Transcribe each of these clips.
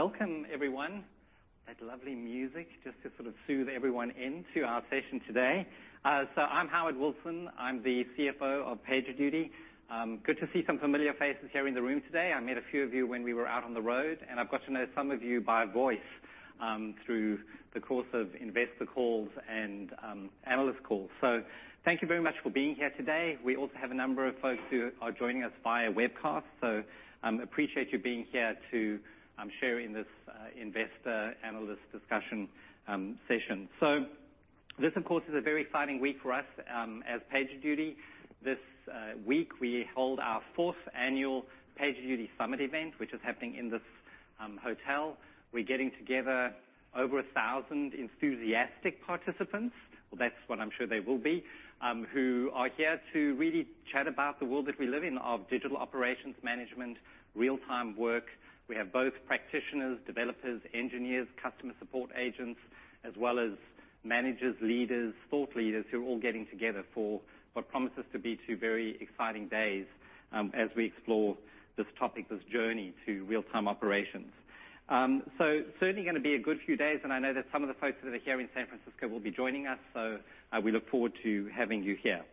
Welcome, everyone. That lovely music just to sort of soothe everyone into our session today, so I'm Howard Wilson. I'm the CFO of PagerDuty. Good to see some familiar faces here in the room today. I met a few of you when we were out on the road, and I've got to know some of you by voice, through the course of investor calls and analyst calls. So thank you very much for being here today. We also have a number of folks who are joining us via webcast, so appreciate you being here to share in this investor-analyst discussion session. So this of course is a very exciting week for us as PagerDuty. This week we hold our Fourth Annual PagerDuty Summit event, which is happening in this hotel. We're getting together over 1,000 enthusiastic participants. Well, that's what I'm sure they will be who are here to really chat about the world that we live in of Digital Operations Management, real-time work. We have both practitioners, developers, engineers, customer support agents, as well as managers, leaders, thought leaders who are all getting together for what promises to be two very exciting days, as we explore this topic, this journey to real-time operations. So certainly gonna be a good few days, and I know that some of the folks that are here in San Francisco will be joining us, so we look forward to having you here.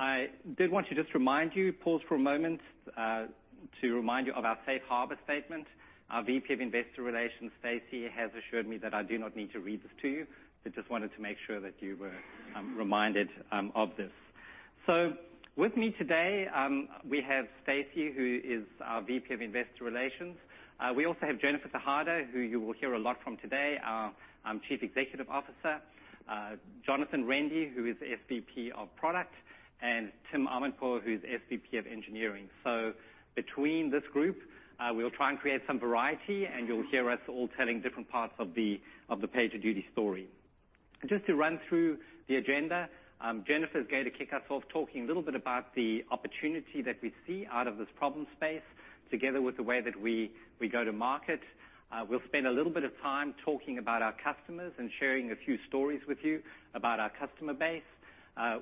I did want to just remind you, pause for a moment, to remind you of our safe harbor statement. Our VP of Investor Relations, Stacey, has assured me that I do not need to read this to you. I just wanted to make sure that you were reminded of this. So with me today, we have Stacey, who is our VP of Investor Relations. We also have Jennifer Tejada, who you will hear a lot from today, our Chief Executive Officer, Jonathan Rende, who is SVP of Product, and Tim Armandpour, who's SVP of Engineering. So between this group, we'll try and create some variety, and you'll hear us all telling different parts of the PagerDuty story. Just to run through the agenda, Jennifer's gonna kick us off talking a little bit about the opportunity that we see out of this problem space together with the way that we go to market. We'll spend a little bit of time talking about our customers and sharing a few stories with you about our customer base.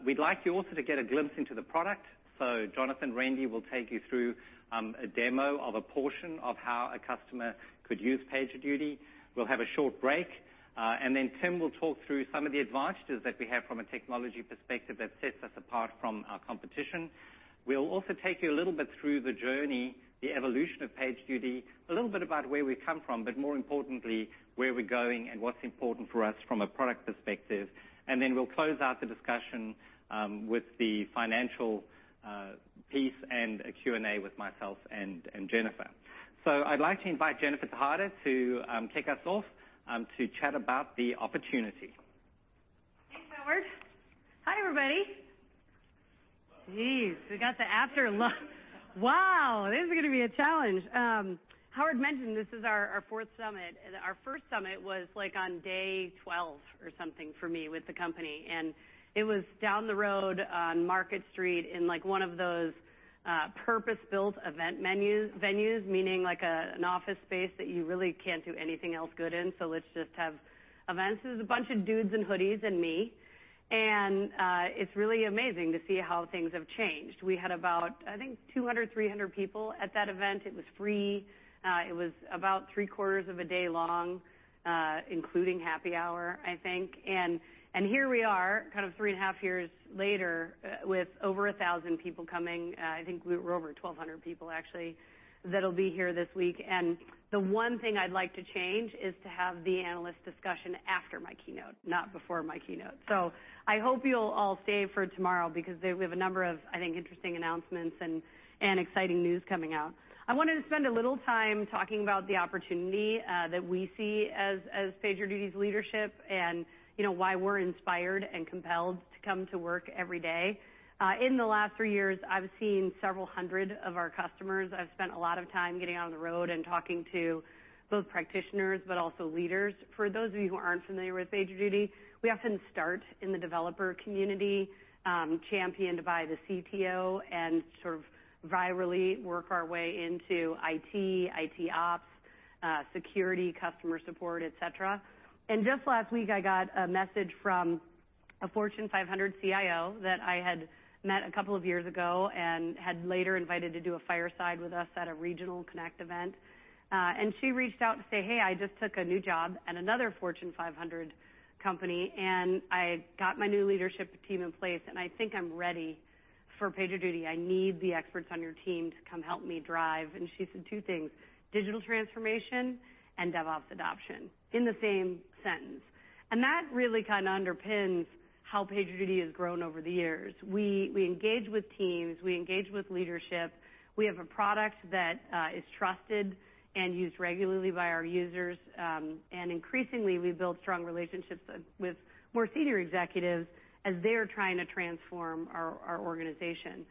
We'd like you also to get a glimpse into the product. So Jonathan Rende will take you through a demo of a portion of how a customer could use PagerDuty. We'll have a short break, and then Tim will talk through some of the advantages that we have from a technology perspective that sets us apart from our competition. We'll also take you a little bit through the journey, the evolution of PagerDuty, a little bit about where we've come from, but more importantly, where we're going and what's important for us from a product perspective. And then we'll close out the discussion with the financial piece and a Q&A with myself and Jennifer. So I'd like to invite Jennifer Tejada to kick us off to chat about the opportunity. Thanks, Howard. Hi, everybody. Jeez, we got the after-lunch. Wow, this is gonna be a challenge. Howard mentioned this is our fourth Summit, and our first Summit was like on day 12 or something for me with the company, and it was down the road on Market Street in like one of those purpose-built event venues, meaning like an office space that you really can't do anything else good in. So let's just have events. It was a bunch of dudes in hoodies and me, and it's really amazing to see how things have changed. We had about, I think, 200-300 people at that event. It was free. It was about three-quarters of a day long, including happy hour, I think. Here we are, kind of three and a half years later, with over 1,000 people coming. I think we were over 1,200 people, actually, that'll be here this week. And the one thing I'd like to change is to have the analyst discussion after my keynote, not before my keynote. So I hope you'll all save for tomorrow because there we have a number of, I think, interesting announcements and exciting news coming out. I wanted to spend a little time talking about the opportunity that we see as PagerDuty's leadership and, you know, why we're inspired and compelled to come to work every day. In the last three years, I've seen several hundred of our customers. I've spent a lot of time getting out on the road and talking to both practitioners but also leaders. For those of you who aren't familiar with PagerDuty, we often start in the developer community, championed by the CTO, and sort of virally work our way into IT, IT Ops, security, customer support, etc. And just last week, I got a message from a Fortune 500 CIO that I had met a couple of years ago and had later invited to do a fireside with us at a regional Connect event. And she reached out to say, "Hey, I just took a new job at another Fortune 500 company, and I got my new leadership team in place, and I think I'm ready for PagerDuty. I need the experts on your team to come help me drive." And she said two things: digital transformation and DevOps adoption in the same sense. And that really kinda underpins how PagerDuty has grown over the years. We engage with teams. We engage with leadership. We have a product that is trusted and used regularly by our users. And increasingly, we build strong relationships with more senior executives as they're trying to transform our organization.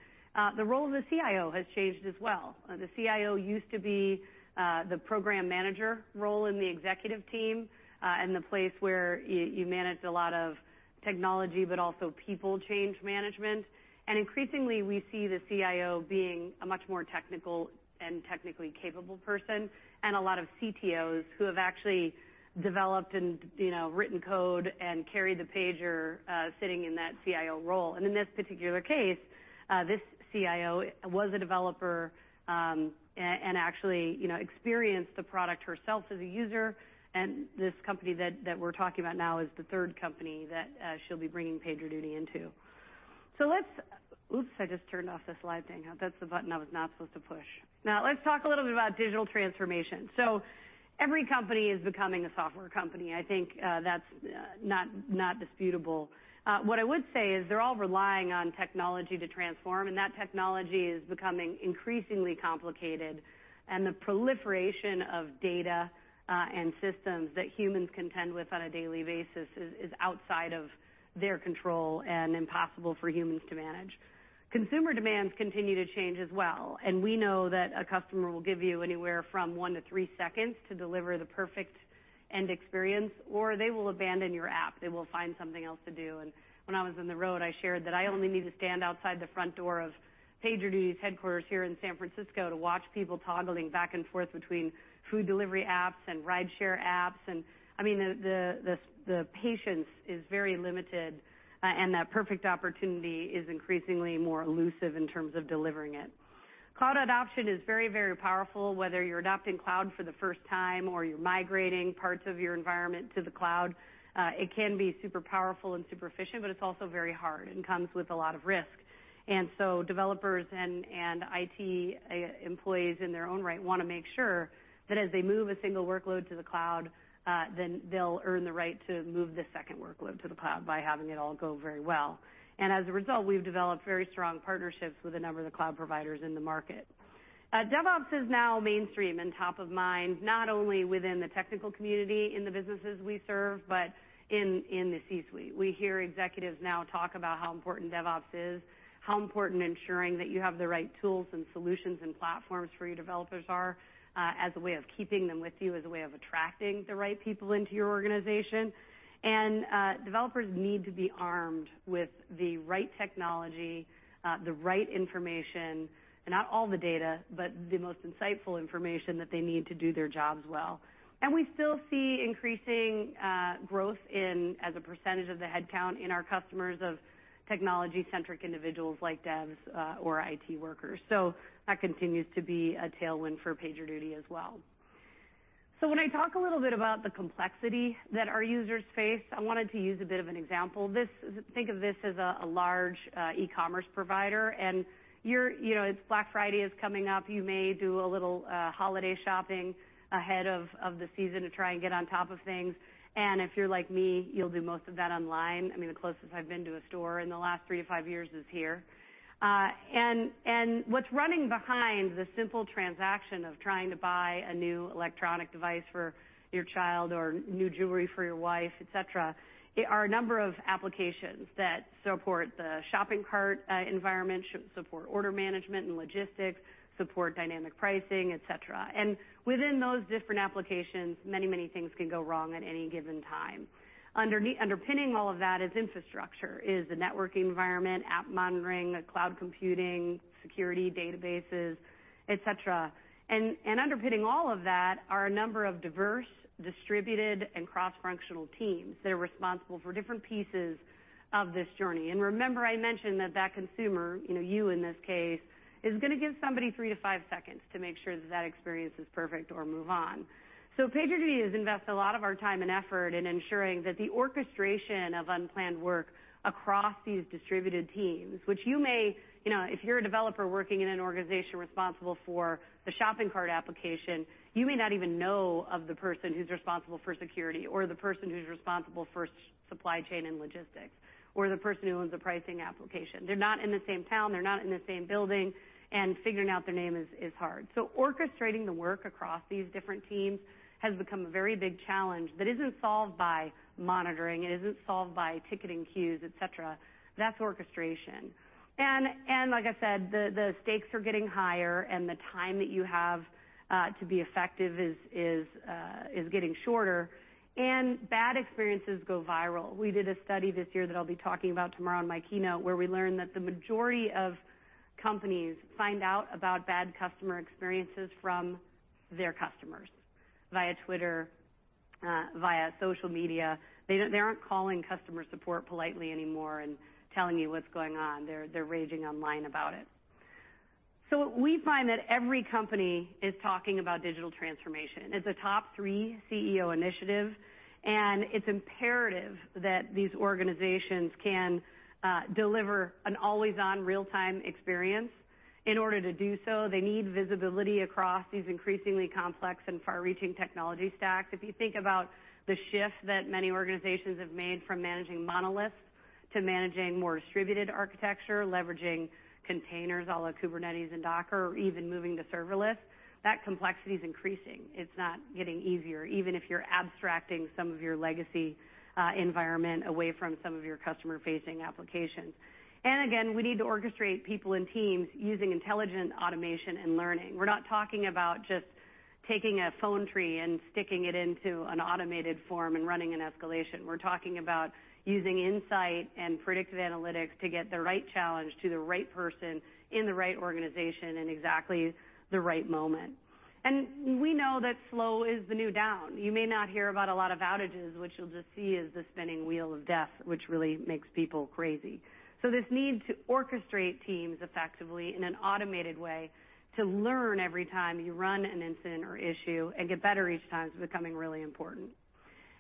The role of the CIO has changed as well. The CIO used to be the program manager role in the executive team, and the place where you managed a lot of technology but also people change management. And increasingly, we see the CIO being a much more technical and technically capable person and a lot of CTOs who have actually developed and, you know, written code and carried the pager, sitting in that CIO role. And in this particular case, this CIO was a developer, and actually, you know, experienced the product herself as a user. And this company that we're talking about now is the third company that she'll be bringing PagerDuty into. So, let's. Oops, I just turned off the slide thing. That's the button I was not supposed to push. Now, let's talk a little bit about digital transformation. So every company is becoming a software company. I think that's not disputable. What I would say is they're all relying on technology to transform, and that technology is becoming increasingly complicated, and the proliferation of data, and systems that humans contend with on a daily basis is outside of their control and impossible for humans to manage. Consumer demands continue to change as well, and we know that a customer will give you anywhere from one to three seconds to deliver the perfect end experience, or they will abandon your app. They will find something else to do. And when I was on the road, I shared that I only need to stand outside the front door of PagerDuty's headquarters here in San Francisco to watch people toggling back and forth between food delivery apps and rideshare apps. And I mean, the patience is very limited, and that perfect opportunity is increasingly more elusive in terms of delivering it. Cloud adoption is very, very powerful. Whether you're adopting cloud for the first time or you're migrating parts of your environment to the cloud, it can be super powerful and super efficient, but it's also very hard and comes with a lot of risk. And so developers and IT employees in their own right wanna make sure that as they move a single workload to the cloud, then they'll earn the right to move the second workload to the cloud by having it all go very well. And as a result, we've developed very strong partnerships with a number of the cloud providers in the market. DevOps is now mainstream and top of mind, not only within the technical community in the businesses we serve but in the C-suite. We hear executives now talk about how important DevOps is, how important ensuring that you have the right tools and solutions and platforms for your developers are, as a way of keeping them with you, as a way of attracting the right people into your organization. Developers need to be armed with the right technology, the right information, not all the data but the most insightful information that they need to do their jobs well. We still see increasing growth in as a percentage of the headcount in our customers of technology-centric individuals like devs or IT workers. That continues to be a tailwind for PagerDuty as well. When I talk a little bit about the complexity that our users face, I wanted to use a bit of an example. Think of this as a large e-commerce provider, and you know, it's Black Friday is coming up. You may do a little holiday shopping ahead of the season to try and get on top of things. If you're like me, you'll do most of that online. I mean, the closest I've been to a store in the last three to five years is here. And what's running behind the simple transaction of trying to buy a new electronic device for your child or new jewelry for your wife, etc. There are a number of applications that support the shopping cart environment, should support order management and logistics, support dynamic pricing, etc. And within those different applications, many, many things can go wrong at any given time. Underpinning all of that is infrastructure, is the networking environment, app monitoring, cloud computing, security databases, etc. And underpinning all of that are a number of diverse, distributed, and cross-functional teams that are responsible for different pieces of this journey. And remember, I mentioned that that consumer, you know, you in this case, is gonna give somebody three to five seconds to make sure that that experience is perfect or move on. So PagerDuty has invested a lot of our time and effort in ensuring that the orchestration of unplanned work across these distributed teams, which you may, you know, if you're a developer working in an organization responsible for the shopping cart application, you may not even know of the person who's responsible for security or the person who's responsible for supply chain and logistics or the person who owns a pricing application. They're not in the same town. They're not in the same building, and figuring out their name is hard. So orchestrating the work across these different teams has become a very big challenge that isn't solved by monitoring. It isn't solved by ticketing queues, etc. That's orchestration. And like I said, the stakes are getting higher, and the time that you have to be effective is getting shorter, and bad experiences go viral. We did a study this year that I'll be talking about tomorrow in my keynote where we learned that the majority of companies find out about bad customer experiences from their customers via Twitter, via social media. They aren't calling customer support politely anymore and telling you what's going on. They're raging online about it. So we find that every company is talking about digital transformation. It's a top three CEO initiative, and it's imperative that these organizations can deliver an always-on, real-time experience. In order to do so, they need visibility across these increasingly complex and far-reaching technology stacks. If you think about the shift that many organizations have made from managing monoliths to managing more distributed architecture, leveraging containers, all that Kubernetes and Docker, or even moving to serverless, that complexity's increasing. It's not getting easier, even if you're abstracting some of your legacy environment away from some of your customer-facing applications. And again, we need to orchestrate people and teams using intelligent automation and learning. We're not talking about just taking a phone tree and sticking it into an automated form and running an escalation. We're talking about using insight and predictive analytics to get the right challenge to the right person in the right organization and exactly the right moment. And we know that slow is the new down. You may not hear about a lot of outages, which you'll just see as the spinning wheel of death, which really makes people crazy. So this need to orchestrate teams effectively in an automated way to learn every time you run an incident or issue and get better each time is becoming really important.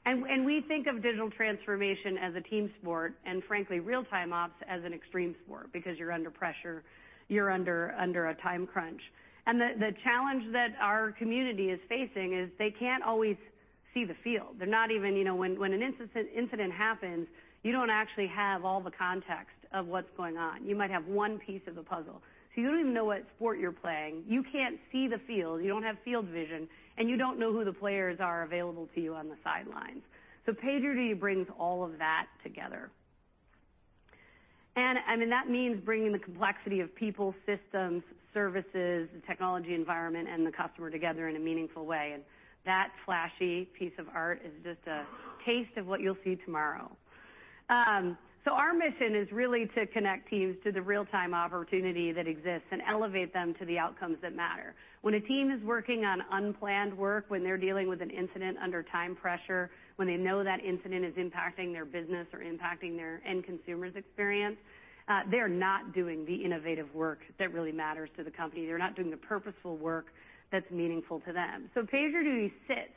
And we think of digital transformation as a team sport and, frankly, real-time ops as an extreme sport because you're under pressure. You're under a time crunch. And the challenge that our community is facing is they can't always see the field. They're not even, you know, when an incident happens, you don't actually have all the context of what's going on. You might have one piece of the puzzle. So you don't even know what sport you're playing. You can't see the field. You don't have field vision, and you don't know who the players are available to you on the sidelines. So PagerDuty brings all of that together. And, I mean, that means bringing the complexity of people, systems, services, the technology environment, and the customer together in a meaningful way. And that flashy piece of art is just a taste of what you'll see tomorrow. So our mission is really to connect teams to the real-time opportunity that exists and elevate them to the outcomes that matter. When a team is working on unplanned work, when they're dealing with an incident under time pressure, when they know that incident is impacting their business or impacting their end consumer's experience, they're not doing the innovative work that really matters to the company. They're not doing the purposeful work that's meaningful to them. So PagerDuty sits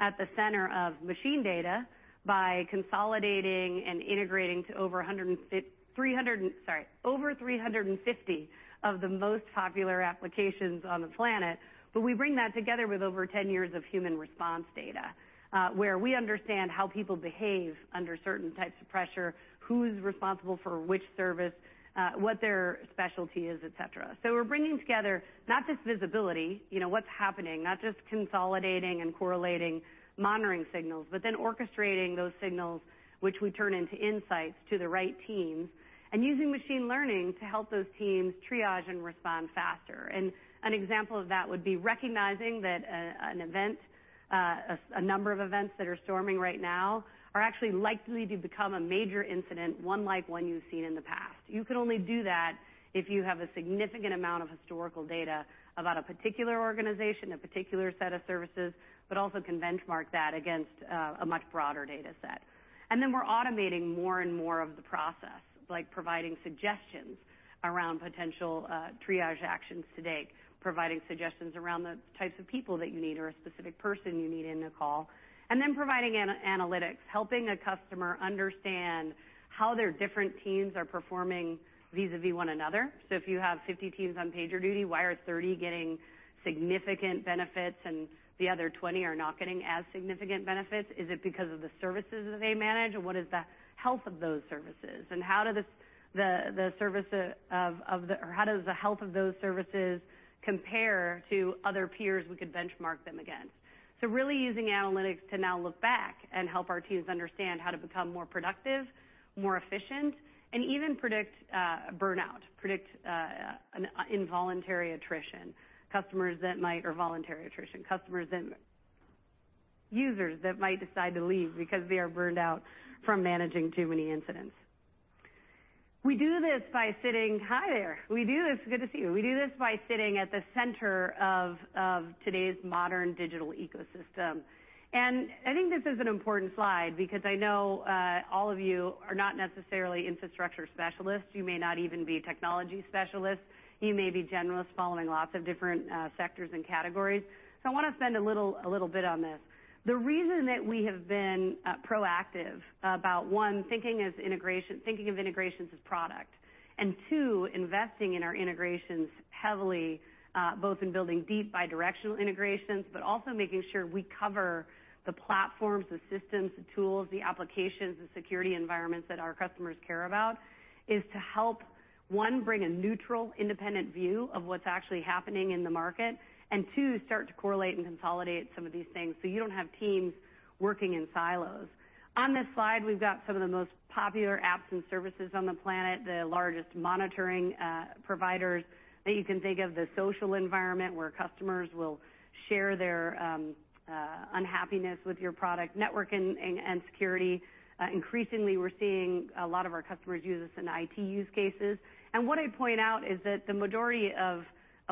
at the center of machine data by consolidating and integrating to over 150, 300, sorry, over 350 of the most popular applications on the planet. But we bring that together with over 10 years of human response data, where we understand how people behave under certain types of pressure, who's responsible for which service, what their specialty is, etc. So we're bringing together not just visibility, you know, what's happening, not just consolidating and correlating monitoring signals, but then orchestrating those signals, which we turn into insights to the right teams and using machine learning to help those teams triage and respond faster. And an example of that would be recognizing that an event as a number of events that are storming right now are actually likely to become a major incident, one like you've seen in the past. You can only do that if you have a significant amount of historical data about a particular organization, a particular set of services, but also can benchmark that against a much broader data set. And then we're automating more and more of the process, like providing suggestions around potential triage actions to date, providing suggestions around the types of people that you need or a specific person you need in the call, and then providing analytics, helping a customer understand how their different teams are performing vis-à-vis one another. So if you have 50 teams on PagerDuty, why are 30 getting significant benefits and the other 20 are not getting as significant benefits? Is it because of the services that they manage? What is the health of those services? And how does the health of those services compare to other peers we could benchmark them against? So really using analytics to now look back and help our teams understand how to become more productive, more efficient, and even predict burnout, predict involuntary attrition, customers that might or voluntary attrition, customers users that might decide to leave because they are burned out from managing too many incidents. We do this by sitting. Hi there. Good to see you. We do this by sitting at the center of today's modern digital ecosystem. And I think this is an important slide because I know all of you are not necessarily infrastructure specialists. You may not even be technology specialists. You may be generalists following lots of different sectors and categories. So I wanna spend a little bit on this. The reason that we have been proactive about, one, thinking of integrations as product, and two, investing in our integrations heavily, both in building deep bidirectional integrations but also making sure we cover the platforms, the systems, the tools, the applications, the security environments that our customers care about, is to help, one, bring a neutral, independent view of what's actually happening in the market and, two, start to correlate and consolidate some of these things so you don't have teams working in silos. On this slide, we've got some of the most popular apps and services on the planet, the largest monitoring providers that you can think of, the social environment where customers will share their unhappiness with your product, network and security. Increasingly, we're seeing a lot of our customers use this in IT use cases. And what I point out is that the majority of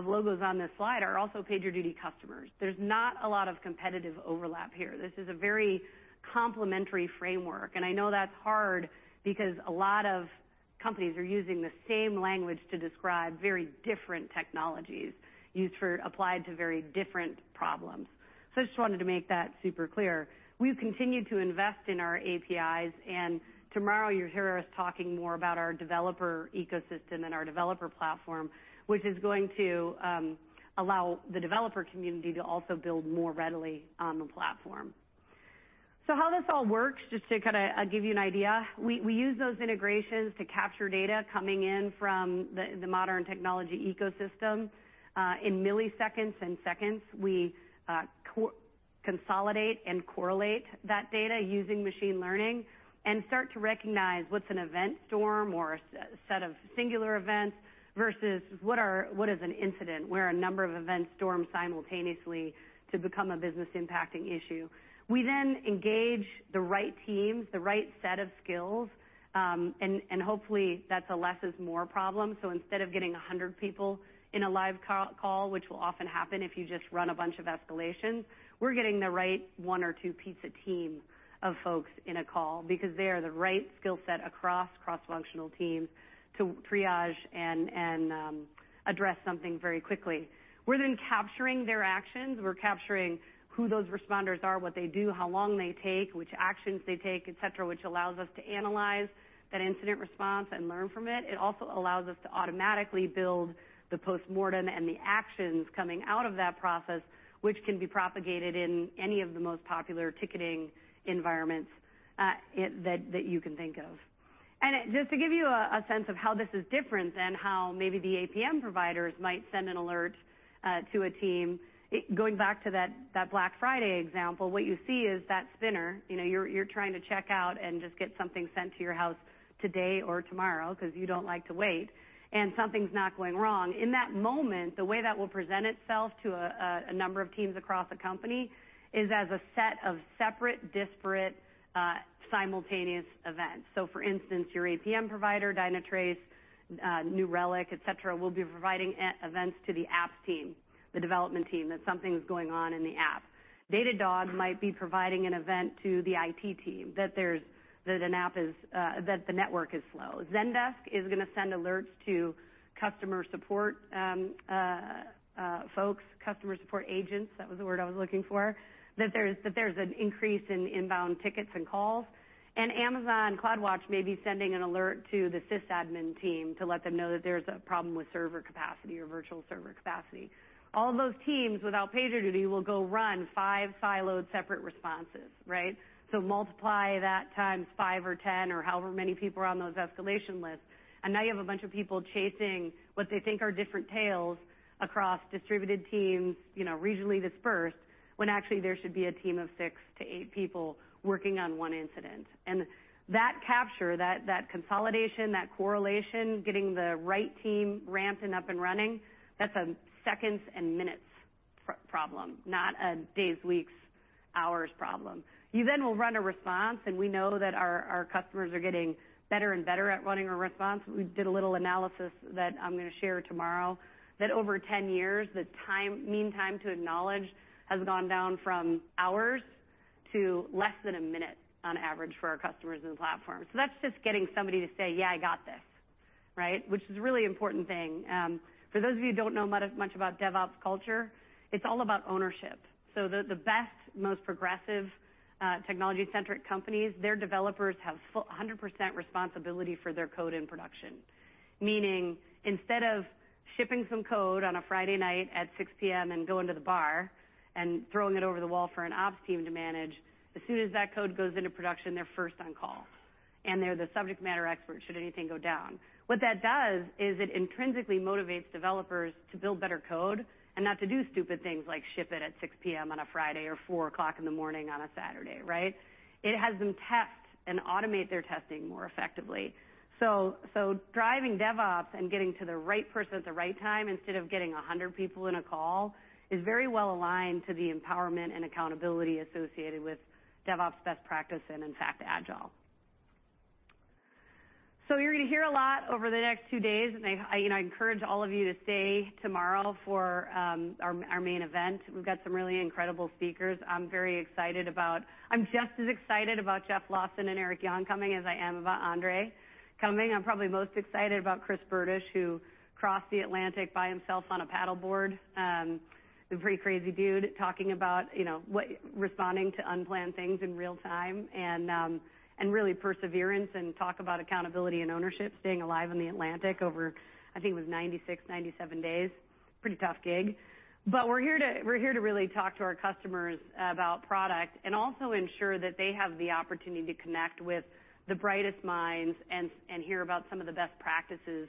logos on this slide are also PagerDuty customers. There's not a lot of competitive overlap here. This is a very complementary framework. And I know that's hard because a lot of companies are using the same language to describe very different technologies used for applied to very different problems. So I just wanted to make that super clear. We've continued to invest in our APIs, and tomorrow you'll hear us talking more about our developer ecosystem and our developer platform, which is going to allow the developer community to also build more readily on the platform. So how this all works, just to kinda give you an idea, we use those integrations to capture data coming in from the modern technology ecosystem, in milliseconds and seconds. We co-consolidate and correlate that data using machine learning and start to recognize what's an event storm or a set of singular events versus what is an incident where a number of events storm simultaneously to become a business-impacting issue. We then engage the right teams, the right set of skills, and hopefully that's a less-is-more problem, so instead of getting 100 people in a live conf call, which will often happen if you just run a bunch of escalations, we're getting the right one- or two-person team of folks in a call because they are the right skill set across cross-functional teams to triage and address something very quickly. We're then capturing their actions. We're capturing who those responders are, what they do, how long they take, which actions they take, etc., which allows us to analyze that incident response and learn from it. It also allows us to automatically build the postmortem and the actions coming out of that process, which can be propagated in any of the most popular ticketing environments that you can think of. And just to give you a sense of how this is different than how maybe the APM providers might send an alert to a team, going back to that Black Friday example, what you see is that spinner. You know, you're trying to check out and just get something sent to your house today or tomorrow 'cause you don't like to wait, and something's not going wrong. In that moment, the way that will present itself to a number of teams across a company is as a set of separate, disparate, simultaneous events. So, for instance, your APM provider, Dynatrace, New Relic, etc., will be providing events to the apps team, the development team, that something's going on in the app. Datadog might be providing an event to the IT team that an app is, that the network is slow. Zendesk is gonna send alerts to customer support folks, customer support agents. That was the word I was looking for, that there's an increase in inbound tickets and calls, and Amazon CloudWatch may be sending an alert to the sysadmin team to let them know that there's a problem with server capacity or virtual server capacity. All those teams without PagerDuty will go run five siloed separate responses, right, so multiply that times five or 10 or however many people are on those escalation lists. And now you have a bunch of people chasing what they think are different tails across distributed teams, you know, regionally dispersed, when actually there should be a team of six to eight people working on one incident. And that capture, that consolidation, that correlation, getting the right team ramped and up and running, that's a seconds and minutes problem, not a days, weeks, hours problem. You then will run a response, and we know that our customers are getting better and better at running a response. We did a little analysis that I'm gonna share tomorrow that over 10 years, mean time to acknowledge has gone down from hours to less than a minute on average for our customers and platforms. So that's just getting somebody to say, "Yeah, I got this," right, which is a really important thing. For those of you who don't know much about DevOps culture, it's all about ownership. So the best, most progressive, technology-centric companies, their developers have full 100% responsibility for their code in production, meaning instead of shipping some code on a Friday night at 6:00 P.M. and going to the bar and throwing it over the wall for an ops team to manage, as soon as that code goes into production, they're first on call, and they're the subject matter experts should anything go down. What that does is it intrinsically motivates developers to build better code and not to do stupid things like ship it at 6:00 P.M. on a Friday or 4:00 A.M. in the moring on a Saturday, right? It has them test and automate their testing more effectively. So driving DevOps and getting to the right person at the right time instead of getting 100 people in a call is very well aligned to the empowerment and accountability associated with DevOps best practice and, in fact, Agile. So you're gonna hear a lot over the next two days, and I, you know, I encourage all of you to stay tomorrow for our main event. We've got some really incredible speakers. I'm very excited about. I'm just as excited about Jeff Lawson and Eric Yuan coming as I am about Andre coming. I'm probably most excited about Chris Bertish, who crossed the Atlantic by himself on a paddleboard, the pretty crazy dude, talking about, you know, what responding to unplanned things in real time and really perseverance and talk about accountability and ownership, staying alive in the Atlantic over, I think, it was 96, 97 days. Pretty tough gig. But we're here to really talk to our customers about product and also ensure that they have the opportunity to connect with the brightest minds and hear about some of the best practices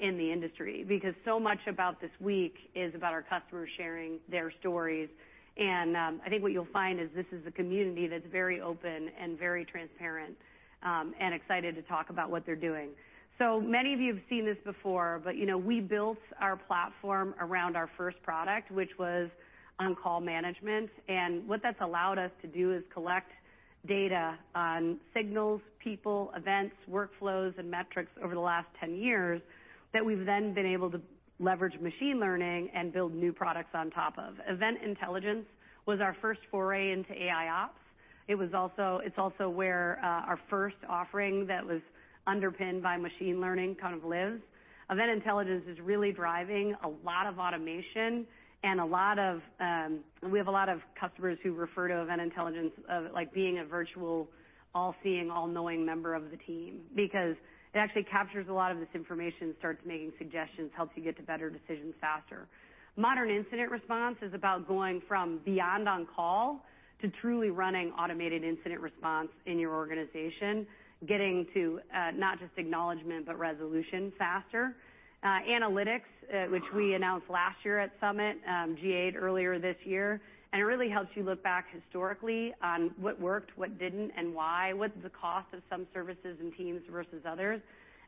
in the industry because so much about this week is about our customers sharing their stories. And I think what you'll find is this is a community that's very open and very transparent and excited to talk about what they're doing. So many of you have seen this before, but you know, we built our platform around our first product, which was On-Call Management. And what that's allowed us to do is collect data on signals, people, events, workflows, and metrics over the last 10 years that we've then been able to leverage machine learning and build new products on top of. Event Intelligence was our first foray into AIOps. It was also, it's also where our first offering that was underpinned by machine learning kind of lives. Event Intelligence is really driving a lot of automation and a lot of. We have a lot of customers who refer to Event Intelligence like being a virtual, all-seeing, all-knowing member of the team because it actually captures a lot of this information, starts making suggestions, helps you get to better decisions faster. Modern Incident Response is about going from beyond On-Call to truly running Automated Incident Response in your organization, getting to not just acknowledgment but resolution faster. Analytics, which we announced last year at Summit, GA'd earlier this year, and it really helps you look back historically on what worked, what didn't, and why, what's the cost of some services and teams versus others.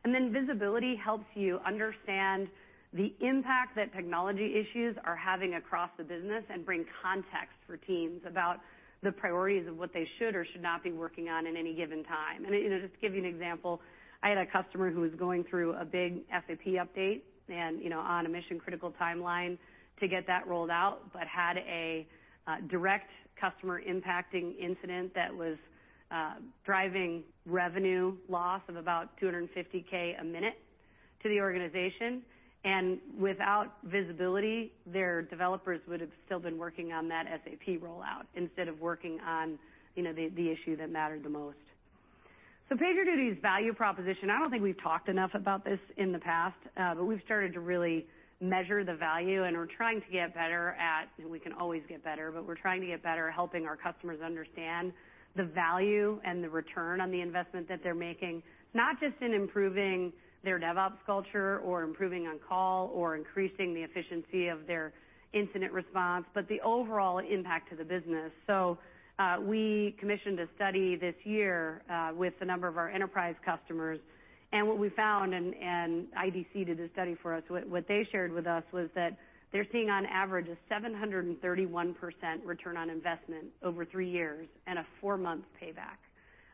And then Visibility helps you understand the impact that technology issues are having across the business and bring context for teams about the priorities of what they should or should not be working on in any given time. And, you know, just to give you an example, I had a customer who was going through a big SAP update and, you know, on a mission-critical timeline to get that rolled out but had a direct customer-impacting incident that was driving revenue loss of about $250,000 a minute to the organization. And without Visibility, their developers would have still been working on that SAP rollout instead of working on, you know, the issue that mattered the most. So PagerDuty's value proposition, I don't think we've talked enough about this in the past, but we've started to really measure the value, and we're trying to get better at, and we can always get better, but we're trying to get better at helping our customers understand the value and the return on the investment that they're making, not just in improving their DevOps culture or improving On-Call or increasing the efficiency of their incident response, but the overall impact to the business. So, we commissioned a study this year, with a number of our enterprise customers, and what we found, and IDC did the study for us, what they shared with us was that they're seeing on average a 731% return on investment over three years and a four-month payback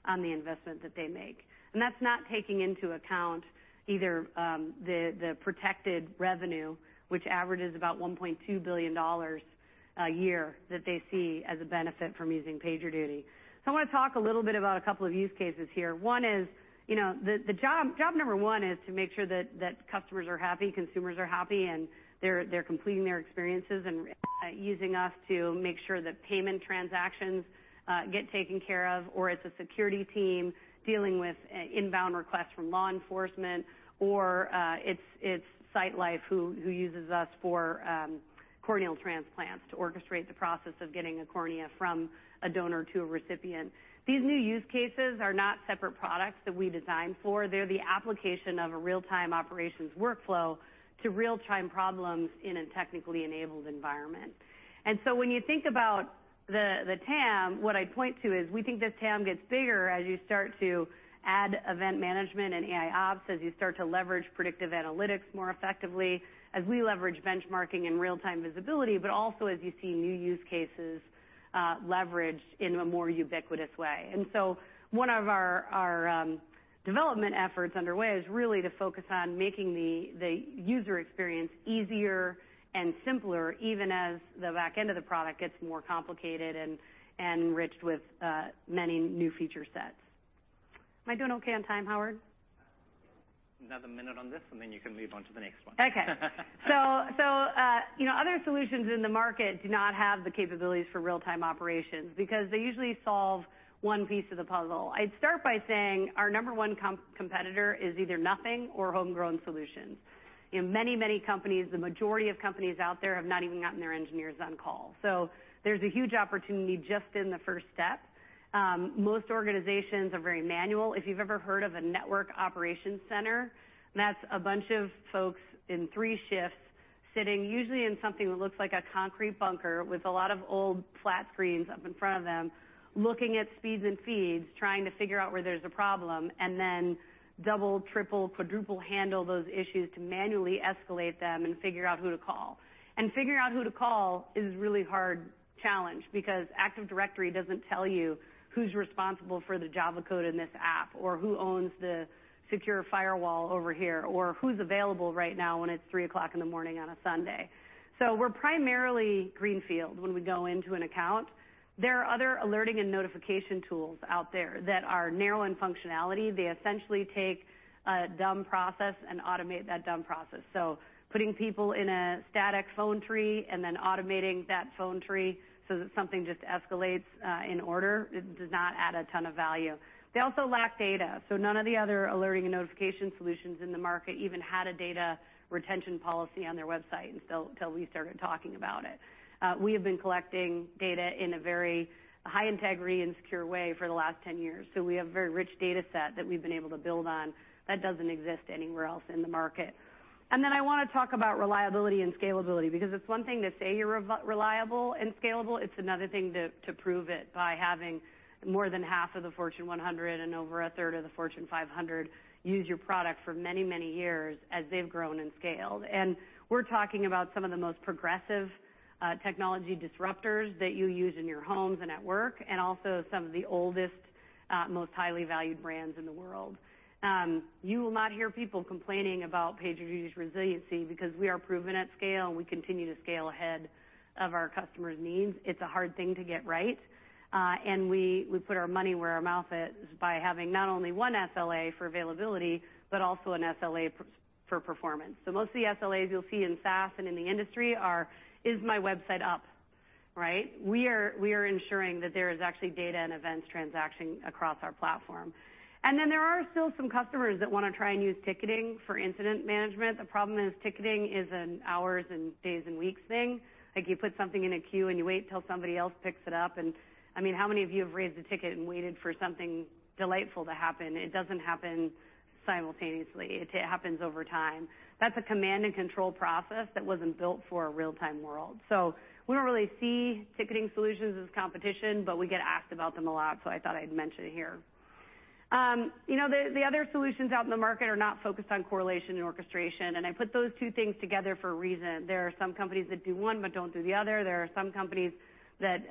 on the investment that they make. And that's not taking into account either the protected revenue, which averages about $1.2 billion a year that they see as a benefit from using PagerDuty. So I wanna talk a little bit about a couple of use cases here. One is, you know, the job number one is to make sure that customers are happy, consumers are happy, and they're completing their experiences and using us to make sure that payment transactions get taken care of, or it's a security team dealing with inbound requests from law enforcement, or it's SightLife who uses us for corneal transplants to orchestrate the process of getting a cornea from a donor to a recipient. These new use cases are not separate products that we designed for. They're the application of a real-time operations workflow to real-time problems in a technically enabled environment. When you think about the TAM, what I'd point to is we think this TAM gets bigger as you start to add event management and AIOps, as you start to leverage predictive analytics more effectively, as we leverage benchmarking and real-time visibility, but also as you see new use cases leveraged in a more ubiquitous way. One of our development efforts underway is really to focus on making the user experience easier and simpler, even as the back end of the product gets more complicated and enriched with many new feature sets. Am I doing okay on time, Howard? Another minute on this, and then you can move on to the next one. Okay. You know, other solutions in the market do not have the capabilities for real-time operations because they usually solve one piece of the puzzle. I'd start by saying our number one competitor is either nothing or homegrown solutions. You know, many, many companies, the majority of companies out there have not even gotten their engineers on call. So there's a huge opportunity just in the first step. Most organizations are very manual. If you've ever heard of a network operations center, that's a bunch of folks in three shifts sitting usually in something that looks like a concrete bunker with a lot of old flat screens up in front of them, looking at speeds and feeds, trying to figure out where there's a problem, and then double, triple, quadruple handle those issues to manually escalate them and figure out who to call. And figuring out who to call is a really hard challenge because Active Directory doesn't tell you who's responsible for the Java code in this app or who owns the secure firewall over here or who's available right now when it's 3:00 A.M. on a Sunday. So we're primarily greenfield when we go into an account. There are other alerting and notification tools out there that are narrow in functionality. They essentially take a dumb process and automate that dumb process. So putting people in a static phone tree and then automating that phone tree so that something just escalates, in order, it does not add a ton of value. They also lack data. So none of the other alerting and notification solutions in the market even had a data retention policy on their website until, until we started talking about it. We have been collecting data in a very high integrity and secure way for the last 10 years. So we have a very rich data set that we've been able to build on that doesn't exist anywhere else in the market. And then I wanna talk about reliability and scalability because it's one thing to say you're reliable and scalable. It's another thing to prove it by having more than half of the Fortune 100 and over a third of the Fortune 500 use your product for many, many years as they've grown and scaled. And we're talking about some of the most progressive, technology disruptors that you use in your homes and at work and also some of the oldest, most highly valued brands in the world. You will not hear people complaining about PagerDuty's resiliency because we are proven at scale, and we continue to scale ahead of our customers' needs. It's a hard thing to get right, and we put our money where our mouth is by having not only one SLA for availability but also an SLA for performance, so most of the SLAs you'll see in SaaS and in the industry are, "Is my website up?" Right? We are ensuring that there is actually data and events transaction across our platform, and then there are still some customers that wanna try and use ticketing for Incident Management. The problem is ticketing is an hours and days and weeks thing. Like you put something in a queue, and you wait till somebody else picks it up. And I mean, how many of you have raised a ticket and waited for something delightful to happen? It doesn't happen simultaneously. It happens over time. That's a command-and-control process that wasn't built for a real-time world. So we don't really see ticketing solutions as competition, but we get asked about them a lot, so I thought I'd mention it here. You know, the other solutions out in the market are not focused on correlation and orchestration, and I put those two things together for a reason. There are some companies that do one but don't do the other. There are some companies that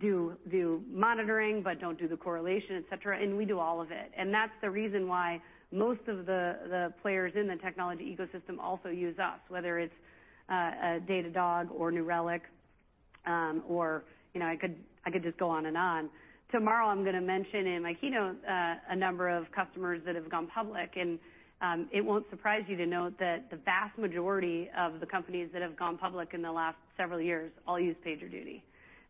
do monitoring but don't do the correlation, etc., and we do all of it. And that's the reason why most of the players in the technology ecosystem also use us, whether it's Datadog or New Relic, or you know, I could just go on and on. Tomorrow, I'm gonna mention in my keynote a number of customers that have gone public, and it won't surprise you to note that the vast majority of the companies that have gone public in the last several years all use PagerDuty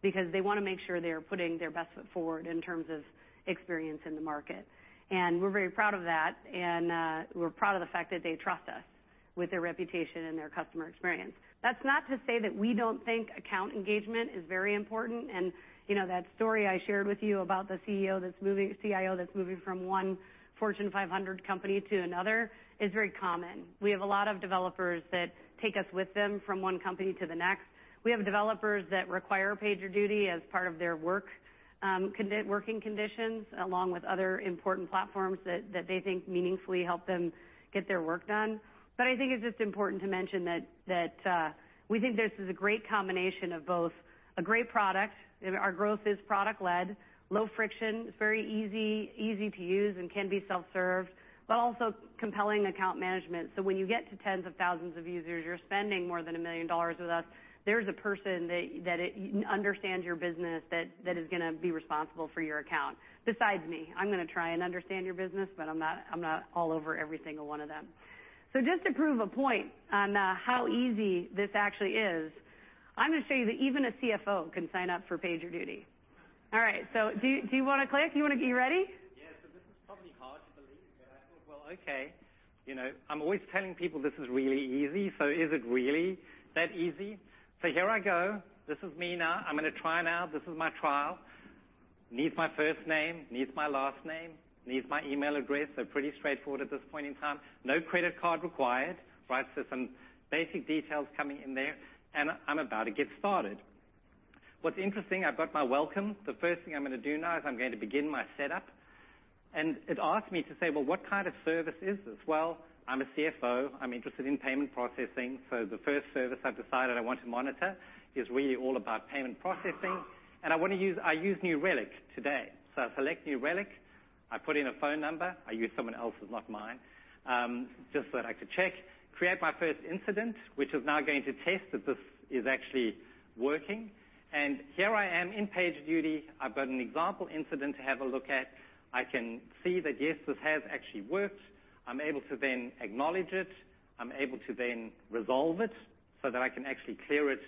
because they wanna make sure they're putting their best foot forward in terms of experience in the market. And we're very proud of that, and we're proud of the fact that they trust us with their reputation and their customer experience. That's not to say that we don't think account engagement is very important, and, you know, that story I shared with you about the CEO that's moving, CIO that's moving from one Fortune 500 company to another is very common. We have a lot of developers that take us with them from one company to the next. We have developers that require PagerDuty as part of their work, good working conditions along with other important platforms that they think meaningfully help them get their work done. But I think it's just important to mention that we think this is a great combination of both a great product. Our growth is product-led, low friction. It's very easy to use and can be self-served, but also compelling account management. So when you get to tens of thousands of users, you're spending more than $1 million with us. There's a person that understands your business that is gonna be responsible for your account. Besides me, I'm gonna try and understand your business, but I'm not all over every single one of them. So just to prove a point on how easy this actually is, I'm gonna show you that even a CFO can sign up for PagerDuty. All right. So do you wanna click? You wanna get you ready? Yeah. So this is probably hard to believe, but I thought, well, okay. You know, I'm always telling people this is really easy. So is it really that easy? So here I go. This is Mina. I'm gonna try now. This is my trial. Needs my first name, needs my last name, needs my email address. So pretty straightforward at this point in time. No credit card required, right? So some basic details coming in there, and I'm about to get started. What's interesting, I've got my welcome. The first thing I'm gonna do now is I'm going to begin my setup, and it asked me to say, "Well, what kind of service is this?" Well, I'm a CFO. I'm interested in payment processing. So the first service I've decided I want to monitor is really all about payment processing, and I wanna use, I use New Relic today. So I select New Relic. I put in a phone number. I use someone else's, not mine, just so that I could check. Create my first incident, which is now going to test that this is actually working. And here I am in PagerDuty. I've got an example incident to have a look at. I can see that, yes, this has actually worked. I'm able to then acknowledge it. I'm able to then resolve it so that I can actually clear it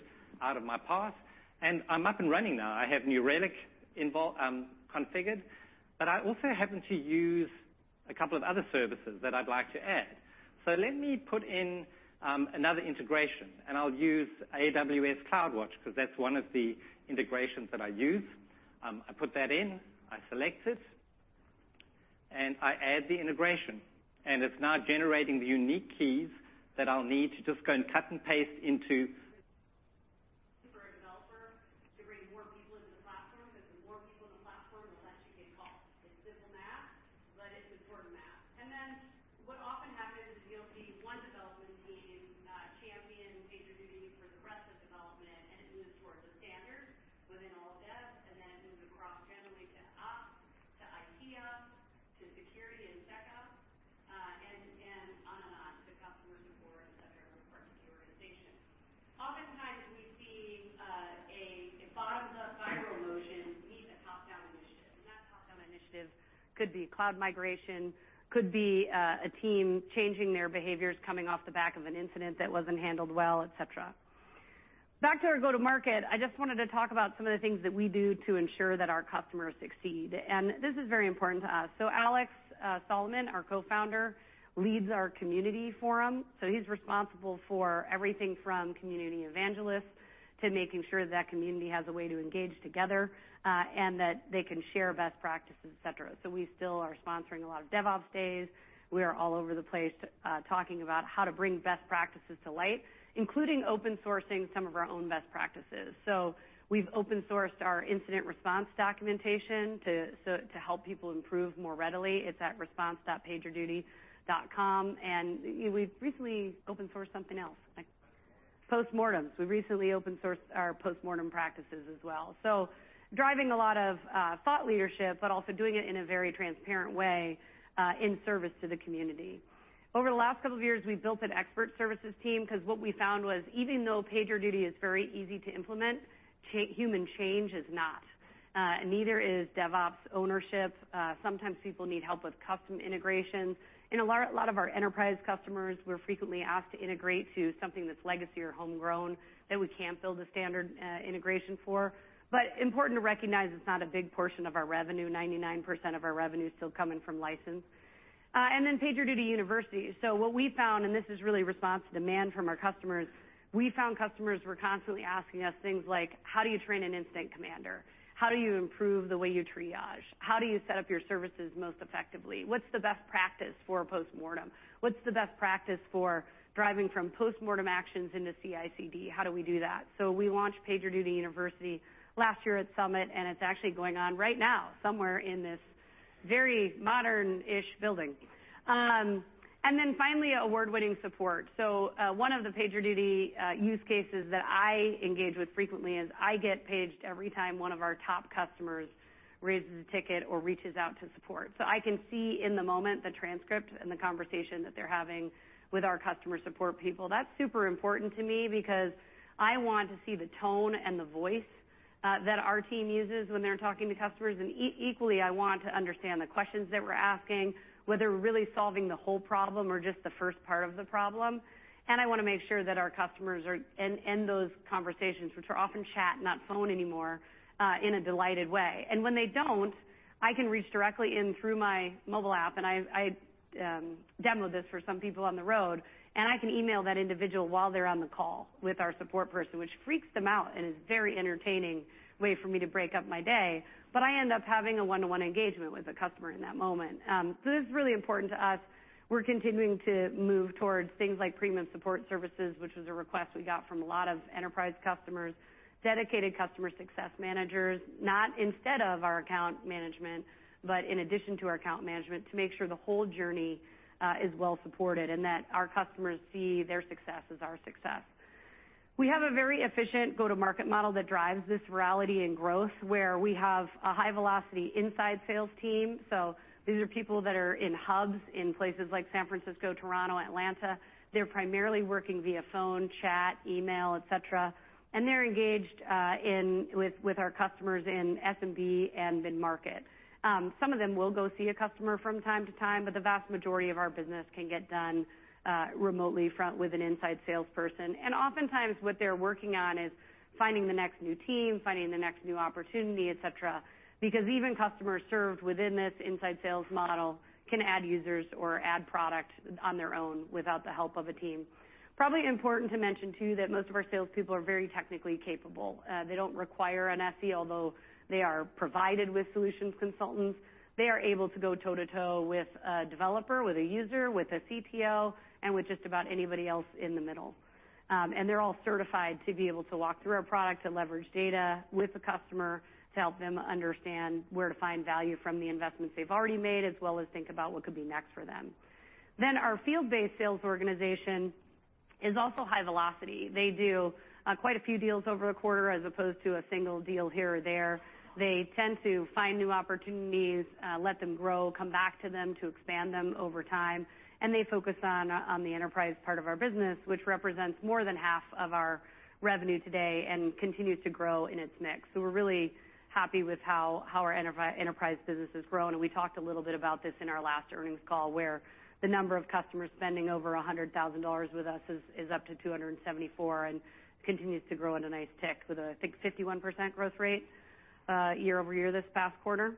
out of my path. And I'm up and running now. I have New Relic involved, configured, but I also happen to use a couple of other services that I'd like to add. So let me put in, another integration, and I'll use AWS CloudWatch 'cause that's one of the integrations that I use. I put that in, I select it, and I add the integration, and it's now generating the unique keys that I'll need to just go and cut and paste into. to making sure that that community has a way to engage together, and that they can share best practices, etc. So we still are sponsoring a lot of DevOpsDays. We are all over the place, talking about how to bring best practices to light, including open sourcing some of our own best practices. So we've open sourced our incident response documentation to, so to help people improve more readily. It's at response.pagerduty.com, and we've recently open sourced something else, like postmortems. We recently open sourced our postmortem practices as well. So driving a lot of thought leadership, but also doing it in a very transparent way, in service to the community. Over the last couple of years, we've built an Expert Services team 'cause what we found was even though PagerDuty is very easy to implement, human change is not, and neither is DevOps ownership. Sometimes people need help with custom integrations. In a lot, a lot of our enterprise customers, we're frequently asked to integrate to something that's legacy or homegrown that we can't build a standard integration for. But important to recognize it's not a big portion of our revenue. 99% of our revenue's still coming from license, and then PagerDuty University. So what we found, and this is really response to demand from our customers, we found customers were constantly asking us things like, "How do you train an incident commander? How do you improve the way you triage? How do you set up your services most effectively? What's the best practice for postmortem? What's the best practice for driving from postmortem actions into CI/CD? How do we do that?" So we launched PagerDuty University last year at Summit, and it's actually going on right now somewhere in this very modern-ish building. And then finally, award-winning support. So, one of the PagerDuty use cases that I engage with frequently is I get paged every time one of our top customers raises a ticket or reaches out to support. So I can see in the moment the transcript and the conversation that they're having with our customer support people. That's super important to me because I want to see the tone and the voice that our team uses when they're talking to customers. And equally, I want to understand the questions that we're asking, whether we're really solving the whole problem or just the first part of the problem. And I wanna make sure that our customers are in those conversations, which are often chat, not phone anymore, in a delighted way. And when they don't, I can reach directly in through my mobile app, and I've demoed this for some people on the road, and I can email that individual while they're on the call with our support person, which freaks them out and is a very entertaining way for me to break up my day. But I end up having a one-to-one engagement with a customer in that moment. So this is really important to us. We're continuing to move toward things like premium support services, which was a request we got from a lot of enterprise customers, dedicated customer success managers, not instead of our account management, but in addition to our account management, to make sure the whole journey is well-supported and that our customers see their success as our success. We have a very efficient go-to-market model that drives this reality and growth where we have a high-velocity inside sales team. So these are people that are in hubs in places like San Francisco, Toronto, Atlanta. They're primarily working via phone, chat, email, etc., and they're engaged with our customers in SMB and mid-market. Some of them will go see a customer from time to time, but the vast majority of our business can get done remotely with an inside salesperson. And oftentimes, what they're working on is finding the next new team, finding the next new opportunity, etc., because even customers served within this inside sales model can add users or add product on their own without the help of a team. Probably important to mention too that most of our salespeople are very technically capable. They don't require an SE, although they are provided with solutions consultants. They are able to go toe-to-toe with a developer, with a user, with a CTO, with just about anybody else in the middle. And they're all certified to be able to walk through our product to leverage data with the customer to help them understand where to find value from the investments they've already made, as well as think about what could be next for them. Then our field-based sales organization is also high-velocity. They do quite a few deals over the quarter as opposed to a single deal here or there. They tend to find new opportunities, let them grow, come back to them to expand them over time, and they focus on the enterprise part of our business, which represents more than half of our revenue today and continues to grow in its mix. So we're really happy with how our Enterprise business has grown. And we talked a little bit about this in our last earnings call, where the number of customers spending over $100,000 with us is up to 274 and continues to grow at a nice tick with, I think, a 51% growth rate, year-over-year this past quarter.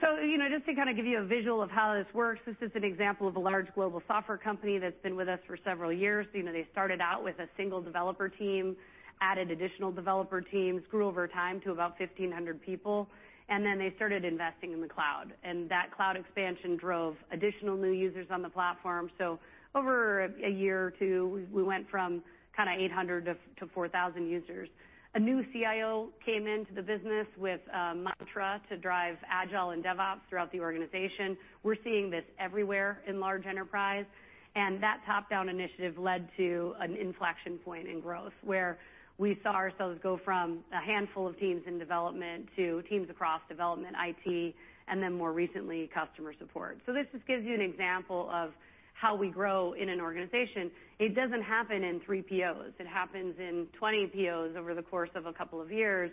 So, you know, just to kinda give you a visual of how this works, this is an example of a large global software company that's been with us for several years. You know, they started out with a single developer team, added additional developer teams, grew over time to about 1,500 people, and then they started investing in the cloud, and that cloud expansion drove additional new users on the platform. So over a year or two, we went from kinda 800 to 4,000 users. A new CIO came into the business with mantra to drive Agile and DevOps throughout the organization. We're seeing this everywhere in large enterprise, and that top-down initiative led to an inflection point in growth where we saw ourselves go from a handful of teams in development to teams across development, IT, and then more recently, customer support. So this just gives you an example of how we grow in an organization. It doesn't happen in three POs. It happens in 20 POs over the course of a couple of years.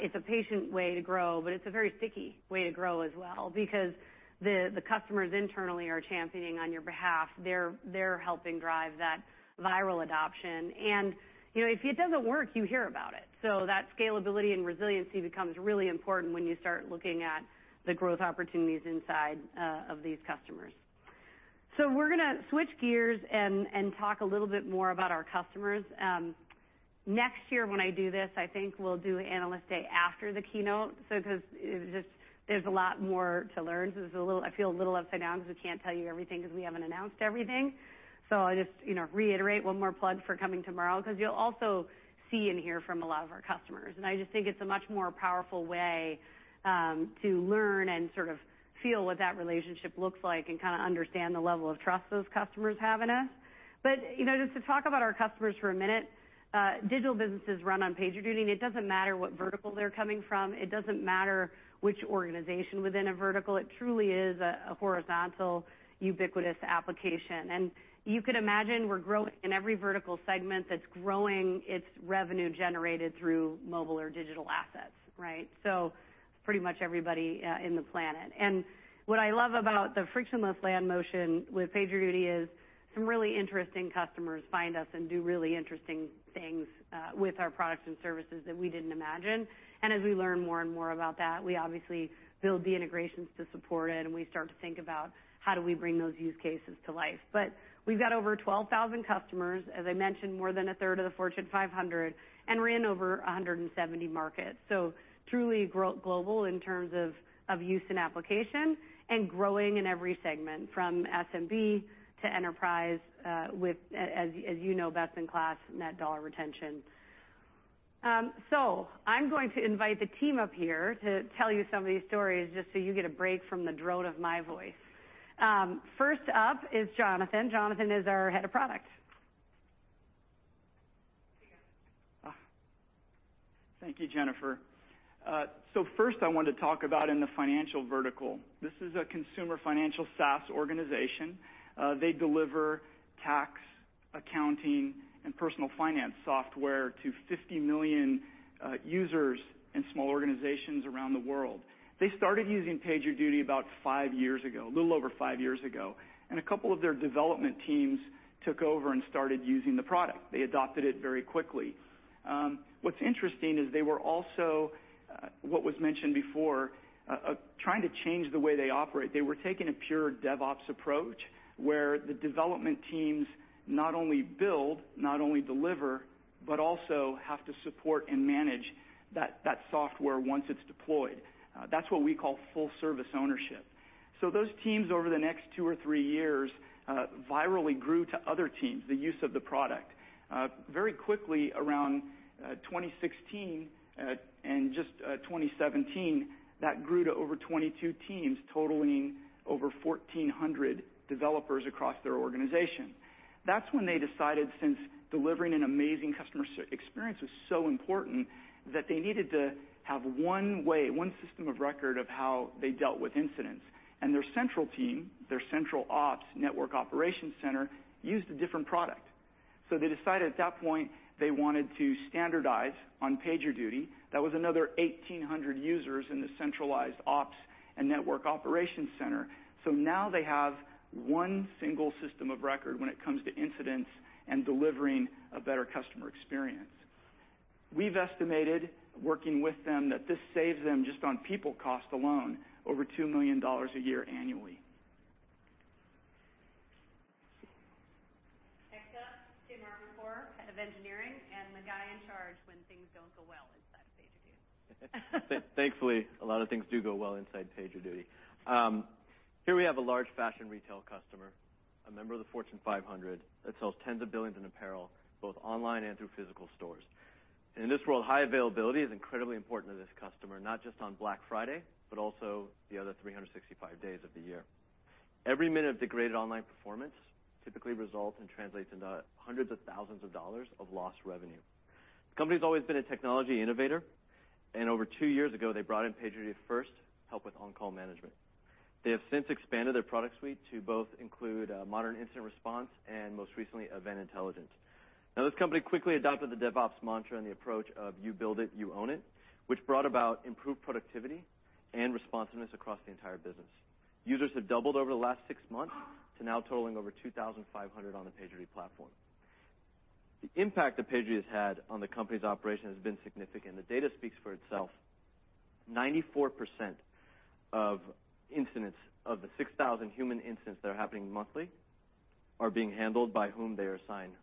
It's a patient way to grow, but it's a very sticky way to grow as well because the customers internally are championing on your behalf. They're helping drive that viral adoption. And, you know, if it doesn't work, you hear about it. So that scalability and resiliency becomes really important when you start looking at the growth opportunities inside of these customers. So we're gonna switch gears and talk a little bit more about our customers. Next year when I do this, I think we'll do Analyst Day after the keynote. So 'cause it just, there's a lot more to learn. So this is a little, I feel, a little upside down 'cause we can't tell you everything 'cause we haven't announced everything. So I'll just, you know, reiterate one more plug for coming tomorrow 'cause you'll also see and hear from a lot of our customers. And I just think it's a much more powerful way to learn and sort of feel what that relationship looks like and kinda understand the level of trust those customers have in us. But, you know, just to talk about our customers for a minute, digital businesses run on PagerDuty. It doesn't matter what vertical they're coming from. It doesn't matter which organization within a vertical. It truly is a horizontal, ubiquitous application. And you could imagine we're growing in every vertical segment that's growing its revenue generated through mobile or digital assets, right? So it's pretty much everybody on the planet. And what I love about the frictionless land motion with PagerDuty is some really interesting customers find us and do really interesting things with our products and services that we didn't imagine. And as we learn more and more about that, we obviously build the integrations to support it, and we start to think about how do we bring those use cases to life. But we've got over 12,000 customers, as I mentioned, more than a third of the Fortune 500, and we're in over 170 markets. So truly grow global in terms of use and application and growing in every segment from SMB to Enterprise, with, as you know, best in class Net Dollar Retention. So I'm going to invite the team up here to tell you some of these stories just so you get a break from the drone of my voice. First up is Jonathan. Jonathan is our Head of Product. Hey, guys. Thank you, Jennifer. So first I wanted to talk about in the financial vertical. This is a consumer financial SaaS organization. They deliver tax, accounting, and personal finance software to 50 million users and small organizations around the world. They started using PagerDuty about five years ago, a little over five years ago, and a couple of their development teams took over and started using the product. They adopted it very quickly. What's interesting is they were also, what was mentioned before, trying to change the way they operate. They were taking a pure DevOps approach where the development teams not only build, not only deliver, but also have to support and manage that software once it's deployed. That's what we call Full-Service Ownership. Those teams over the next two or three years virally grew to other teams, the use of the product. Very quickly around 2016, and just 2017, that grew to over 22 teams totaling over 1,400 developers across their organization. That's when they decided, since delivering an amazing customer experience was so important, that they needed to have one way, one system of record of how they dealt with incidents. And their central team, their central ops network operations center used a different product. So they decided at that point they wanted to standardize on PagerDuty. That was another 1,800 users in the centralized ops and network operations center. So now they have one single system of record when it comes to incidents and delivering a better customer experience. We've estimated, working with them, that this saves them just on people cost alone over $2 million a year annually. Next up, Tim Armandpour, Head of Engineering, and the guy in charge when things don't go well inside of PagerDuty. Thankfully, a lot of things do go well inside PagerDuty. Here we have a large fashion retail customer, a member of the Fortune 500 that sells tens of billions in apparel both online and through physical stores. In this world, high availability is incredibly important to this customer, not just on Black Friday, but also the other 365 days of the year. Every minute of degraded online performance typically results and translates into hundreds of thousands of lost revenue. The company's always been a technology innovator, and over two years ago, they brought in PagerDuty first to help with On-Call Management. They have since expanded their product suite to both include Modern Incident Response and, most recently, Event Intelligence. Now, this company quickly adopted the DevOps mantra and the approach of, "You build it, you own it," which brought about improved productivity and responsiveness across the entire business. Users have doubled over the last six months to now totaling over 2,500 on the PagerDuty platform. The impact that PagerDuty has had on the company's operations has been significant. The data speaks for itself. 94% of incidents of the 6,000 human incidents that are happening monthly are being handled by whom they are assigned,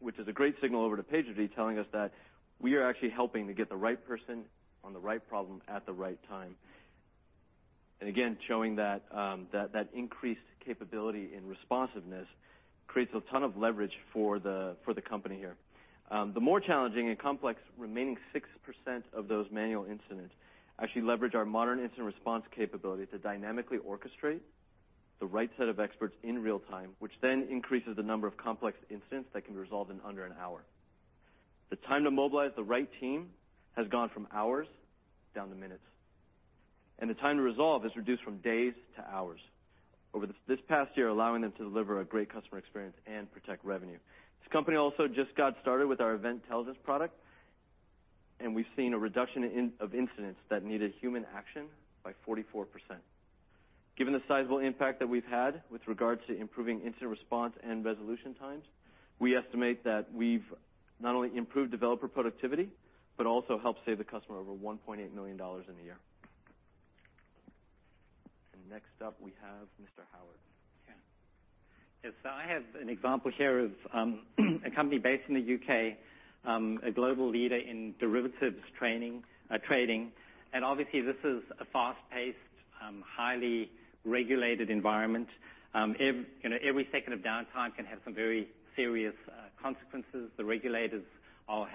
which is a great signal over to PagerDuty telling us that we are actually helping to get the right person on the right problem at the right time. And again, showing that increased capability in responsiveness creates a ton of leverage for the company here. The more challenging and complex remaining 6% of those manual incidents actually leverage our Modern Incident Response capability to dynamically orchestrate the right set of experts in real time, which then increases the number of complex incidents that can be resolved in under an hour. The time to mobilize the right team has gone from hours down to minutes, and the time to resolve is reduced from days to hours over this past year, allowing them to deliver a great customer experience and protect revenue. This company also just got started with our Event Intelligence product, and we've seen a reduction in incidents that needed human action by 44%. Given the sizable impact that we've had with regards to improving incident response and resolution times, we estimate that we've not only improved developer productivity but also helped save the customer over $1.8 million in a year. And next up, we have Mr. Howard. Yeah. So I have an example here of a company based in the U.K., a global leader in derivatives trading. And obviously, this is a fast-paced, highly regulated environment. Even you know, every second of downtime can have some very serious consequences. The regulators are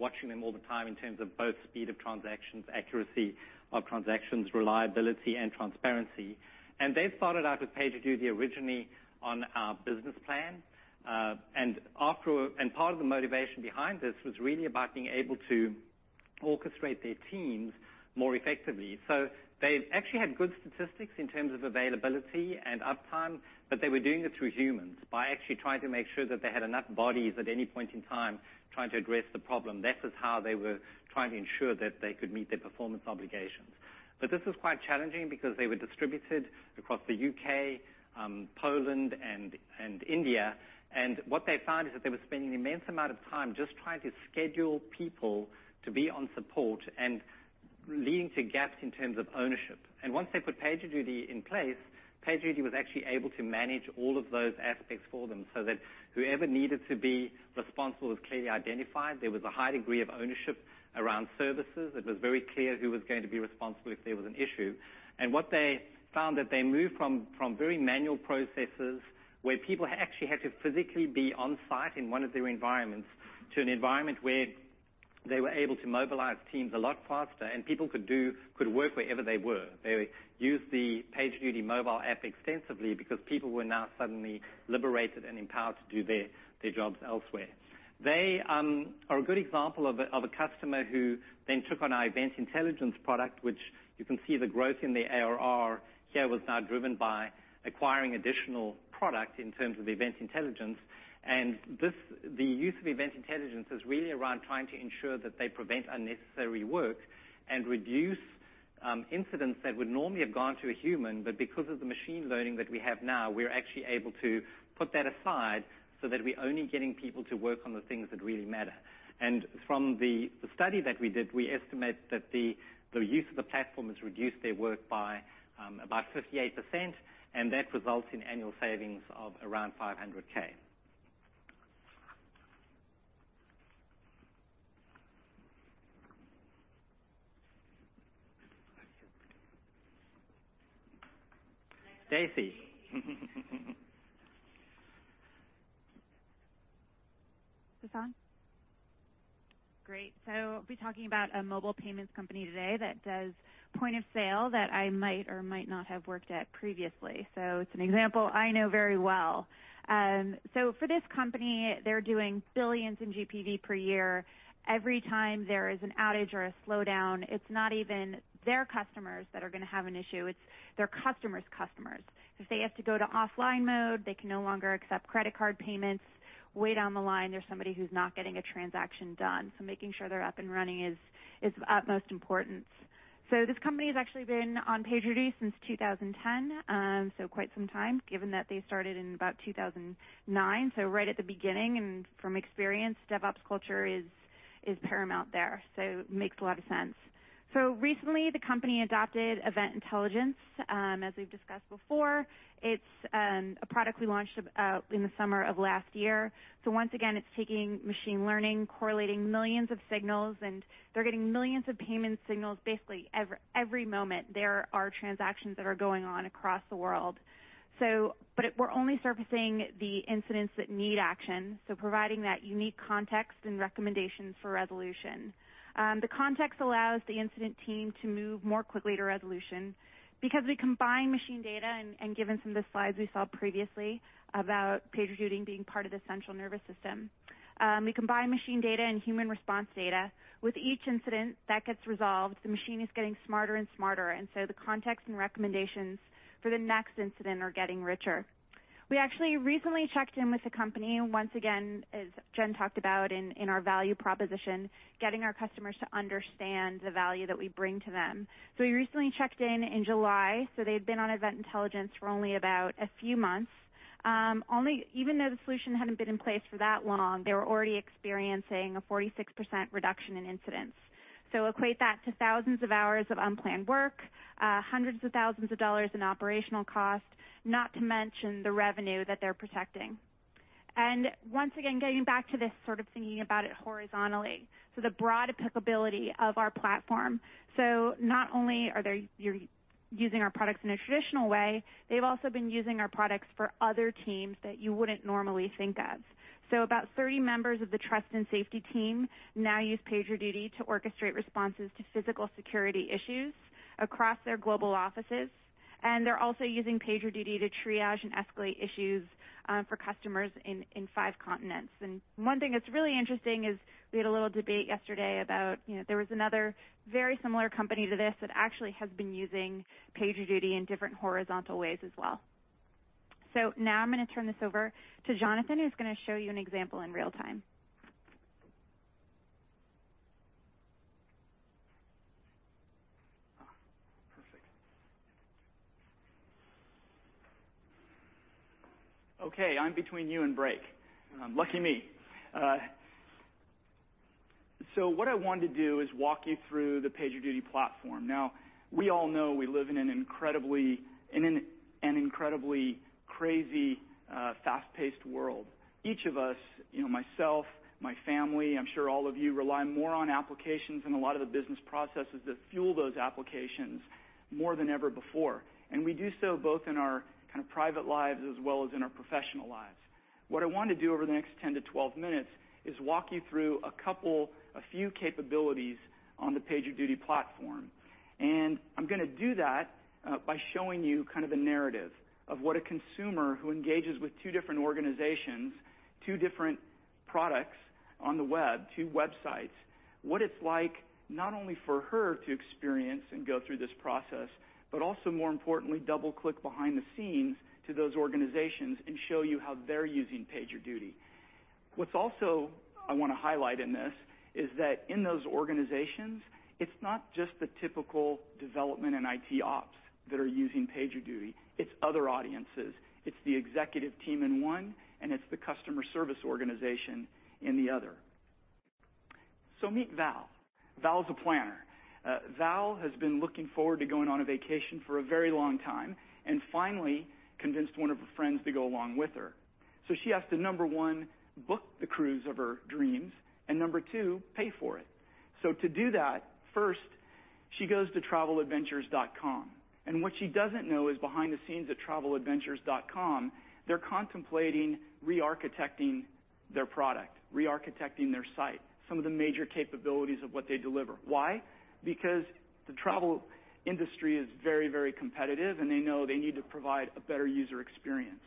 watching them all the time in terms of both speed of transactions, accuracy of transactions, reliability, and transparency. And they started out with PagerDuty originally on our Business plan. And part of the motivation behind this was really about being able to orchestrate their teams more effectively. So they actually had good statistics in terms of availability and uptime, but they were doing it through humans by actually trying to make sure that they had enough bodies at any point in time trying to address the problem. This is how they were trying to ensure that they could meet their performance obligations. But this is quite challenging because they were distributed across the U.K., Poland, and India. And what they found is that they were spending an immense amount of time just trying to schedule people to be on support and leading to gaps in terms of ownership. And once they put PagerDuty in place, PagerDuty was actually able to manage all of those aspects for them so that whoever needed to be responsible was clearly identified. There was a high degree of ownership around services. It was very clear who was going to be responsible if there was an issue. And what they found that they moved from very manual processes where people actually had to physically be on site in one of their environments to an environment where they were able to mobilize teams a lot faster and people could work wherever they were. They used the PagerDuty mobile app extensively because people were now suddenly liberated and empowered to do their jobs elsewhere. They are a good example of a customer who then took on our Event Intelligence product, which you can see the growth in the ARR here was now driven by acquiring additional product in terms of Event Intelligence. The use of Event Intelligence is really around trying to ensure that they prevent unnecessary work and reduce incidents that would normally have gone to a human. But because of the machine learning that we have now, we're actually able to put that aside so that we're only getting people to work on the things that really matter. And from the study that we did, we estimate that the use of the platform has reduced their work by about 58%, and that results in annual savings of around $500,000. Stacey. This on? Great. So I'll be talking about a mobile payments company today that does Point of Sale that I might or might not have worked at previously. So it's an example I know very well. So for this company, they're doing billions in GPV per year. Every time there is an outage or a slowdown, it's not even their customers that are gonna have an issue. It's their customer's customers. If they have to go to offline mode, they can no longer accept credit card payments. Way down the line, there's somebody who's not getting a transaction done. So making sure they're up and running is of utmost importance. So this company has actually been on PagerDuty since 2010, so quite some time given that they started in about 2009. So right at the beginning, and from experience, DevOps culture is paramount there. So it makes a lot of sense. So recently, the company adopted Event Intelligence, as we've discussed before. It's a product we launched about in the summer of last year. So once again, it's taking machine learning, correlating millions of signals, and they're getting millions of payment signals basically every moment. There are transactions that are going on across the world. So but we're only surfacing the incidents that need action, so providing that unique context and recommendations for resolution. The context allows the incident team to move more quickly to resolution because we combine machine data and, given some of the slides we saw previously about PagerDuty being part of the central nervous system, we combine machine data and human response data. With each incident that gets resolved, the machine is getting smarter and smarter, and so the context and recommendations for the next incident are getting richer. We actually recently checked in with the company. Once again, as Jen talked about in our value proposition, getting our customers to understand the value that we bring to them. We recently checked in July. They'd been on Event Intelligence for only about a few months, even though the solution hadn't been in place for that long. They were already experiencing a 46% reduction in incidents. Equate that to thousands of hours of unplanned work, hundreds of thousands of dollars in operational cost, not to mention the revenue that they're protecting. Once again, getting back to this sort of thinking about it horizontally, so the broad applicability of our platform. So not only are they're using our products in a traditional way, they've also been using our products for other teams that you wouldn't normally think of. So about 30 members of the Trust and Safety team now use PagerDuty to orchestrate responses to physical security issues across their global offices. And they're also using PagerDuty to triage and escalate issues for customers in five continents. And one thing that's really interesting is we had a little debate yesterday about, you know, there was another very similar company to this that actually has been using PagerDuty in different horizontal ways as well. So now I'm gonna turn this over to Jonathan, who's gonna show you an example in real time. Perfect. Okay. I'm between you and break. Lucky me, so what I wanted to do is walk you through the PagerDuty platform. Now, we all know we live in an incredibly crazy, fast-paced world. Each of us, you know, myself, my family, I'm sure all of you rely more on applications and a lot of the business processes that fuel those applications more than ever before, and we do so both in our kind of private lives as well as in our professional lives. What I want to do over the next 10 to 12 minutes is walk you through a couple, a few capabilities on the PagerDuty platform. And I'm gonna do that by showing you kind of a narrative of what a consumer who engages with two different organizations, two different products on the web, two websites, what it's like not only for her to experience and go through this process, but also, more importantly, double-click behind the scenes to those organizations and show you how they're using PagerDuty. What's also I wanna highlight in this is that in those organizations, it's not just the typical development and IT Ops that are using PagerDuty. It's other audiences. It's the executive team in one, and it's the customer service organization in the other. So meet Val. Val's a planner. Val has been looking forward to going on a vacation for a very long time and finally convinced one of her friends to go along with her. So she has to, number one, book the cruise of her dreams and, number two, pay for it. So to do that, first, she goes to TravelAdventures.com. And what she doesn't know is behind the scenes at TravelAdventures.com, they're contemplating re-architecting their product, re-architecting their site, some of the major capabilities of what they deliver. Why? Because the travel industry is very, very competitive, and they know they need to provide a better user experience.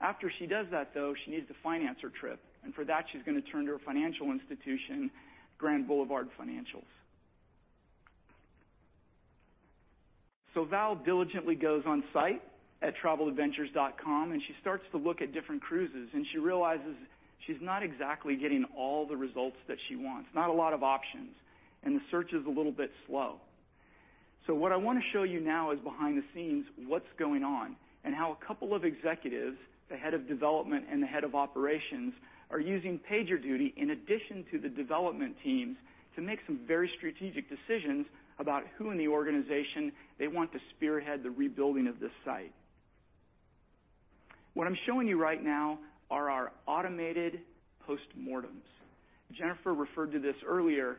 After she does that, though, she needs to finance her trip. And for that, she's gonna turn to her financial institution, Grand Boulevard Financials. So Val diligently goes on site at TravelAdventures.com, and she starts to look at different cruises, and she realizes she's not exactly getting all the results that she wants, not a lot of options, and the search is a little bit slow. So what I wanna show you now is behind the scenes what's going on and how a couple of executives, the head of development and the head of operations, are using PagerDuty in addition to the development teams to make some very strategic decisions about who in the organization they want to spearhead the rebuilding of this site. What I'm showing you right now are our automated postmortems. Jennifer referred to this earlier.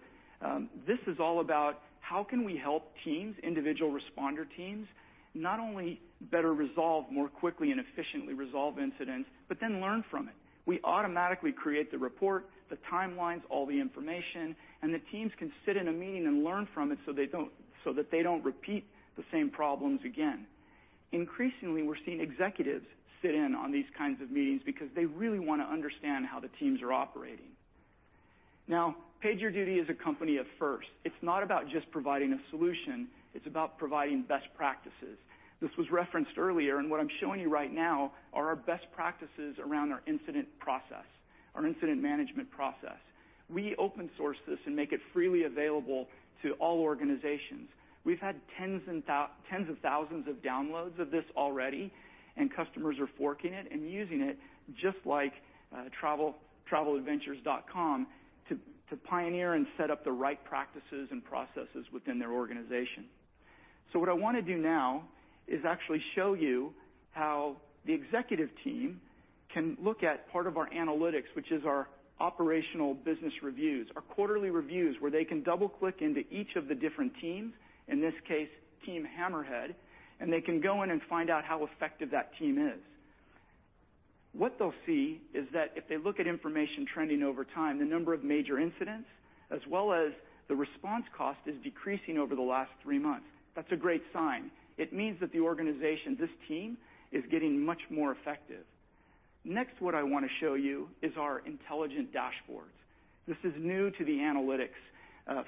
This is all about how can we help teams, individual responder teams, not only better resolve more quickly and efficiently resolve incidents but then learn from it. We automatically create the report, the timelines, all the information, and the teams can sit in a meeting and learn from it so that they don't repeat the same problems again. Increasingly, we're seeing executives sit in on these kinds of meetings because they really wanna understand how the teams are operating. Now, PagerDuty is a company of firsts. It's not about just providing a solution. It's about providing best practices. This was referenced earlier, and what I'm showing you right now are our best practices around our incident process, our incident management process. We open-source this and make it freely available to all organizations. We've had tens of thousands of downloads of this already, and customers are forking it and using it just like TravelAdventures.com to pioneer and set up the right practices and processes within their organization. So what I wanna do now is actually show you how the Executive Team can look at part of our analytics, which is our operational business reviews, our quarterly reviews where they can double-click into each of the different teams, in this case, Team Hammerhead, and they can go in and find out how effective that team is. What they'll see is that if they look at information trending over time, the number of major incidents as well as the response cost is decreasing over the last three months. That's a great sign. It means that the organization, this team, is getting much more effective. Next, what I wanna show you is our Intelligent Dashboards. This is new to the analytics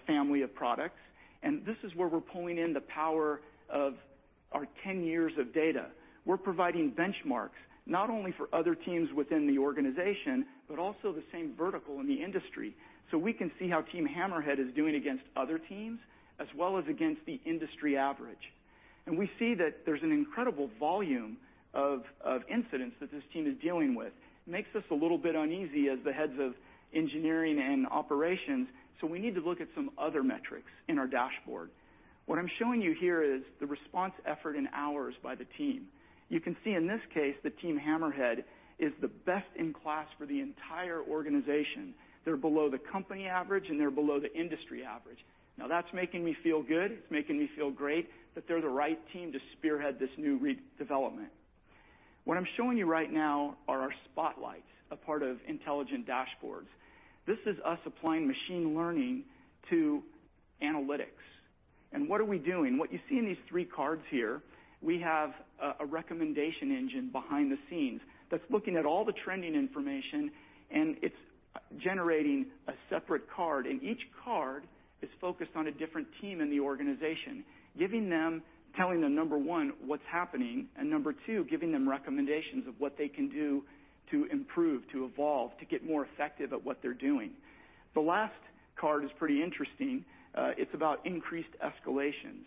family of products, and this is where we're pulling in the power of our 10 years of data. We're providing benchmarks not only for other teams within the organization but also the same vertical in the industry so we can see how Team Hammerhead is doing against other teams as well as against the industry average. And we see that there's an incredible volume of incidents that this team is dealing with. It makes us a little bit uneasy as the heads of engineering and operations, so we need to look at some other metrics in our dashboard. What I'm showing you here is the response effort in hours by the team. You can see in this case, the Team Hammerhead is the best in class for the entire organization. They're below the company average, and they're below the industry average. Now, that's making me feel good. It's making me feel great that they're the right team to spearhead this new redevelopment. What I'm showing you right now are our Spotlights, a part of Intelligent Dashboards. This is us applying machine learning to Analytics. And what are we doing? What you see in these three cards here, we have a recommendation engine behind the scenes that's looking at all the trending information, and it's generating a separate card. And each card is focused on a different team in the organization, giving them, telling them, number one, what's happening, and number two, giving them recommendations of what they can do to improve, to evolve, to get more effective at what they're doing. The last card is pretty interesting. It's about increased escalations.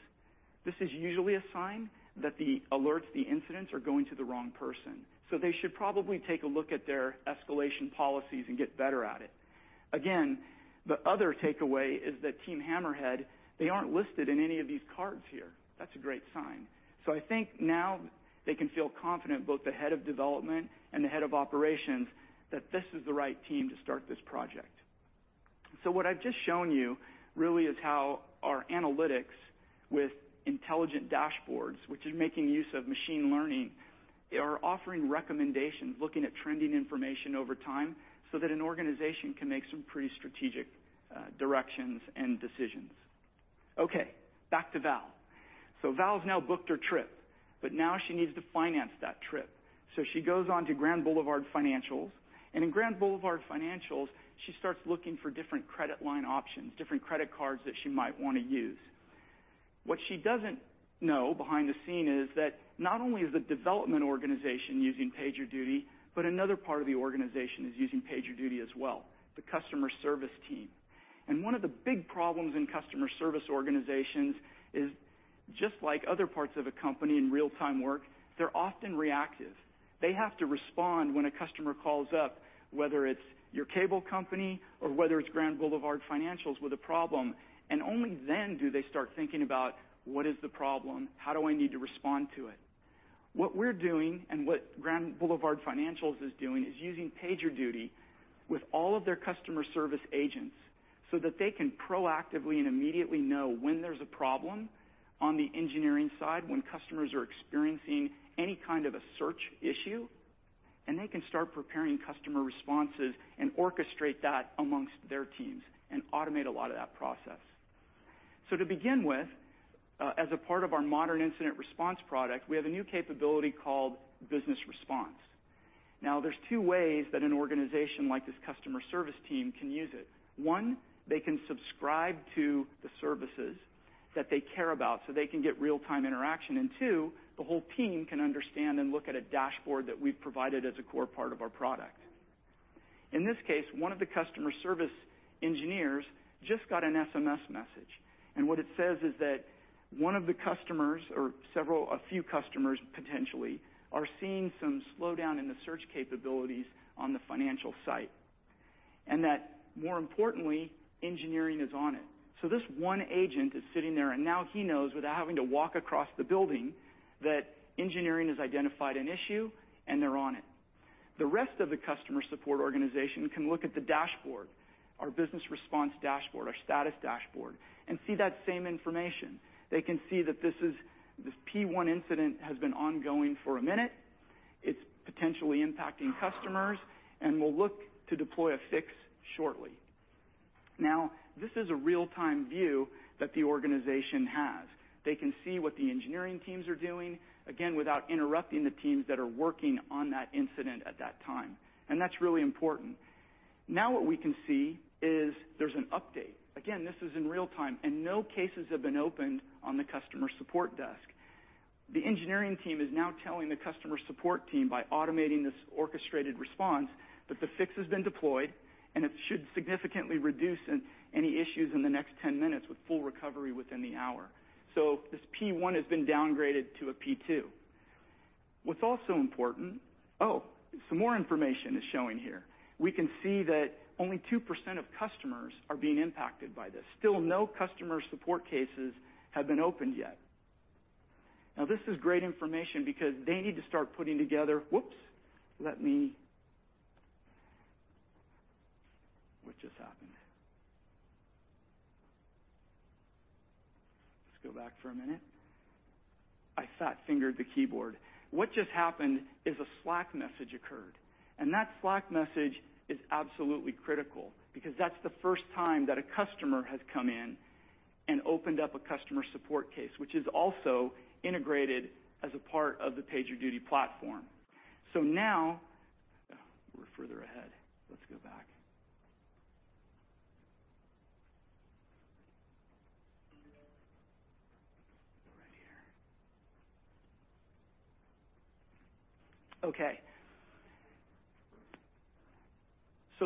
This is usually a sign that the alerts, the incidents are going to the wrong person. So they should probably take a look at their escalation policies and get better at it. Again, the other takeaway is that Team Hammerhead, they aren't listed in any of these cards here. That's a great sign. So I think now they can feel confident both the Head of Development and the Head of Operation that this is the right team to start this project. So what I've just shown you really is how our Analytics with Intelligent Dashboards, which are making use of machine learning, are offering recommendations looking at trending information over time so that an organization can make some pretty strategic directions and decisions. Okay. Back to Val. So Val's now booked her trip, but now she needs to finance that trip. So she goes on to Grand Boulevard Financials. And in Grand Boulevard Financials, she starts looking for different credit line options, different credit cards that she might wanna use. What she doesn't know behind the scene is that not only is the development organization using PagerDuty, but another part of the organization is using PagerDuty as well, the customer service team. And one of the big problems in customer service organizations is just like other parts of a company in real-time work, they're often reactive. They have to respond when a customer calls up, whether it's your cable company or whether it's Grand Boulevard Financials with a problem. And only then do they start thinking about what is the problem, how do I need to respond to it. What we're doing and what Grand Boulevard Financials is doing is using PagerDuty with all of their customer service agents so that they can proactively and immediately know when there's a problem on the engineering side, when customers are experiencing any kind of a search issue, and they can start preparing customer responses and orchestrate that among their teams and automate a lot of that process. So to begin with, as a part of our Modern Incident Response product, we have a new capability called Business Response. Now, there's two ways that an organization like this customer service team can use it. One, they can subscribe to the services that they care about so they can get real-time interaction. And two, the whole team can understand and look at a dashboard that we've provided as a core part of our product. In this case, one of the customer service engineers just got an SMS message, and what it says is that one of the customers or several, a few customers potentially are seeing some slowdown in the search capabilities on the financial site and that, more importantly, engineering is on it, so this one agent is sitting there, and now he knows without having to walk across the building that engineering has identified an issue and they're on it. The rest of the customer support organization can look at the dashboard, our Business Response dashboard, our status dashboard, and see that same information. They can see that this P1 incident has been ongoing for a minute. It's potentially impacting customers, and we'll look to deploy a fix shortly. Now, this is a real-time view that the organization has. They can see what the engineering teams are doing, again, without interrupting the teams that are working on that incident at that time, and that's really important. Now, what we can see is there's an update. Again, this is in real time, and no cases have been opened on the customer support desk. The engineering team is now telling the customer support team by automating this orchestrated response that the fix has been deployed, and it should significantly reduce any issues in the next 10 minutes with full recovery within the hour, so this P1 has been downgraded to a P2. What's also important, oh, some more information is showing here. We can see that only 2% of customers are being impacted by this. Still, no customer support cases have been opened yet. Now, this is great information because they need to start putting together. Whoops, let me what just happened? Let's go back for a minute. I fat-fingered the keyboard. What just happened is a Slack message occurred. And that Slack message is absolutely critical because that's the first time that a customer has come in and opened up a customer support case, which is also integrated as a part of the PagerDuty platform. So now we're further ahead. Let's go back. Right here. Okay. So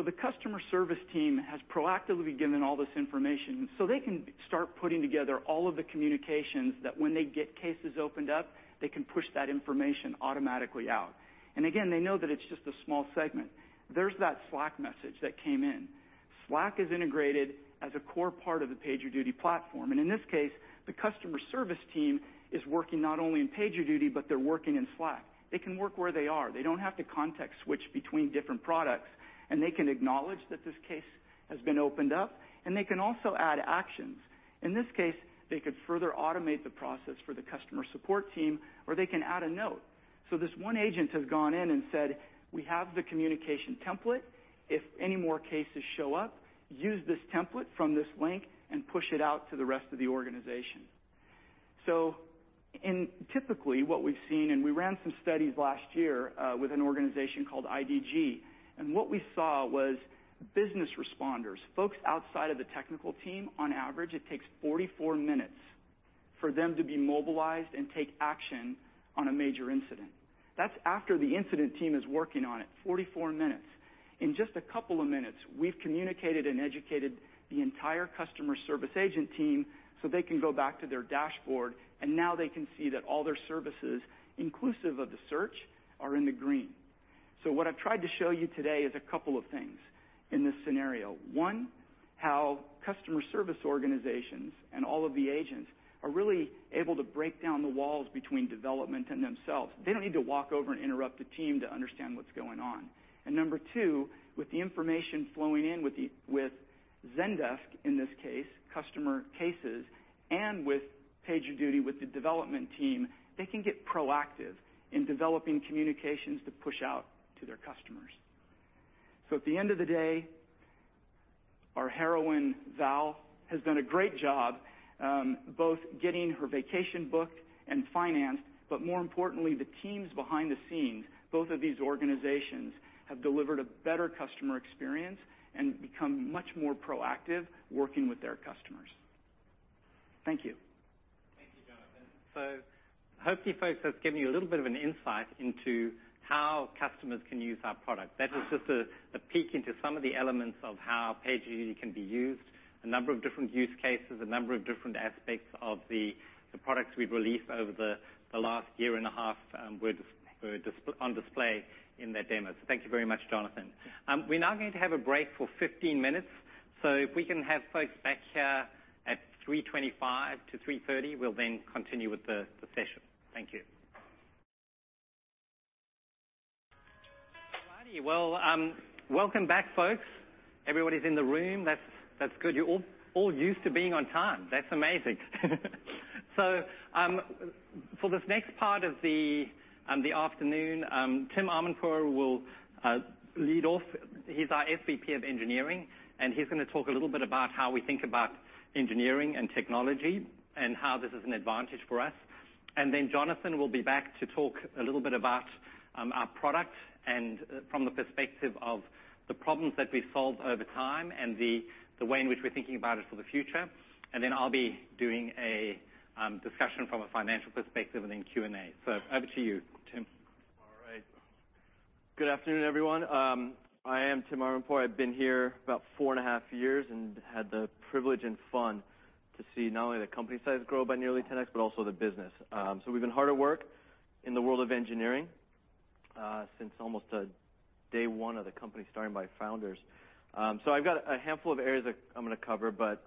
the Customer Service team has proactively given all this information so they can start putting together all of the communications that when they get cases opened up, they can push that information automatically out. And again, they know that it's just a small segment. There's that Slack message that came in. Slack is integrated as a core part of the PagerDuty platform. And in this case, the Customer Service team is working not only in PagerDuty, but they're working in Slack. They can work where they are. They don't have to context switch between different products, and they can acknowledge that this case has been opened up, and they can also add actions. In this case, they could further automate the process for the customer support team, or they can add a note. So this one agent has gone in and said, "We have the communication template. If any more cases show up, use this template from this link and push it out to the rest of the organization." So in typically, what we've seen and we ran some studies last year, with an organization called IDG. What we saw was Business Responders, folks outside of the technical team. On average, it takes 44 minutes for them to be mobilized and take action on a major incident. That's after the incident team is working on it, 44 minutes. In just a couple of minutes, we've communicated and educated the entire customer service agent team so they can go back to their dashboard, and now they can see that all their services, inclusive of the search, are in the green. What I've tried to show you today is a couple of things in this scenario. One, how customer service organizations and all of the agents are really able to break down the walls between development and themselves. They don't need to walk over and interrupt the team to understand what's going on. Number two, with the information flowing in with Zendesk in this case, customer cases, and with PagerDuty with the Development team, they can get proactive in developing communications to push out to their customers. At the end of the day, our heroine, Val, has done a great job, both getting her vacation booked and financed, but more importantly, the teams behind the scenes, both of these organizations, have delivered a better customer experience and become much more proactive working with their customers. Thank you. Thank you, Jonathan. So hopefully, folks, that's given you a little bit of an insight into how customers can use our product. That was just a peek into some of the elements of how PagerDuty can be used, a number of different use cases, a number of different aspects of the products we've released over the last year and a half, which is on display in that demo. So thank you very much, Jonathan. We're now going to have a break for 15 minutes. So if we can have folks back here at 3:25 P.M. to 3:30 P.M., we'll then continue with the session. Thank you. Righty. Well, welcome back, folks. Everybody's in the room. That's good. You're all used to being on time. That's amazing. So, for this next part of the afternoon, Tim Armandpour will lead off. He's our SVP of Engineering, and he's gonna talk a little bit about how we think about engineering and technology and how this is an advantage for us. And then Jonathan will be back to talk a little bit about our product and from the perspective of the problems that we solve over time and the way in which we're thinking about it for the future. And then I'll be doing a discussion from a financial perspective and then Q&A. So over to you, Tim. All right. Good afternoon, everyone. I am Tim Armandpour. I've been here about four and a half years and had the privilege and fun to see not only the company size grow by nearly 10X but also the business, so we've been hard at work in the world of engineering, since almost day one of the company starting by founders, so I've got a handful of areas that I'm gonna cover, but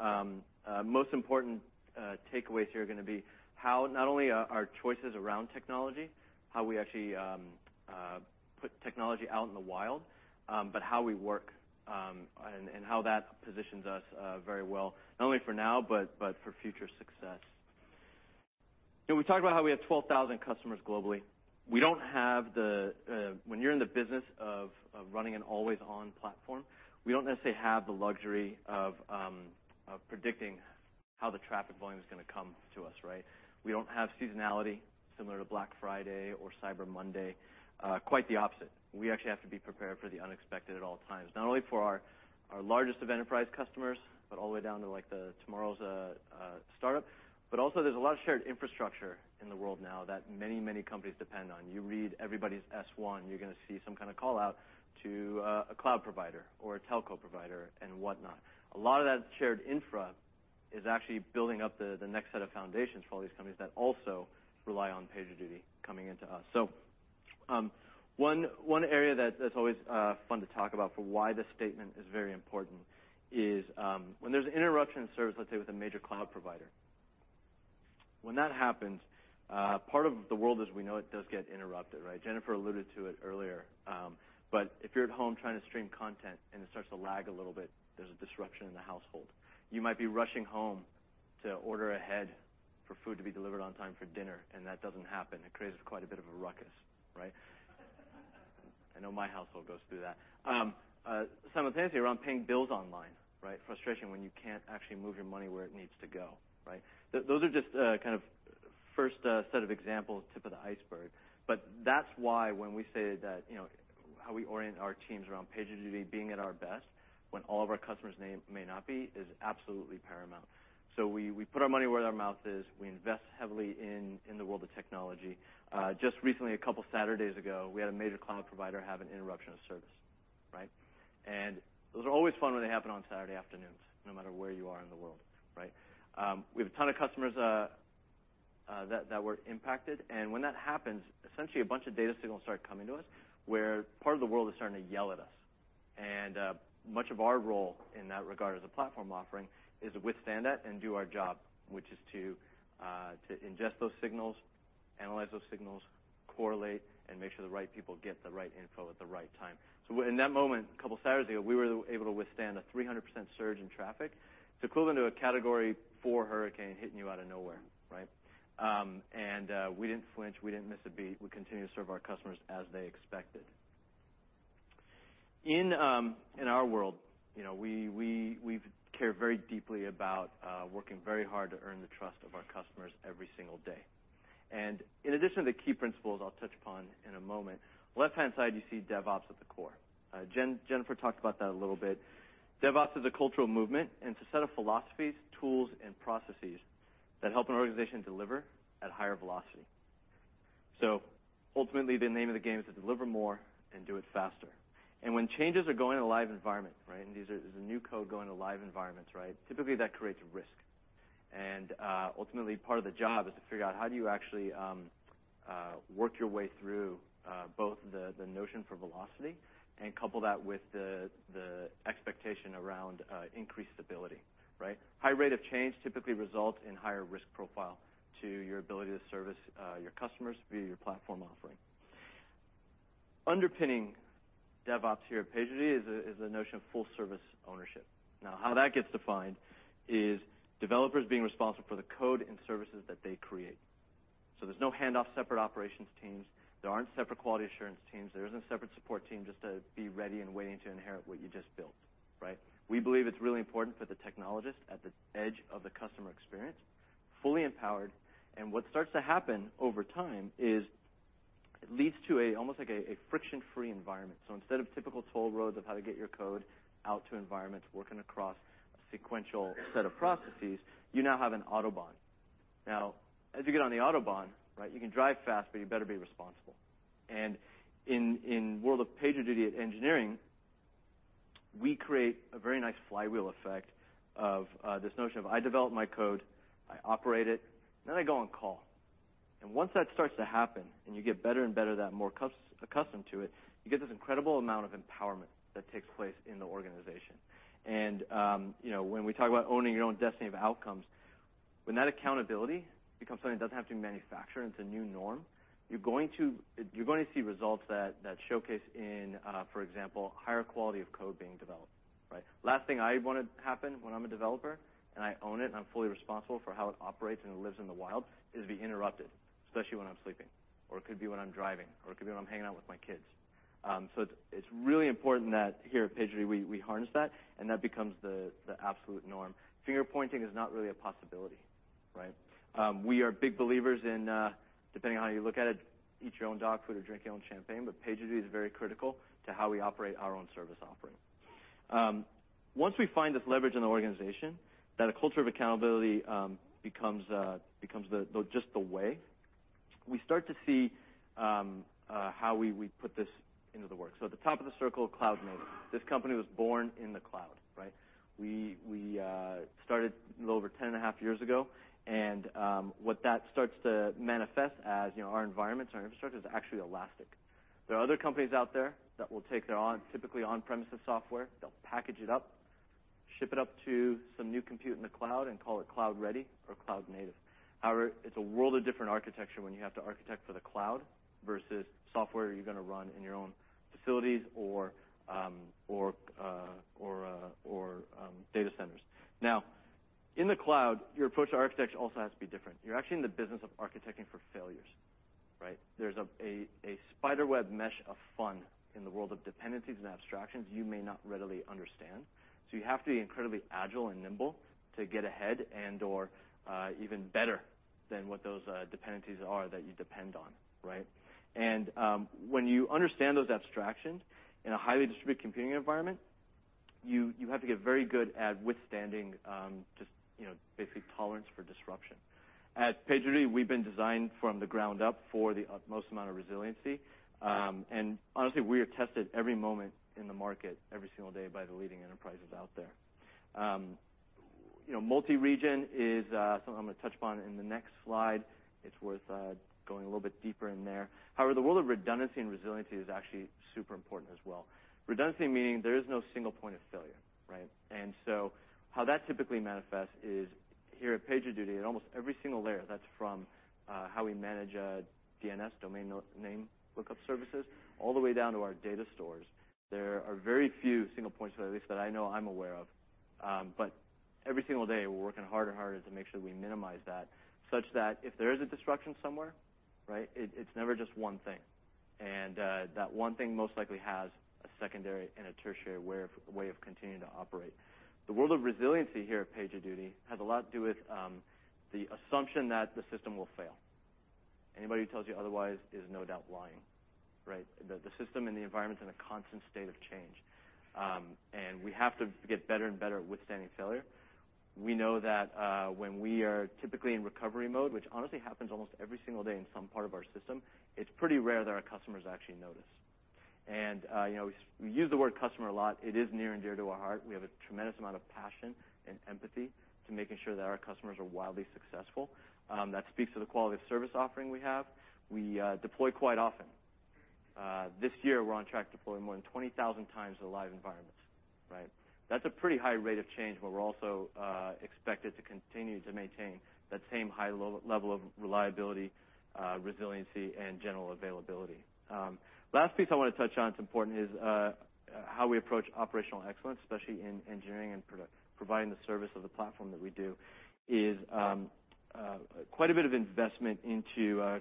most important takeaways here are gonna be how not only our choices around technology, how we actually put technology out in the wild, but how we work, and how that positions us very well, not only for now but for future success. You know, we talked about how we have 12,000 customers globally. When you're in the business of running an always-on platform, we don't necessarily have the luxury of predicting how the traffic volume is gonna come to us, right? We don't have seasonality similar to Black Friday or Cyber Monday. Quite the opposite. We actually have to be prepared for the unexpected at all times, not only for our largest enterprise customers but all the way down to, like, tomorrow's startup, but also there's a lot of shared infrastructure in the world now that many companies depend on. You read everybody's S-1, you're gonna see some kind of call-out to a cloud provider or a telco provider and whatnot. A lot of that shared infra is actually building up the next set of foundations for all these companies that also rely on PagerDuty coming into us. One area that’s always fun to talk about for why this statement is very important is when there’s an interruption in service, let’s say, with a major cloud provider. When that happens, part of the world as we know it does get interrupted, right? Jennifer alluded to it earlier. But if you’re at home trying to stream content and it starts to lag a little bit, there’s a disruption in the household. You might be rushing home to order ahead for food to be delivered on time for dinner, and that doesn’t happen. It creates quite a bit of a ruckus, right? I know my household goes through that. Simultaneously around paying bills online, right? Frustration when you can’t actually move your money where it needs to go, right? Those are just kind of first set of examples, tip of the iceberg. But that's why when we say that, you know, how we orient our teams around PagerDuty being at our best when all of our customers may not be is absolutely paramount. So we put our money where our mouth is. We invest heavily in the world of technology. Just recently, a couple Saturdays ago, we had a major cloud provider have an interruption of service, right? And those are always fun when they happen on Saturday afternoons, no matter where you are in the world, right? We have a ton of customers that were impacted. And when that happens, essentially, a bunch of data signals start coming to us where part of the world is starting to yell at us. And, much of our role in that regard as a platform offering is to withstand that and do our job, which is to ingest those signals, analyze those signals, correlate, and make sure the right people get the right info at the right time. So, in that moment, a couple Saturdays ago, we were able to withstand a 300% surge in traffic. It's equivalent to a Category 4 hurricane hitting you out of nowhere, right? We didn't flinch. We didn't miss a beat. We continue to serve our customers as they expected. In our world, you know, we've cared very deeply about working very hard to earn the trust of our customers every single day. In addition to the key principles I'll touch upon in a moment, left-hand side, you see DevOps at the core. Jennifer talked about that a little bit. DevOps is a cultural movement and a set of philosophies, tools, and processes that help an organization deliver at higher velocity, so ultimately, the name of the game is to deliver more and do it faster, and when changes are going in a live environment, right, and there's a new code going to live environments, right, typically that creates risk. Ultimately, part of the job is to figure out how do you actually work your way through both the notion of velocity and couple that with the expectation around increased stability, right? High rate of change typically results in higher risk profile to your ability to service your customers via your platform offering. Underpinning DevOps here at PagerDuty is the notion of Full-Service Ownership. Now, how that gets defined is developers being responsible for the code and services that they create. So there's no handoff, separate operations teams. There aren't separate quality assurance teams. There isn't a separate support team just to be ready and waiting to inherit what you just built, right? We believe it's really important for the technologist at the edge of the customer experience, fully empowered. And what starts to happen over time is it leads to almost like a friction-free environment. So instead of typical toll roads of how to get your code out to environments working across a sequential set of processes, you now have an autobahn. Now, as you get on the autobahn, right, you can drive fast, but you better be responsible. And in the world of PagerDuty engineering, we create a very nice flywheel effect of this notion of I develop my code, I operate it, and then I go on call. And once that starts to happen and you get better and better that more customers accustomed to it, you get this incredible amount of empowerment that takes place in the organization. And, you know, when we talk about owning your own destiny of outcomes, when that accountability becomes something that doesn't have to be manufactured and it's a new norm, you're going to see results that showcase in, for example, higher quality of code being developed, right? Last thing I want to happen when I'm a developer and I own it and I'm fully responsible for how it operates and it lives in the wild is be interrupted, especially when I'm sleeping, or it could be when I'm driving, or it could be when I'm hanging out with my kids. So it's really important that here at PagerDuty, we harness that, and that becomes the absolute norm. Finger-pointing is not really a possibility, right? We are big believers in, depending on how you look at it, eat your own dog food or drink your own champagne, but PagerDuty is very critical to how we operate our own service offering. Once we find this leverage in the organization, that a culture of accountability becomes the just the way we start to see how we put this into the work so at the top of the circle, Cloud-Native. This company was born in the cloud, right? We started a little over 10 and a half years ago, and what that starts to manifest as, you know, our environments, our infrastructure is actually elastic. There are other companies out there that will take their typically on-premises software, they'll package it up, ship it up to some new compute in the cloud, and call it cloud-ready or cloud-native. However, it's a world of different architecture when you have to architect for the cloud versus software you're gonna run in your own facilities or data centers. Now, in the cloud, your approach to architecture also has to be different. You're actually in the business of architecting for failures, right? There's a spider-web mesh of fun in the world of dependencies and abstractions you may not readily understand. So you have to be incredibly agile and nimble to get ahead and/or even better than what those dependencies are that you depend on, right? And when you understand those abstractions in a highly distributed computing environment, you have to get very good at withstanding, just, you know, basically tolerance for disruption. At PagerDuty, we've been designed from the ground up for the utmost amount of resiliency, and honestly, we are tested every moment in the market every single day by the leading enterprises out there, you know, multi-region is something I'm gonna touch upon in the next slide. It's worth going a little bit deeper in there. However, the world of redundancy and resiliency is actually super important as well. Redundancy meaning there is no single point of failure, right? And so how that typically manifests is here at PagerDuty, at almost every single layer, that's from how we manage DNS, domain name look-up services, all the way down to our data stores. There are very few single points of failure, at least that I know I'm aware of. But every single day, we're working harder and harder to make sure that we minimize that such that if there is a disruption somewhere, right, it's never just one thing. And that one thing most likely has a secondary and a tertiary way of continuing to operate. The world of resiliency here at PagerDuty has a lot to do with the assumption that the system will fail. Anybody who tells you otherwise is no doubt lying, right? The system and the environment's in a constant state of change, and we have to get better and better at withstanding failure. We know that, when we are typically in recovery mode, which honestly happens almost every single day in some part of our system, it's pretty rare that our customers actually notice. You know, we use the word customer a lot. It is near and dear to our heart. We have a tremendous amount of passion and empathy to making sure that our customers are wildly successful. That speaks to the quality of service offering we have. We deploy quite often. This year, we're on track to deploy more than 20,000 times the live environments, right? That's a pretty high rate of change where we're also expected to continue to maintain that same high level of reliability, resiliency, and general availability. Last piece I wanna touch on that's important is how we approach operational excellence, especially in engineering and providing the service of the platform that we do is quite a bit of investment into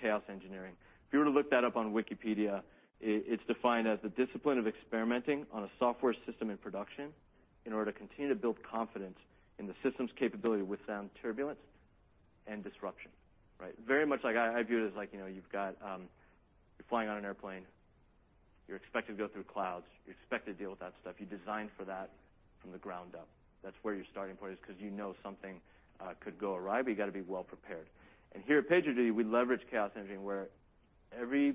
chaos engineering. If you were to look that up on Wikipedia, it's defined as the discipline of experimenting on a software system in production in order to continue to build confidence in the system's capability to withstand turbulence and disruption, right? Very much like I view it as like, you know, you've got, you're flying on an airplane. You're expected to go through clouds. You're expected to deal with that stuff. You designed for that from the ground up. That's where your starting point is 'cause you know something could go awry, but you gotta be well prepared, and here at PagerDuty, we leverage chaos engineering where every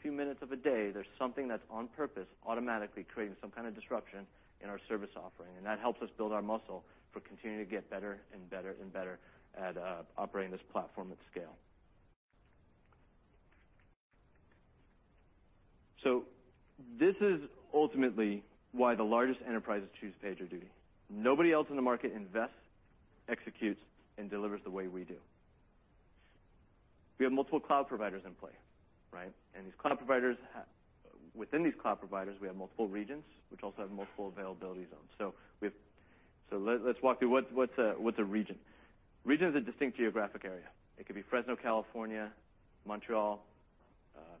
few minutes a day, there's something that's on purpose automatically creating some kind of disruption in our service offering, and that helps us build our muscle for continuing to get better and better and better at operating this platform at scale. So this is ultimately why the largest enterprises choose PagerDuty. Nobody else in the market invests, executes, and delivers the way we do. We have multiple cloud providers in play, right? And these cloud providers have within these cloud providers, we have multiple regions, which also have multiple Availability Zones. So we have let's walk through what's a region. Region is a distinct geographic area. It could be Fresno, California, Montreal,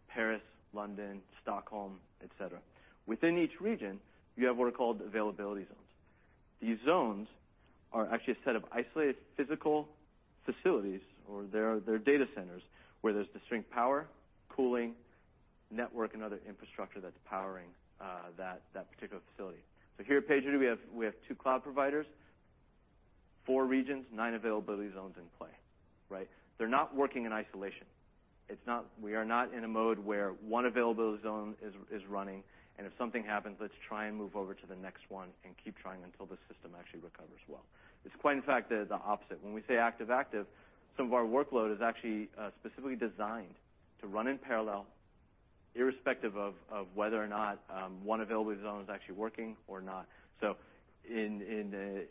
Paris, London, Stockholm, etc. Within each region, you have what are called Availability Zones. These zones are actually a set of isolated physical facilities or their data centers where there's distinct power, cooling, network, and other infrastructure that's powering that particular facility. So here at PagerDuty, we have two cloud providers, four regions, nine Availability Zones in play, right? They're not working in isolation. It's not, we are not in a mode where one Availability Zone is running, and if something happens, let's try and move over to the next one and keep trying until the system actually recovers well. It's quite, in fact, the opposite. When we say active-active, some of our workload is actually specifically designed to run in parallel irrespective of whether or not one Availability Zone is actually working or not. So in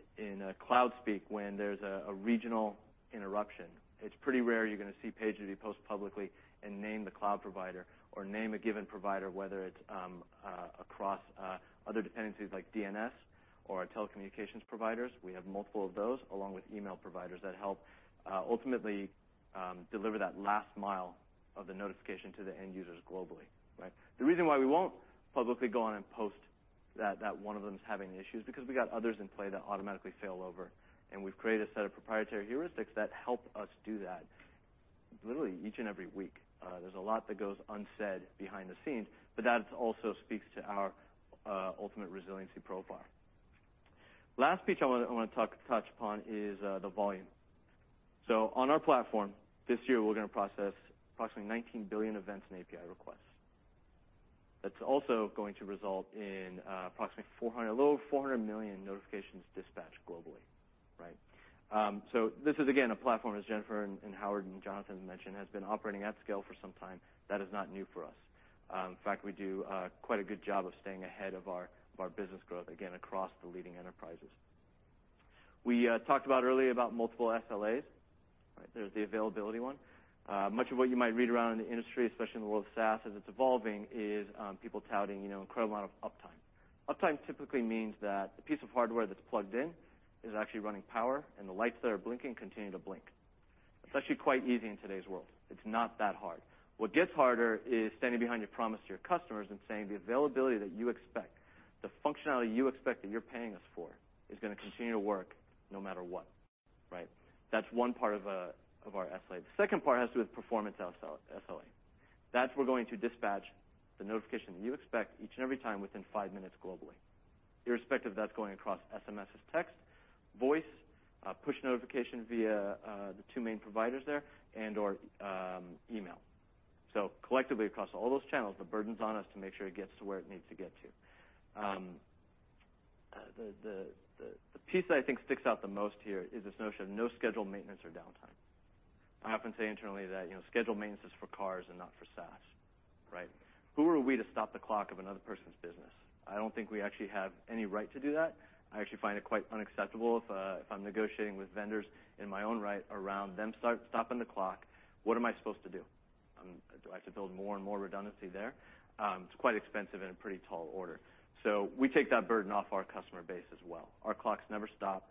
cloud speak, when there's a regional interruption, it's pretty rare you're gonna see PagerDuty post publicly and name the cloud provider or name a given provider, whether it's across other dependencies like DNS or telecommunications providers. We have multiple of those along with email providers that help ultimately deliver that last mile of the notification to the end users globally, right? The reason why we won't publicly go on and post that that one's having issues is because we got others in play that automatically fail over. And we've created a set of proprietary heuristics that help us do that literally each and every week. There's a lot that goes unsaid behind the scenes, but that also speaks to our ultimate resiliency profile. Last piece I want to touch upon is the volume. So on our platform this year, we're gonna process approximately 19 billion events and API requests. That's also going to result in approximately a little over 400 million notifications dispatched globally, right? So this is again a platform, as Jennifer and Howard and Jonathan mentioned, has been operating at scale for some time. That is not new for us. In fact, we do quite a good job of staying ahead of our business growth, again, across the leading enterprises. We talked about earlier about multiple SLAs, right? There's the availability one. Much of what you might read around in the industry, especially in the world of SaaS, as it's evolving, is people touting, you know, an incredible amount of uptime. Uptime typically means that the piece of hardware that's plugged in is actually running power, and the lights that are blinking continue to blink. That's actually quite easy in today's world. It's not that hard. What gets harder is standing behind your promise to your customers and saying the availability that you expect, the functionality you expect that you're paying us for, is gonna continue to work no matter what, right? That's one part of our SLA. The second part has to do with performance SLA. That's we're going to dispatch the notification that you expect each and every time within five minutes globally, irrespective of that's going across SMS as text, voice, push notification via the two main providers there, and/or email. So collectively, across all those channels, the burden's on us to make sure it gets to where it needs to get to. The piece that I think sticks out the most here is this notion of no scheduled maintenance or downtime. I often say internally that, you know, scheduled maintenance is for cars and not for SaaS, right? Who are we to stop the clock of another person's business? I don't think we actually have any right to do that. I actually find it quite unacceptable if I'm negotiating with vendors in my own right around them start stopping the clock. What am I supposed to do? Do I have to build more and more redundancy there? It's quite expensive and a pretty tall order. So we take that burden off our customer base as well. Our clocks never stop.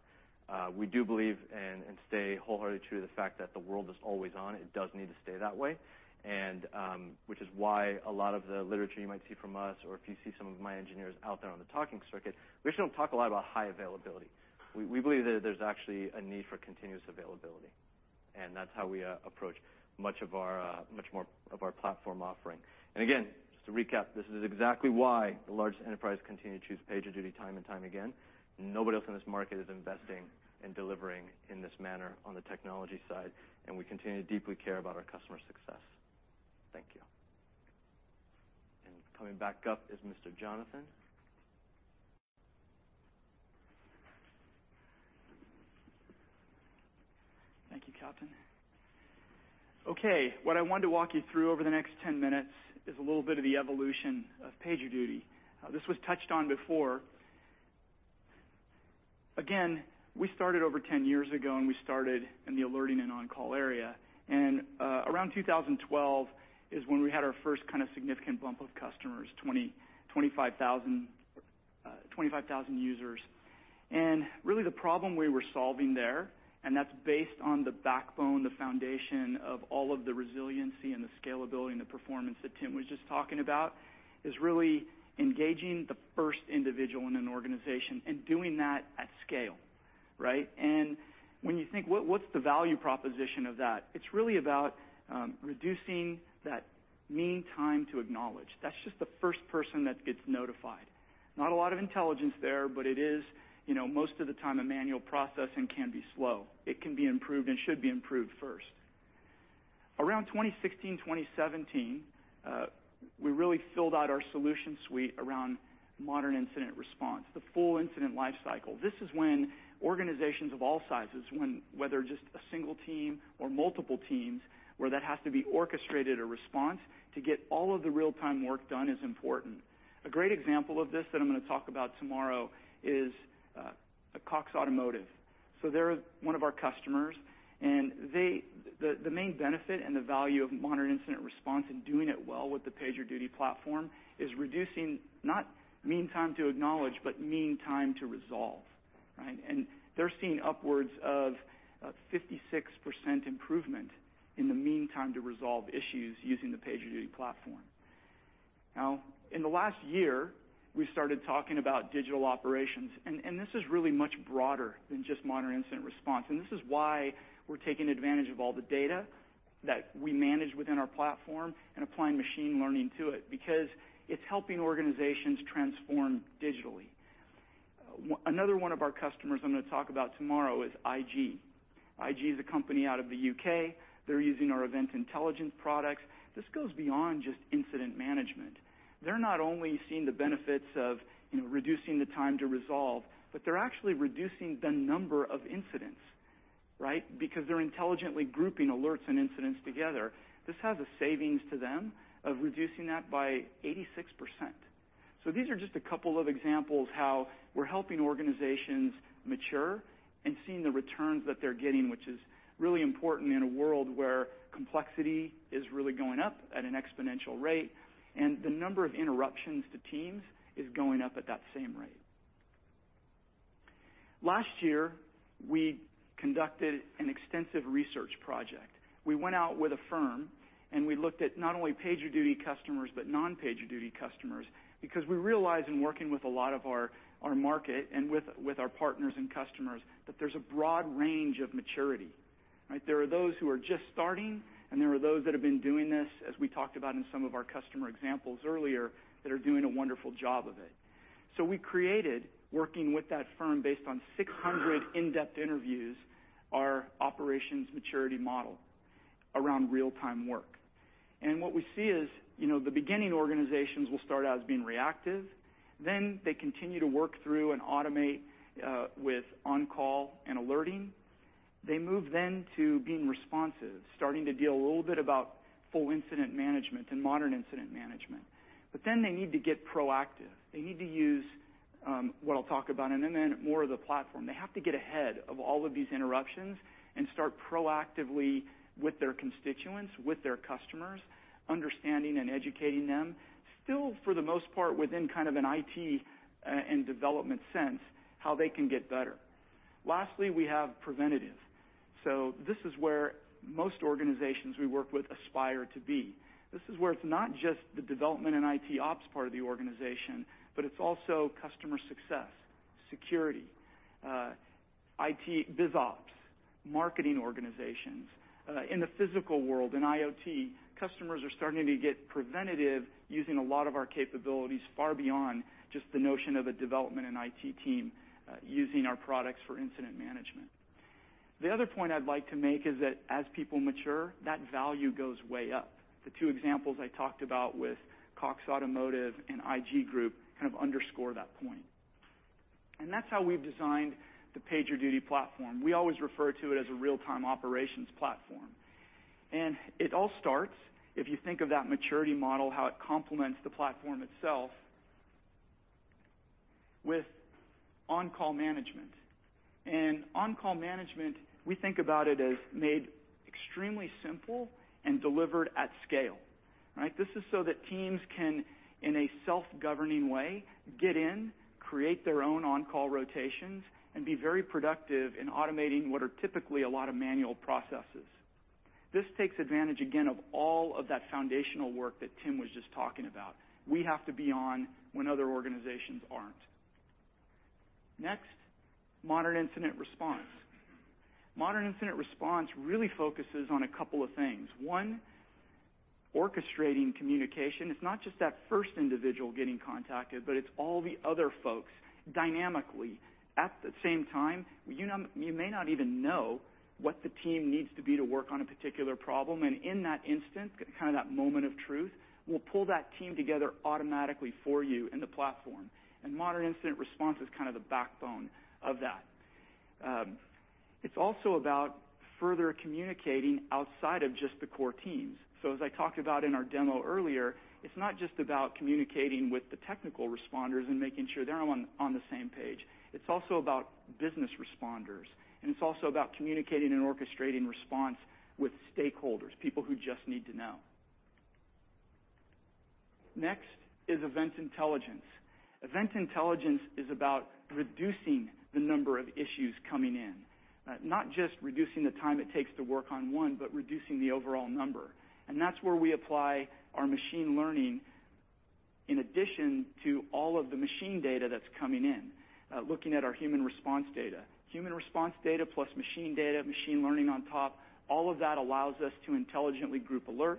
We do believe and stay wholeheartedly true to the fact that the world is always on. It does need to stay that way. Which is why a lot of the literature you might see from us, or if you see some of my engineers out there on the talking circuit, we actually don't talk a lot about high availability. We believe that there's actually a need for continuous availability. That's how we approach much of our, much more of our platform offering. And again, just to recap, this is exactly why the largest enterprises continue to choose PagerDuty time and time again. Nobody else in this market is investing and delivering in this manner on the technology side. And we continue to deeply care about our customer success. Thank you. And coming back up is Mr. Jonathan. Thank you, Captain. Okay. What I wanted to walk you through over the next 10 minutes is a little bit of the evolution of PagerDuty. This was touched on before. Again, we started over 10 years ago, and we started in the alerting and on-call area. And around 2012 is when we had our first kind of significant bump of customers, 20, 25, 25,000 users. And really, the problem we were solving there, and that's based on the backbone, the foundation of all of the resiliency and the scalability and the performance that Tim was just talking about, is really engaging the first individual in an organization and doing that at scale, right? And when you think, "What, what's the value proposition of that?" it's really about reducing that mean time to acknowledge. That's just the first person that gets notified. Not a lot of intelligence there, but it is, you know, most of the time a manual process and can be slow. It can be improved and should be improved first. Around 2016, 2017, we really filled out our solution suite around Modern Incident Response, the full incident lifecycle. This is when organizations of all sizes, whether just a single team or multiple teams, where that has to be orchestrated a response to get all of the real-time work done is important. A great example of this that I'm gonna talk about tomorrow is Cox Automotive. So they're one of our customers. And they, the main benefit and the value of Modern Incident Response and doing it well with the PagerDuty platform is reducing not mean time to acknowledge, but mean time to resolve, right? And they're seeing upwards of 56% improvement in the mean time to resolve issues using the PagerDuty platform. Now, in the last year, we started talking about Digital Operations. And this is really much broader than just Modern Incident Response. And this is why we're taking advantage of all the data that we manage within our platform and applying machine learning to it because it's helping organizations transform digitally. One, another one of our customers I'm gonna talk about tomorrow is IG. IG is a company out of the U.K. They're using our Event Intelligence products. This goes beyond just incident management. They're not only seeing the benefits of, you know, reducing the time to resolve, but they're actually reducing the number of incidents, right? Because they're intelligently grouping alerts and incidents together. This has a savings to them of reducing that by 86%. So these are just a couple of examples how we're helping organizations mature and seeing the returns that they're getting, which is really important in a world where complexity is really going up at an exponential rate. And the number of interruptions to teams is going up at that same rate. Last year, we conducted an extensive research project. We went out with a firm, and we looked at not only PagerDuty customers but non-PagerDuty customers because we realized in working with a lot of our market and with our partners and customers that there's a broad range of maturity, right? There are those who are just starting, and there are those that have been doing this, as we talked about in some of our customer examples earlier, that are doing a wonderful job of it. So we created, working with that firm based on 600 in-depth interviews, our Operations Maturity Model around real-time work. And what we see is, you know, the beginning organizations will start out as being reactive. Then they continue to work through and automate, with on-call and alerting. They move then to being responsive, starting to deal a little bit about full Incident Management and Modern Incident Management. But then they need to get proactive. They need to use, what I'll talk about, and then more of the platform. They have to get ahead of all of these interruptions and start proactively with their constituents, with their customers, understanding and educating them, still for the most part within kind of an IT and development sense how they can get better. Lastly, we have preventative. So this is where most organizations we work with aspire to be. This is where it's not just the development and IT Ops part of the organization, but it's also customer success, security, IT BizOps, marketing organizations. In the physical world, in IoT, customers are starting to get preventative using a lot of our capabilities far beyond just the notion of a development and IT team, using our products for Incident Management. The other point I'd like to make is that as people mature, that value goes way up. The two examples I talked about with Cox Automotive and IG Group kind of underscore that point. And that's how we've designed the PagerDuty platform. We always refer to it as a real-time operations platform. And it all starts, if you think of that maturity model, how it complements the platform itself, with On-Call Management. And On-Call Management, we think about it as made extremely simple and delivered at scale, right? This is so that teams can, in a self-governing way, get in, create their own on-call rotations, and be very productive in automating what are typically a lot of manual processes. This takes advantage, again, of all of that foundational work that Tim was just talking about. We have to be on when other organizations aren't. Next, Modern Incident Response. Modern Incident Response really focuses on a couple of things. One, orchestrating communication. It's not just that first individual getting contacted, but it's all the other folks dynamically. At the same time, you may not even know what the team needs to be to work on a particular problem, and in that instant, kind of that moment of truth, we'll pull that team together automatically for you in the platform, and Modern Incident Response is kind of the backbone of that. It's also about further communicating outside of just the core teams, so as I talked about in our demo earlier, it's not just about communicating with the technical responders and making sure they're on the same page. It's also about Business Responders and it's also about communicating and orchestrating response with stakeholders, people who just need to know. Next is Event Intelligence. Event Intelligence is about reducing the number of issues coming in, not just reducing the time it takes to work on one, but reducing the overall number, and that's where we apply our machine learning in addition to all of the machine data that's coming in, looking at our human response data. Human response data plus machine data, machine learning on top, all of that allows us to intelligently group alerts,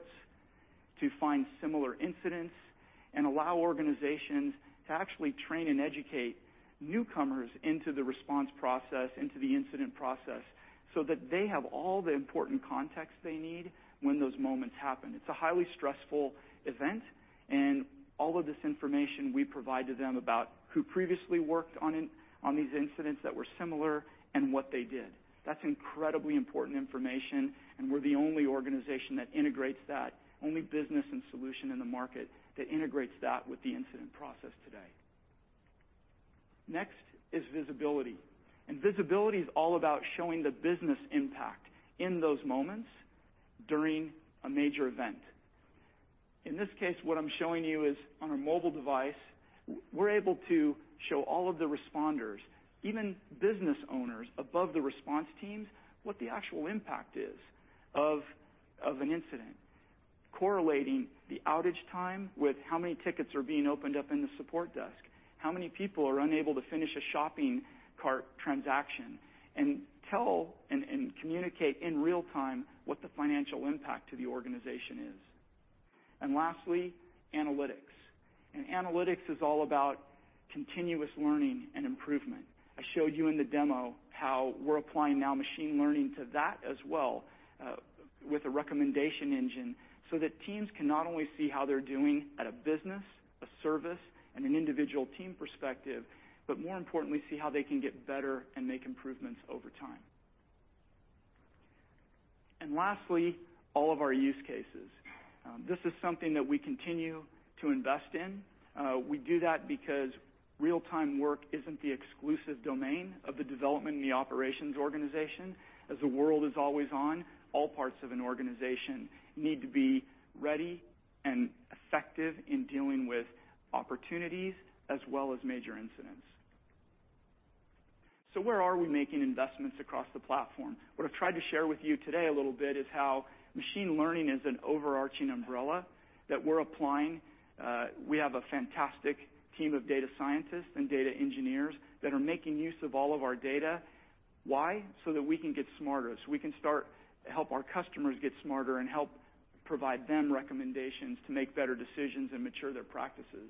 to find Similar Incidents, and allow organizations to actually train and educate newcomers into the response process, into the incident process, so that they have all the important context they need when those moments happen. It's a highly stressful event, and all of this information we provide to them about who previously worked on these incidents that were similar and what they did. That's incredibly important information, and we're the only organization that integrates that, only business and solution in the market that integrates that with the incident process today. Next is Visibility, and Visibility is all about showing the business impact in those moments during a major event. In this case, what I'm showing you is on a mobile device, we're able to show all of the responders, even business owners above the response teams, what the actual impact is of an incident, correlating the outage time with how many tickets are being opened up in the support desk, how many people are unable to finish a shopping cart transaction, and tell, and communicate in real time what the financial impact to the organization is. And lastly, Analytics, and Analytics is all about continuous learning and improvement. I showed you in the demo how we're applying now machine learning to that as well, with a recommendation engine so that teams can not only see how they're doing at a business, a service, and an individual team perspective, but more importantly, see how they can get better and make improvements over time. And lastly, all of our use cases. This is something that we continue to invest in. We do that because real-time work isn't the exclusive domain of the development and the operations organization. As the world is always on, all parts of an organization need to be ready and effective in dealing with opportunities as well as major incidents. So where are we making investments across the platform? What I've tried to share with you today a little bit is how machine learning is an overarching umbrella that we're applying. We have a fantastic team of data scientists and data engineers that are making use of all of our data. Why? So that we can get smarter, so we can start help our customers get smarter and help provide them recommendations to make better decisions and mature their practices.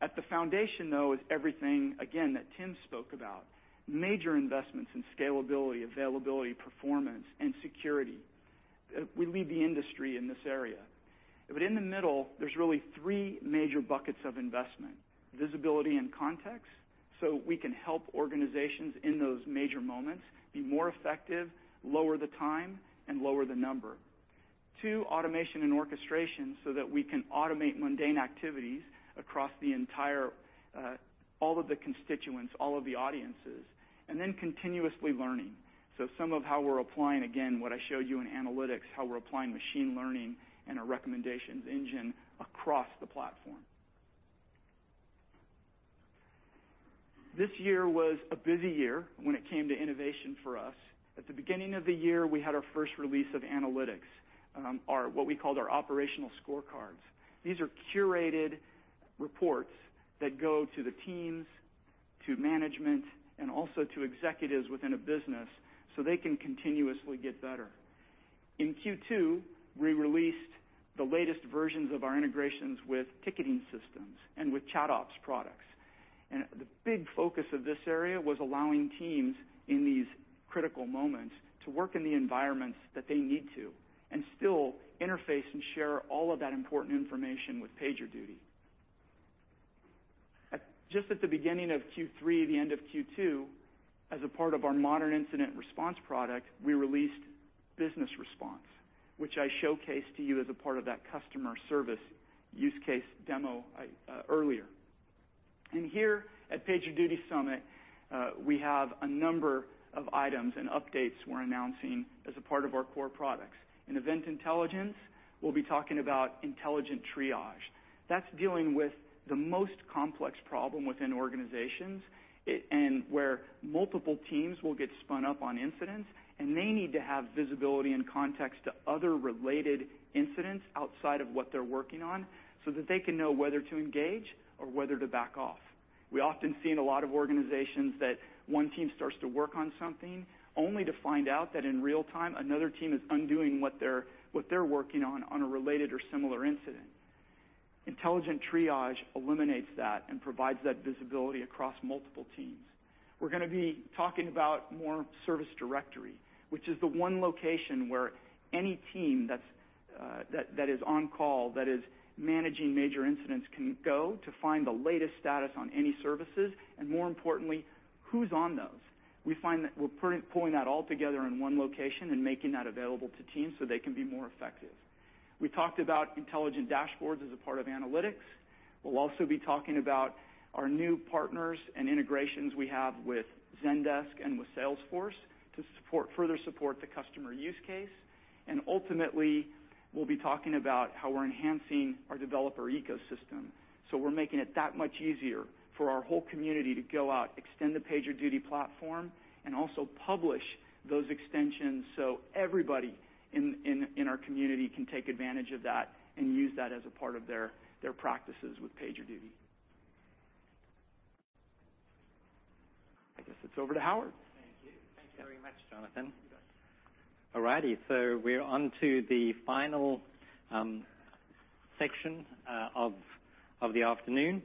At the foundation, though, is everything, again, that Tim spoke about: major investments in scalability, availability, performance, and security. We lead the industry in this area. But in the middle, there's really three major buckets of investment: visibility and context, so we can help organizations in those major moments be more effective, lower the time, and lower the number. Two, Automation and Orchestration, so that we can automate mundane activities across the entire, all of the constituents, all of the audiences. And then continuously learning. So some of how we're applying, again, what I showed you in Analytics, how we're applying machine learning and a recommendations engine across the platform. This year was a busy year when it came to innovation for us. At the beginning of the year, we had our first release of Analytics, our what we called our Operational Scorecards. These are curated reports that go to the teams, to management, and also to executives within a business so they can continuously get better. In Q2, we released the latest versions of our integrations with ticketing systems and with ChatOps products, and the big focus of this area was allowing teams in these critical moments to work in the environments that they need to and still interface and share all of that important information with PagerDuty. At just at the beginning of Q3, the end of Q2, as a part of our Modern Incident Response product, we released Business Response, which I showcased to you as a part of that customer service use case demo earlier, and here at PagerDuty Summit, we have a number of items and updates we're announcing as a part of our core products. In Event Intelligence, we'll be talking about Intelligent Triage. That's dealing with the most complex problem within organizations, IT and where multiple teams will get spun up on incidents, and they need to have visibility and context to other related incidents outside of what they're working on so that they can know whether to engage or whether to back off. We often see in a lot of organizations that one team starts to work on something only to find out that in real time, another team is undoing what they're working on on a related or Similar Incident. Intelligent Triage eliminates that and provides that visibility across multiple teams. We're gonna be talking about more Service Directory, which is the one location where any team that's on call that is managing major incidents can go to find the latest status on any services and, more importantly, who's on those. We find that we're putting that all together in one location and making that available to teams so they can be more effective. We talked about Intelligent Dashboards as a part of Analytics. We'll also be talking about our new partners and integrations we have with Zendesk and with Salesforce to further support the customer use case. And ultimately, we'll be talking about how we're enhancing our developer ecosystem. So we're making it that much easier for our whole community to go out, extend the PagerDuty platform, and also publish those extensions so everybody in our community can take advantage of that and use that as a part of their practices with PagerDuty. I guess it's over to Howard. Thank you. Thank you very much, Jonathan. You bet. All righty. We're onto the final section of the afternoon.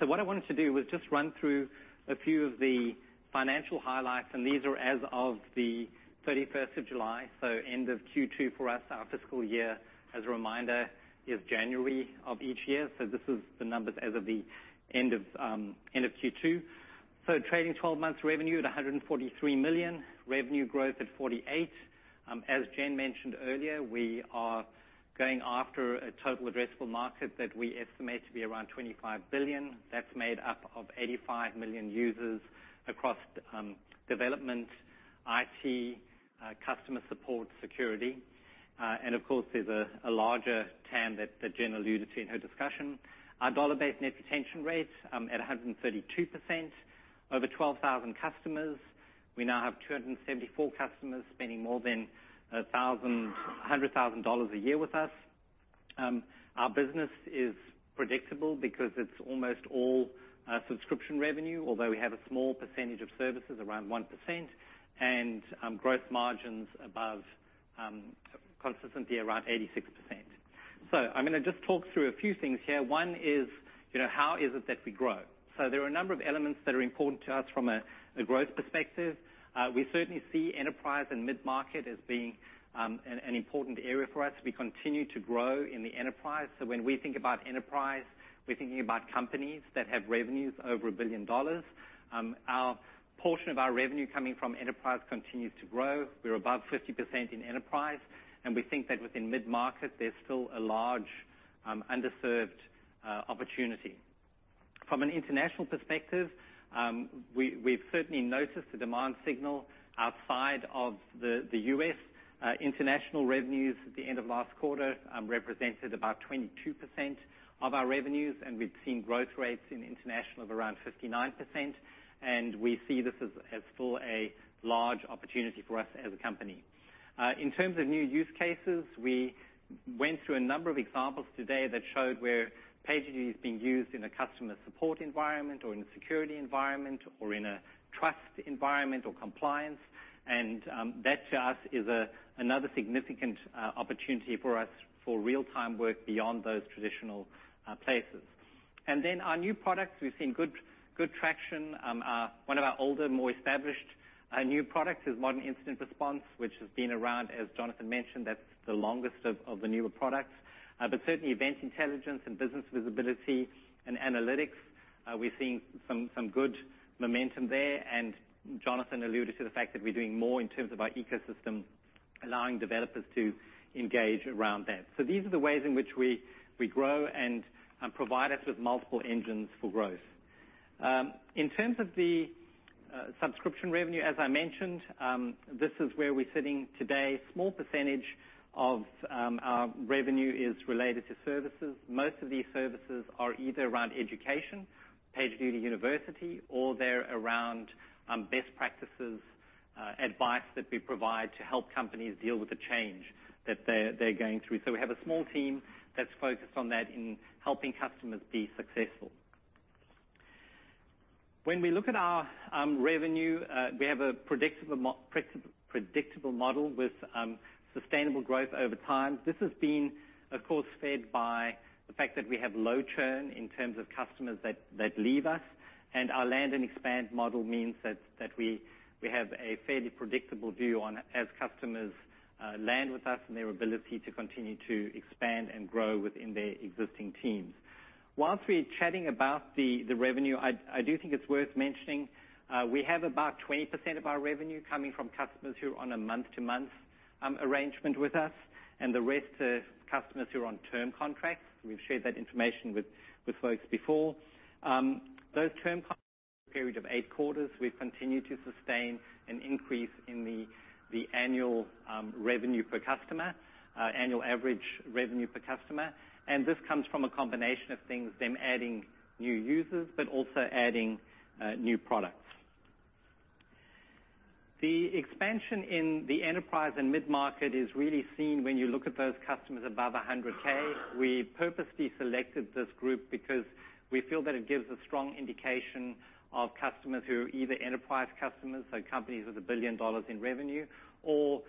What I wanted to do was just run through a few of the financial highlights. These are as of the 31st of July, so end of Q2 for us. Our fiscal year, as a reminder, is January of each year. This is the numbers as of the end of Q2. Trailing 12 months revenue at $143 million, revenue growth at 48%. As Jen mentioned earlier, we are going after a total addressable market that we estimate to be around $25 billion. That's made up of 85 million users across development, IT, customer support, security. And of course, there's a larger TAM that Jen alluded to in her discussion. Our dollar-based net retention rate at 132%. Over 12,000 customers. We now have 274 customers spending more than $100,000 a year with us. Our business is predictable because it's almost all subscription revenue, although we have a small percentage of services, around 1%, and gross margins above consistently around 86%, so I'm gonna just talk through a few things here. One is, you know, how is it that we grow, so there are a number of elements that are important to us from a growth perspective. We certainly see enterprise and mid-market as being an important area for us. We continue to grow in the enterprise. When we think about enterprise, we're thinking about companies that have revenues over $1 billion. Our portion of our revenue coming from enterprise continues to grow. We're above 50% in enterprise. We think that within mid-market, there's still a large underserved opportunity. From an international perspective, we've certainly noticed the demand signal outside of the U.S. International revenues at the end of last quarter represented about 22% of our revenues. And we've seen growth rates in international of around 59%. And we see this as still a large opportunity for us as a company. In terms of new use cases, we went through a number of examples today that showed where PagerDuty is being used in a customer support environment or in a security environment or in a trust environment or compliance. And that to us is another significant opportunity for us for real-time work beyond those traditional places. And then our new products, we've seen good traction. One of our older, more established new products is Modern Incident Response, which has been around, as Jonathan mentioned. That's the longest of the newer products. But certainly, Event Intelligence and Business Visibility and Analytics, we're seeing some good momentum there. And Jonathan alluded to the fact that we're doing more in terms of our ecosystem, allowing developers to engage around that. So these are the ways in which we grow and provide us with multiple engines for growth. In terms of the subscription revenue, as I mentioned, this is where we're sitting today. A small percentage of our revenue is related to services. Most of these services are either around education, PagerDuty University, or they're around best practices, advice that we provide to help companies deal with the change that they're going through. So we have a small team that's focused on that in helping customers be successful. When we look at our revenue, we have a predictable model with sustainable growth over time. This has been, of course, fed by the fact that we have low churn in terms of customers that leave us. Our land and expand model means that we have a fairly predictable view on as customers land with us and their ability to continue to expand and grow within their existing teams. While we're chatting about the revenue, I do think it's worth mentioning we have about 20% of our revenue coming from customers who are on a month-to-month arrangement with us, and the rest are customers who are on term contracts. We've shared that information with folks before. Those term contracts period of eight quarters, we've continued to sustain an increase in the annual revenue per customer, annual average revenue per customer. This comes from a combination of things, them adding new users but also adding new products. The expansion in the enterprise and mid-market is really seen when you look at those customers above $100,000. We purposely selected this group because we feel that it gives a strong indication of customers who are either enterprise customers, so companies with $1 billion in revenue, or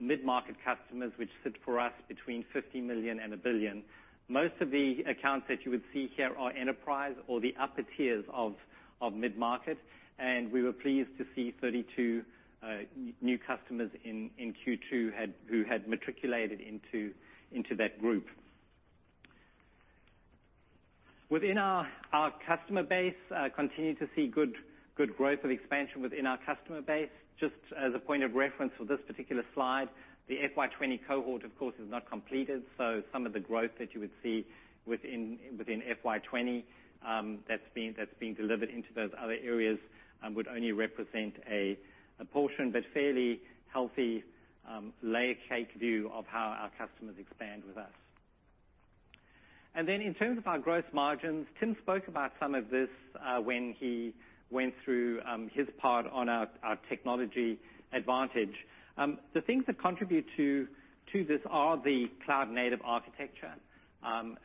mid-market customers, which sit for us between $50 million and $1 billion. Most of the accounts that you would see here are enterprise or the upper tiers of mid-market. We were pleased to see 32 new customers in Q2 who had matriculated into that group. Within our customer base, continue to see good growth of expansion within our customer base. Just as a point of reference for this particular slide, the FY 2020 cohort, of course, is not completed. So some of the growth that you would see within FY 2020, that's been delivered into those other areas, would only represent a portion but fairly healthy layer cake view of how our customers expand with us. And then in terms of our gross margins, Tim spoke about some of this when he went through his part on our technology advantage. The things that contribute to this are the cloud-native architecture,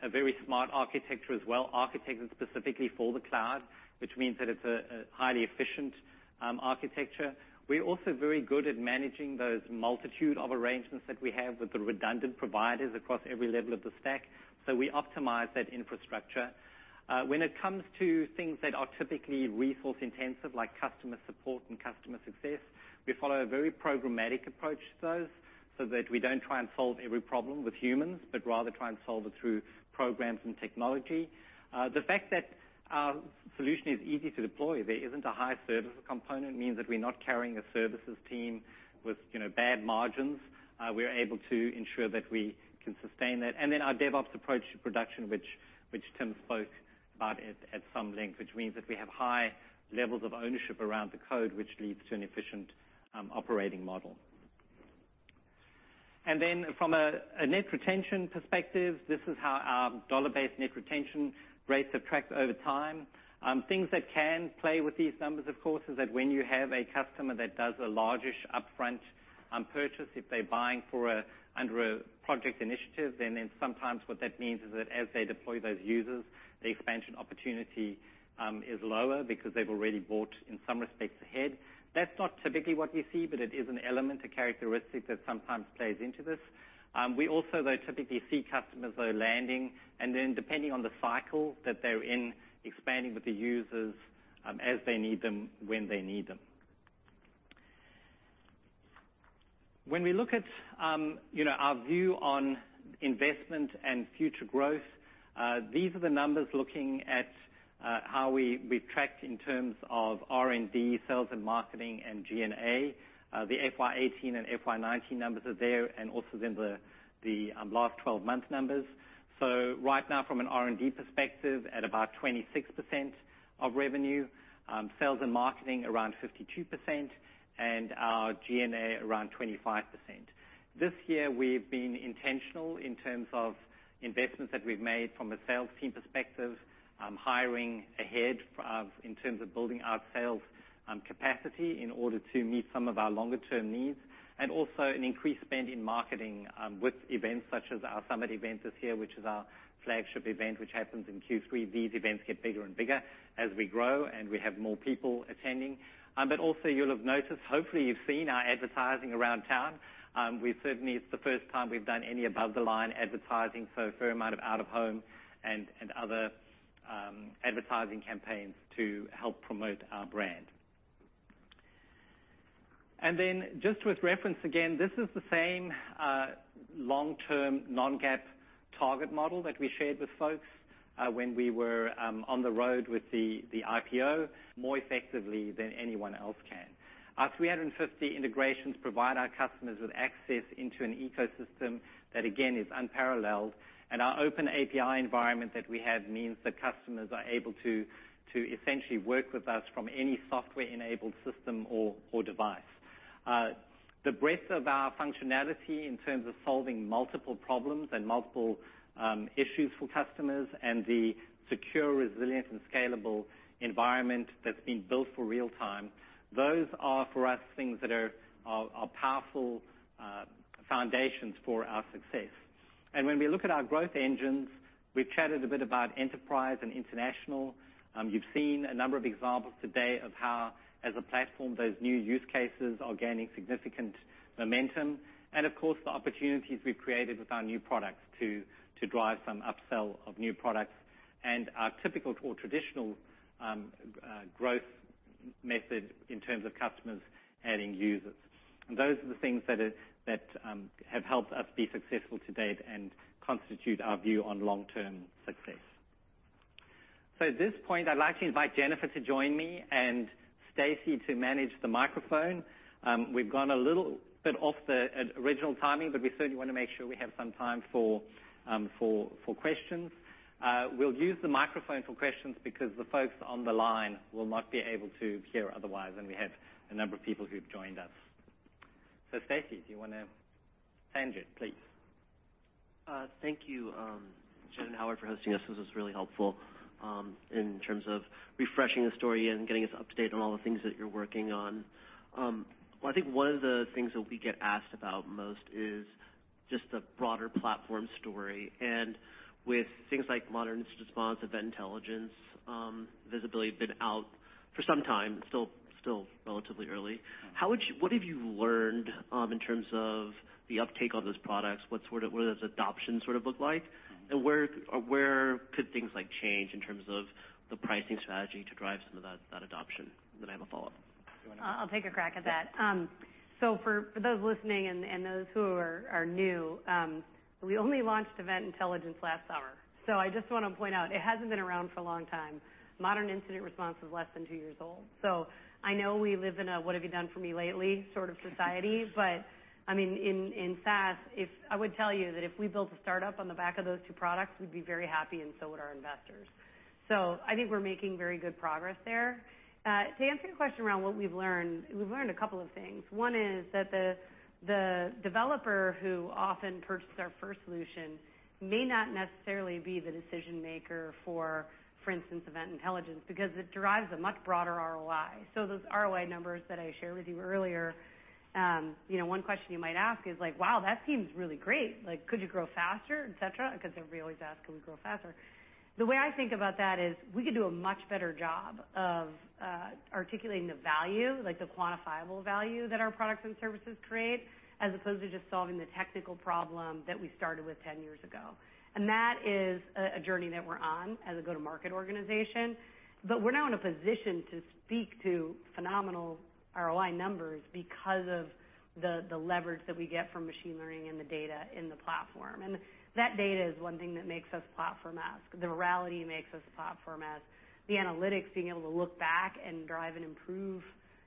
a very smart architecture as well, architected specifically for the cloud, which means that it's a highly efficient architecture. We're also very good at managing those multitude of arrangements that we have with the redundant providers across every level of the stack. So we optimize that infrastructure. When it comes to things that are typically resource-intensive, like customer support and customer success, we follow a very programmatic approach to those so that we don't try and solve every problem with humans but rather try and solve it through programs and technology. The fact that our solution is easy to deploy, there isn't a high service component, means that we're not carrying a services team with, you know, bad margins. We're able to ensure that we can sustain that and then our DevOps approach to production, which Tim spoke about at some length, which means that we have high levels of ownership around the code, which leads to an efficient operating model and then from a net retention perspective, this is how our dollar-based net retention rate subtracts over time. Things that can play with these numbers, of course, is that when you have a customer that does a largish upfront purchase, if they're buying for a under a project initiative, then sometimes what that means is that as they deploy those users, the expansion opportunity is lower because they've already bought in some respects ahead. That's not typically what we see, but it is an element, a characteristic that sometimes plays into this. We also, though, typically see customers, though, landing, and then depending on the cycle that they're in, expanding with the users, as they need them when they need them. When we look at, you know, our view on investment and future growth, these are the numbers looking at, how we, we've tracked in terms of R&D, sales, and marketing, and G&A. The FY 2018 and FY 2019 numbers are there, and also then the last 12-month numbers. So right now, from an R&D perspective, at about 26% of revenue, sales and marketing around 52%, and our G&A around 25%. This year, we've been intentional in terms of investments that we've made from a sales team perspective, hiring ahead of in terms of building our sales capacity in order to meet some of our longer-term needs, and also an increased spend in marketing, with events such as our Summit event this year, which is our flagship event, which happens in Q3. These events get bigger and bigger as we grow and we have more people attending, but also, you'll have noticed, hopefully, you've seen our advertising around town. We certainly, it's the first time we've done any above-the-line advertising, so a fair amount of out-of-home and other advertising campaigns to help promote our brand. And then just with reference again, this is the same long-term non-GAAP target model that we shared with folks when we were on the road with the IPO. More effectively than anyone else can. Our 350 integrations provide our customers with access into an ecosystem that, again, is unparalleled. And our open API environment that we have means that customers are able to essentially work with us from any software-enabled system or device. The breadth of our functionality in terms of solving multiple problems and multiple issues for customers and the secure, resilient, and scalable environment that's been built for real-time, those are, for us, things that are powerful foundations for our success. And when we look at our growth engines, we've chatted a bit about enterprise and international. You've seen a number of examples today of how, as a platform, those new use cases are gaining significant momentum. And of course, the opportunities we've created with our new products to drive some upsell of new products and our typical or traditional, growth method in terms of customers adding users. And those are the things that are, that have helped us be successful to date and constitute our view on long-term success. So at this point, I'd like to invite Jennifer to join me and Stacey to manage the microphone. We've gone a little bit off the original timing, but we certainly wanna make sure we have some time for questions. We'll use the microphone for questions because the folks on the line will not be able to hear otherwise, and we have a number of people who've joined us. So, Stacey, do you wanna take it, please? Thank you, Jen and Howard for hosting us. This was really helpful in terms of refreshing the story and getting us up to date on all the things that you're working on. Well, I think one of the things that we get asked about most is just the broader platform story. With things like Modern Incident Response, Event Intelligence, Visibility been out for some time, still relatively early. What have you learned in terms of the uptake of those products? What sort of what does adoption sort of look like? And where could things like change in terms of the pricing strategy to drive some of that adoption? Then I have a follow-up. I'll take a crack at that, so for those listening and those who are new, we only launched Event Intelligence last summer, so I just wanna point out it hasn't been around for a long time. Modern Incident Response is less than two years old, so I know we live in a what-have-you-done-for-me-lately sort of society, but I mean in SaaS, if I would tell you that if we built a startup on the back of those two products, we'd be very happy, and so would our investors, so I think we're making very good progress there. To answer your question around what we've learned, we've learned a couple of things. One is that the developer who often purchased our first solution may not necessarily be the decision-maker for instance, Event Intelligence because it derives a much broader ROI. So those ROI numbers that I shared with you earlier, you know, one question you might ask is like, "Wow, that seems really great. Like, could you grow faster, etc.?" 'Cause everybody always asks, "Can we grow faster?" The way I think about that is we could do a much better job of articulating the value, like the quantifiable value that our products and services create, as opposed to just solving the technical problem that we started with 10 years ago. And that is a journey that we're on as a go-to-market organization. But we're now in a position to speak to phenomenal ROI numbers because of the leverage that we get from machine learning and the data in the platform. And that data is one thing that makes us platform-esque. The reality makes us platform-esque. The Analytics, being able to look back and drive and improve,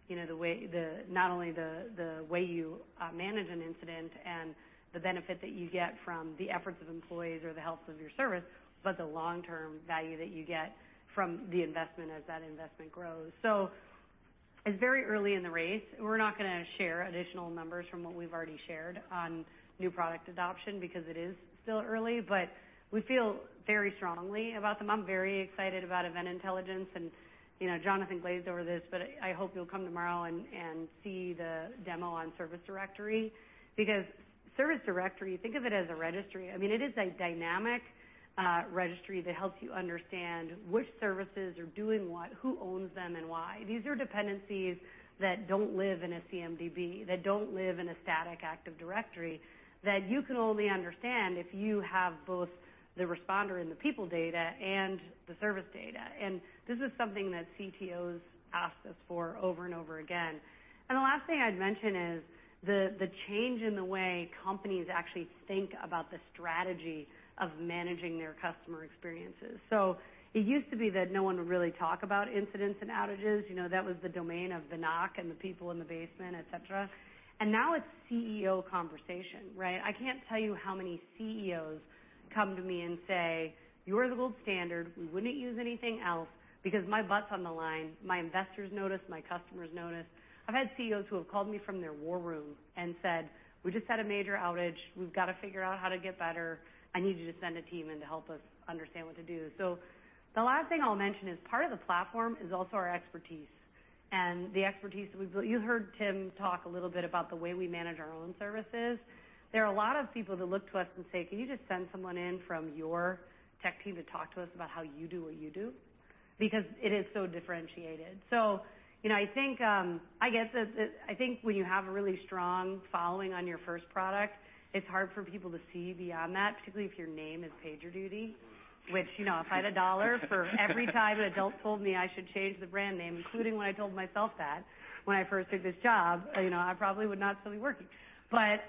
you know, the way, not only the way you manage an incident and the benefit that you get from the efforts of employees or the health of your service, but the long-term value that you get from the investment as that investment grows, so it's very early in the race. We're not gonna share additional numbers from what we've already shared on new product adoption because it is still early, but we feel very strongly about them. I'm very excited about Event Intelligence, and you know, Jonathan glazed over this, but I hope you'll come tomorrow and see the demo on Service Directory because Service Directory, think of it as a registry. I mean, it is a dynamic registry that helps you understand which services are doing what, who owns them, and why. These are dependencies that don't live in a CMDB, that don't live in a static Active Directory that you can only understand if you have both the responder and the people data and the service data. And this is something that CTOs asked us for over and over again. And the last thing I'd mention is the, the change in the way companies actually think about the strategy of managing their customer experiences. So it used to be that no one would really talk about incidents and outages. You know, that was the domain of the NOC and the people in the basement, etc. And now it's CEO conversation, right? I can't tell you how many CEOs come to me and say, "You're the gold standard. We wouldn't use anything else because my butt's on the line. My investors noticed. My customers noticed." I've had CEOs who have called me from their war room and said, "We just had a major outage. We've gotta figure out how to get better. I need you to send a team in to help us understand what to do." So the last thing I'll mention is part of the platform is also our expertise. And the expertise that we've built, you heard Tim talk a little bit about the way we manage our own services. There are a lot of people that look to us and say, "Can you just send someone in from your tech team to talk to us about how you do what you do?" Because it is so differentiated. So, you know, I think, I guess that I think when you have a really strong following on your first product, it's hard for people to see beyond that, particularly if your name is PagerDuty, which, you know, if I had a dollar for every time an adult told me I should change the brand name, including when I told myself that when I first took this job, you know, I probably would not still be working, but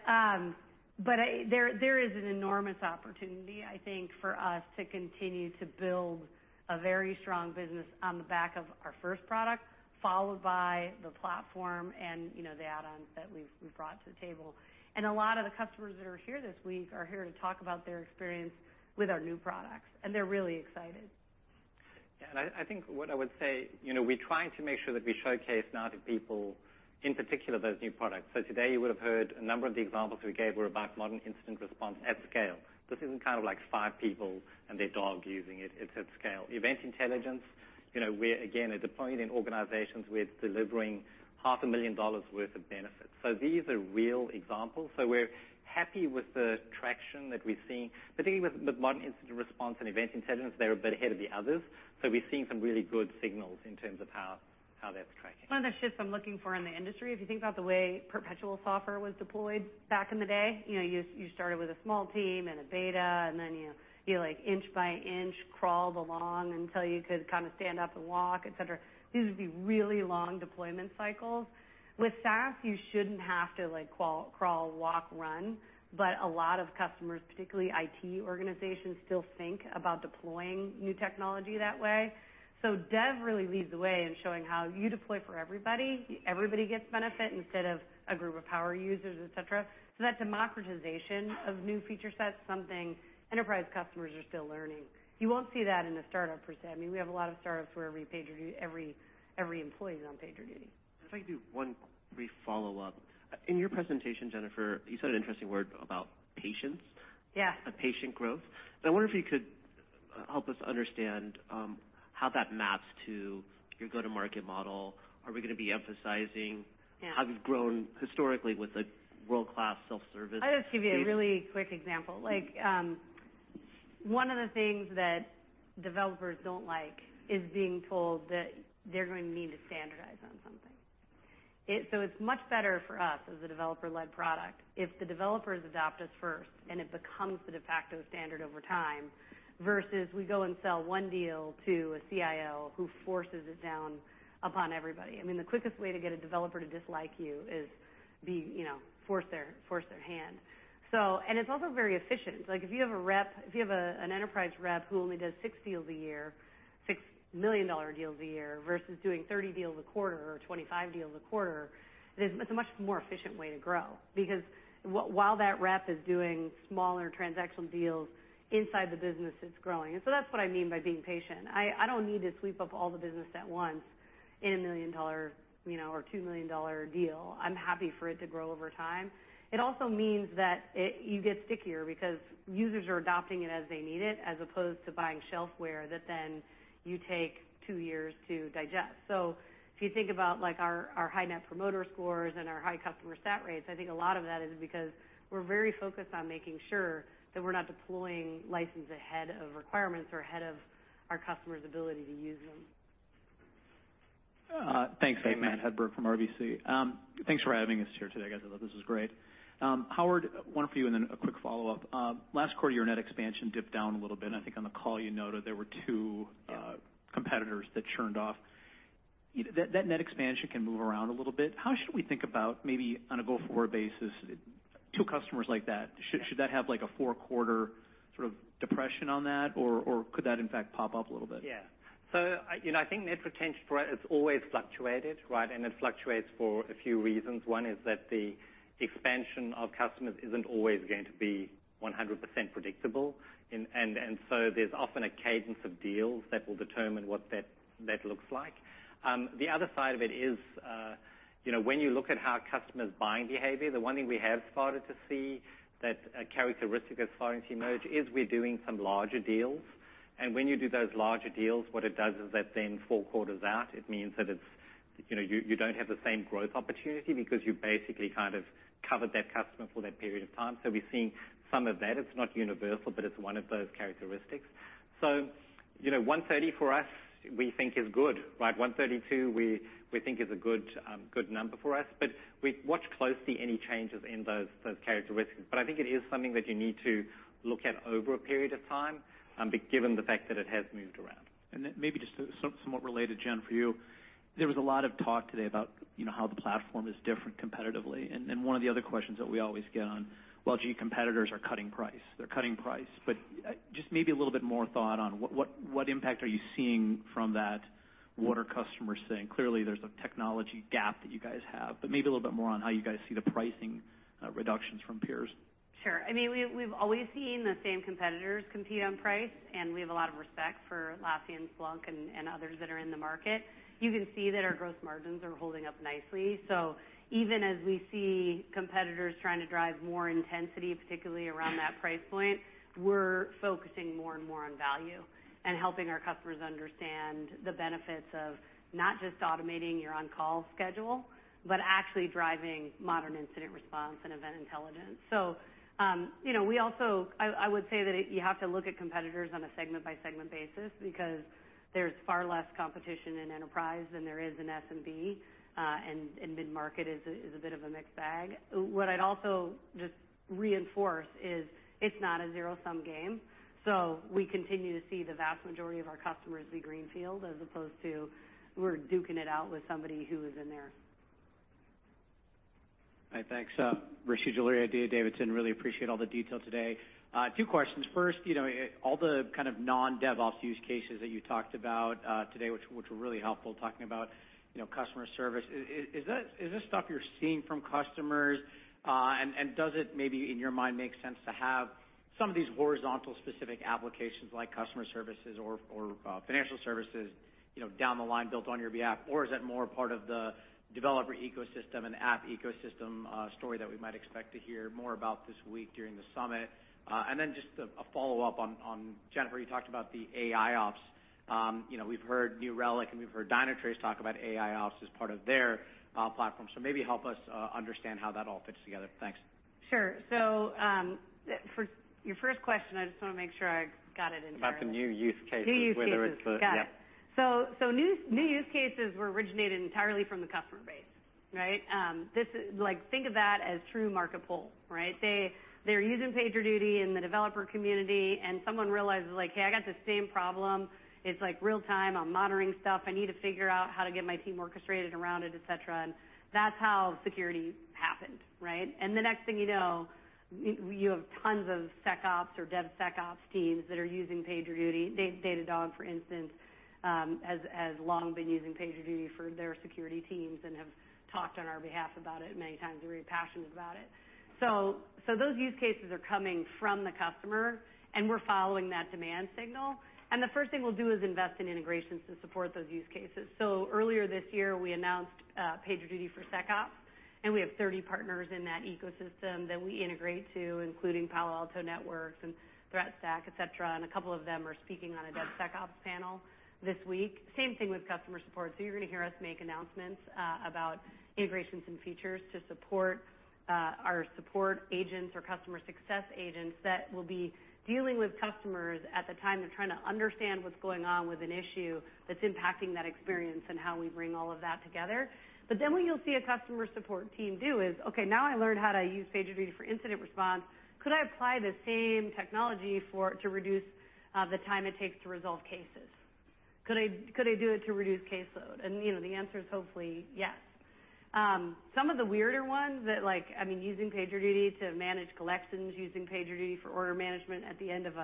there is an enormous opportunity, I think, for us to continue to build a very strong business on the back of our first product, followed by the platform and, you know, the add-ons that we've brought to the table, and a lot of the customers that are here this week are here to talk about their experience with our new products, and they're really excited. Yeah, and I think what I would say, you know, we're trying to make sure that we showcase now to people, in particular, those new products. So today, you would have heard a number of the examples we gave were about Modern Incident Response at scale. This isn't kind of like five people and their dog using it. It's at scale. Event Intelligence, you know, we're again at the point in organizations where it's delivering $500,000 worth of benefits. So these are real examples. So we're happy with the traction that we're seeing, particularly with Modern Incident Response and Event Intelligence. They're a bit ahead of the others. So we're seeing some really good signals in terms of how that's tracking. One of the shifts I'm looking for in the industry, if you think about the way perpetual software was deployed back in the day, you know, you started with a small team and a beta, and then you like inch by inch crawled along until you could kind of stand up and walk, etc. These would be really long deployment cycles. With SaaS, you shouldn't have to like crawl, crawl, walk, run. But a lot of customers, particularly IT organizations, still think about deploying new technology that way. So dev really leads the way in showing how you deploy for everybody. Everybody gets benefit instead of a group of power users, etc. So that democratization of new feature sets, something enterprise customers are still learning. You won't see that in a startup per se. I mean, we have a lot of startups where every PagerDuty, every employee is on PagerDuty. If I could do one quick follow-up. In your presentation, Jennifer, you said an interesting word about patience. Yeah. A patient growth. And I wonder if you could help us understand how that maps to your go-to-market model. Are we gonna be emphasizing? Yeah. How we've grown historically with a world-class self-service? I'll just give you a really quick example. Like, one of the things that developers don't like is being told that they're going to need to standardize on something. It's much better for us as a developer-led product if the developers adopt us first and it becomes the de facto standard over time versus we go and sell one deal to a CIO who forces it down upon everybody. I mean, the quickest way to get a developer to dislike you is, you know, force their hand. So, and it's also very efficient. Like if you have an enterprise rep who only does six deals a year, six $1 million deals a year versus doing 30 deals a quarter or 25 deals a quarter, it's a much more efficient way to grow because while that rep is doing smaller transactional deals inside the business, it's growing, and so that's what I mean by being patient. I don't need to sweep up all the business at once in a $1 million, you know, or $2 million deal. I'm happy for it to grow over time. It also means that you get stickier because users are adopting it as they need it as opposed to buying shelfware that then you take two years to digest. So if you think about like our high Net Promoter Scores and our high customer sat rates, I think a lot of that is because we're very focused on making sure that we're not deploying license ahead of requirements or ahead of our customer's ability to use them. Thanks, Matt Hedberg from RBC. Thanks for having us here today, guys. I thought this was great. Howard, one for you and then a quick follow-up. Last quarter, your net expansion dipped down a little bit. I think on the call, you noted there were two competitors that churned off. You know, that net expansion can move around a little bit. How should we think about maybe on a go-forward basis, two customers like that? Should that have like a four-quarter sort of depression on that, or could that in fact pop up a little bit? Yeah. So I, you know, I think net retention for it has always fluctuated, right? And it fluctuates for a few reasons. One is that the expansion of customers isn't always going to be 100% predictable. And so there's often a cadence of deals that will determine what that looks like. The other side of it is, you know, when you look at how customers' buying behavior, the one thing we have started to see that a characteristic that's starting to emerge is we're doing some larger deals. And when you do those larger deals, what it does is that then four quarters out, it means that it's, you know, you don't have the same growth opportunity because you basically kind of covered that customer for that period of time. So we're seeing some of that. It's not universal, but it's one of those characteristics. You know, 130 for us, we think is good, right? 132, we think is a good number for us, but we watch closely any changes in those characteristics, but I think it is something that you need to look at over a period of time, given the fact that it has moved around. And maybe just somewhat related, Jen, for you, there was a lot of talk today about, you know, how the platform is different competitively. And one of the other questions that we always get on, well, gee, competitors are cutting price. They're cutting price. But just maybe a little bit more thought on what impact are you seeing from that? What are customers saying? Clearly, there's a technology gap that you guys have, but maybe a little bit more on how you guys see the pricing reductions from peers. Sure. I mean, we've always seen the same competitors compete on price, and we have a lot of respect for Atlassian and Splunk and others that are in the market. You can see that our gross margins are holding up nicely, so even as we see competitors trying to drive more intensity, particularly around that price point, we're focusing more and more on value and helping our customers understand the benefits of not just automating your on-call schedule, but actually driving Modern Incident Response and Event Intelligence, so you know, we also, I would say that you have to look at competitors on a segment-by-segment basis because there's far less competition in enterprise than there is in SMB, and mid-market is a bit of a mixed bag. What I'd also just reinforce is it's not a zero-sum game. We continue to see the vast majority of our customers be greenfield as opposed to we're duking it out with somebody who is in there. All right. Thanks, Rishi Jaluria, D.A. Davidson. Really appreciate all the detail today. Two questions. First, you know, all the kind of non-DevOps use cases that you talked about today, which were really helpful talking about, you know, customer service. Is that this stuff you're seeing from customers, and does it maybe in your mind make sense to have some of these horizontal specific applications like customer services or financial services, you know, down the line built on your behalf? Or is that more part of the developer ecosystem and app ecosystem story that we might expect to hear more about this week during the Summit? Then just a follow-up on Jennifer. You talked about the AIOps, you know. We've heard New Relic and we've heard Dynatrace talk about AIOps as part of their platform. So maybe help us understand how that all fits together. Thanks. Sure, so for your first question, I just wanna make sure I got it in. About the new use cases. New use cases. Whether it's the. Got it. Yeah. So new use cases were originated entirely from the customer base, right? This is like, think of that as true market pull, right? They're using PagerDuty in the developer community, and someone realizes like, "Hey, I got the same problem. It's like real-time. I'm monitoring stuff. I need to figure out how to get my team orchestrated around it," etc., and that's how security happened, right, and the next thing you know, you have tons of SecOps or DevSecOps teams that are using PagerDuty. Datadog, for instance, has long been using PagerDuty for their security teams and have talked on our behalf about it many times. They're very passionate about it, so those use cases are coming from the customer, and we're following that demand signal, and the first thing we'll do is invest in integrations to support those use cases. So earlier this year, we announced PagerDuty for SecOps, and we have 30 partners in that ecosystem that we integrate to, including Palo Alto Networks and Threat Stack, etc. And a couple of them are speaking on a DevSecOps panel this week. Same thing with customer support. So you're gonna hear us make announcements about integrations and features to support our support agents or customer success agents that will be dealing with customers at the time they're trying to understand what's going on with an issue that's impacting that experience and how we bring all of that together. But then what you'll see a customer support team do is, "Okay. Now I learned how to use PagerDuty for incident response. Could I apply the same technology for to reduce the time it takes to resolve cases? Could I, could I do it to reduce caseload?" And, you know, the answer is hopefully yes. Some of the weirder ones that like, I mean, using PagerDuty to manage collections, using PagerDuty for order management at the end of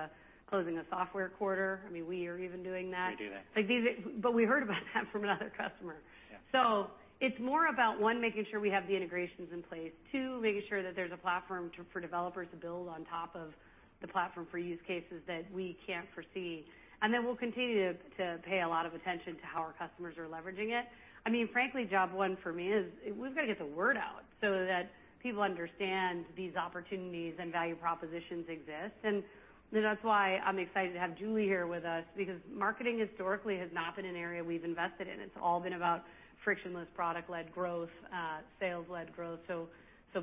closing a software quarter. I mean, we are even doing that. We do that. Like these, but we heard about that from another customer. Yeah. So it's more about, one, making sure we have the integrations in place, two, making sure that there's a platform for developers to build on top of the platform for use cases that we can't foresee. And then we'll continue to pay a lot of attention to how our customers are leveraging it. I mean, frankly, job one for me is we've gotta get the word out so that people understand these opportunities and value propositions exist. And, you know, that's why I'm excited to have Julie here with us because marketing historically has not been an area we've invested in. It's all been about frictionless product-led growth, sales-led growth so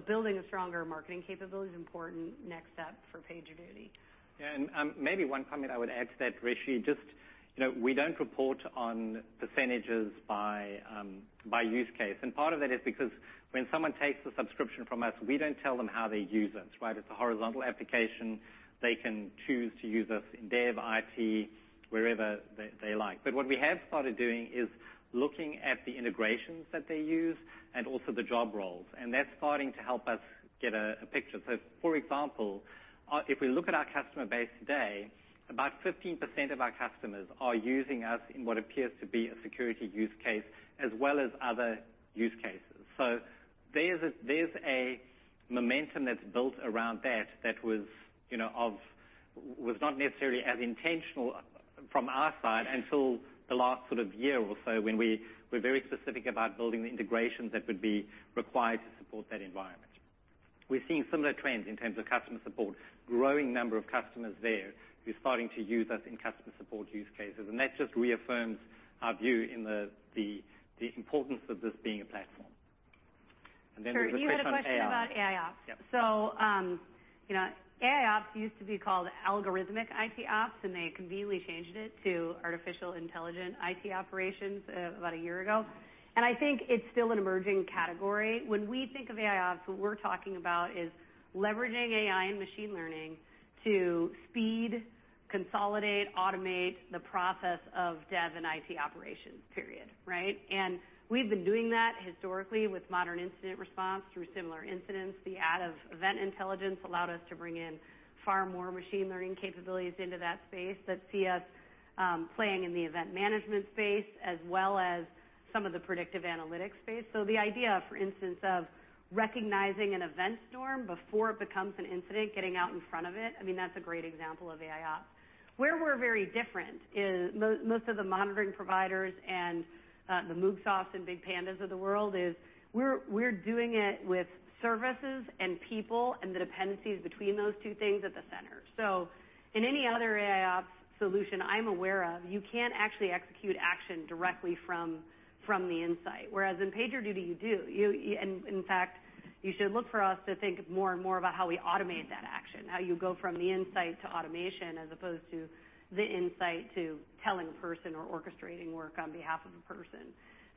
building a stronger marketing capability is an important next step for PagerDuty. Yeah. And maybe one comment I would add to that, Rishi, just, you know, we don't report on percentages by use case. And part of that is because when someone takes a subscription from us, we don't tell them how they use us, right? It's a horizontal application. They can choose to use us in dev, IT, wherever they like. But what we have started doing is looking at the integrations that they use and also the job roles. And that's starting to help us get a picture. So, for example, if we look at our customer base today, about 15% of our customers are using us in what appears to be a security use case as well as other use cases. So there's a momentum that's built around that was, you know, was not necessarily as intentional from our side until the last sort of year or so when we were very specific about building the integrations that would be required to support that environment. We're seeing similar trends in terms of customer support, growing number of customers there who are starting to use us in customer support use cases. And that just reaffirms our view in the importance of this being a platform. And then we look at AI. So you had a question about AIOps. Yeah. So, you know, AIOps used to be called Algorithmic IT Ops, and they conveniently changed it to Artificial Intelligence IT Operations, about a year ago. And I think it's still an emerging category. When we think of AIOps, what we're talking about is leveraging AI and machine learning to speed, consolidate, automate the process of dev and IT operations, period, right? And we've been doing that historically with Modern Incident Response through Similar Incidents. The add of Event Intelligence allowed us to bring in far more machine learning capabilities into that space that sees us playing in the event management space as well as some of the predictive analytics space. So the idea, for instance, of recognizing an event storm before it becomes an incident, getting out in front of it, I mean, that's a great example of AIOps. Where we're very different is most of the monitoring providers and the Moogsoft and BigPanda of the world is we're doing it with services and people and the dependencies between those two things at the center. So in any other AIOps solution I'm aware of, you can't actually execute action directly from the insight. Whereas in PagerDuty, you do and, in fact, you should look for us to think more and more about how we automate that action, how you go from the insight to automation as opposed to the insight to telling a person or orchestrating work on behalf of a person.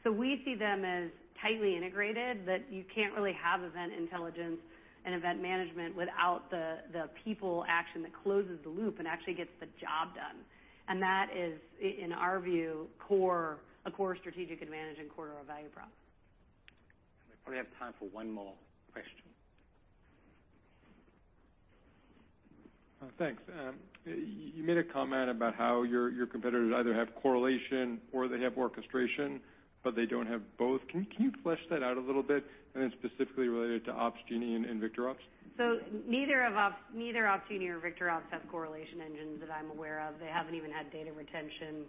So we see them as tightly integrated that you can't really have Event Intelligence and event management without the people action that closes the loop and actually gets the job done. And that is, in our view, core, a core strategic advantage and core of value prop. We probably have time for one more question. Thanks. You made a comment about how your competitors either have correlation or they have orchestration, but they don't have both. Can you flesh that out a little bit? And then specifically related to Opsgenie and VictorOps? So neither Opsgenie nor VictorOps have correlation engines that I'm aware of. They haven't even had data retention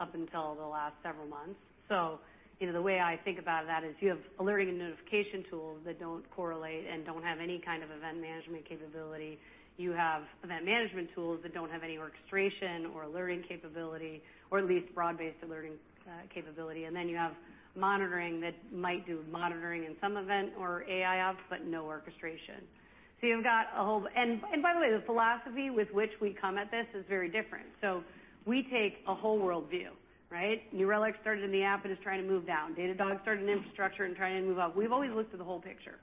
up until the last several months. So, you know, the way I think about that is you have alerting and notification tools that don't correlate and don't have any kind of event management capability. You have event management tools that don't have any orchestration or alerting capability, or at least broad-based alerting capability. And then you have monitoring that might do monitoring in some event or AIOps, but no orchestration. So you've got a whole, and by the way, the philosophy with which we come at this is very different. So we take a whole worldview, right? New Relic started in the app and is trying to move down. Datadog started in infrastructure and trying to move up. We've always looked at the whole picture.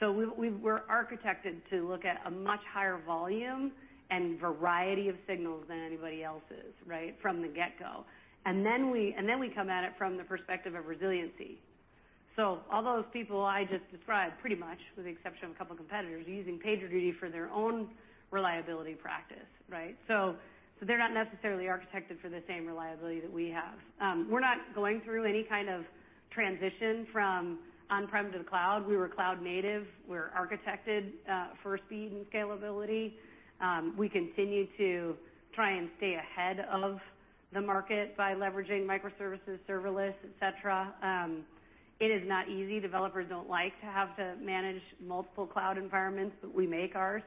So we're architected to look at a much higher volume and variety of signals than anybody else's, right, from the get-go. And then we come at it from the perspective of resiliency. So all those people I just described, pretty much, with the exception of a couple of competitors, are using PagerDuty for their own reliability practice, right? So they're not necessarily architected for the same reliability that we have. We're not going through any kind of transition from on-prem to the cloud. We were cloud native. We're architected for speed and scalability. We continue to try and stay ahead of the market by leveraging microservices, serverless, etc. It is not easy. Developers don't like to have to manage multiple cloud environments, but we make ours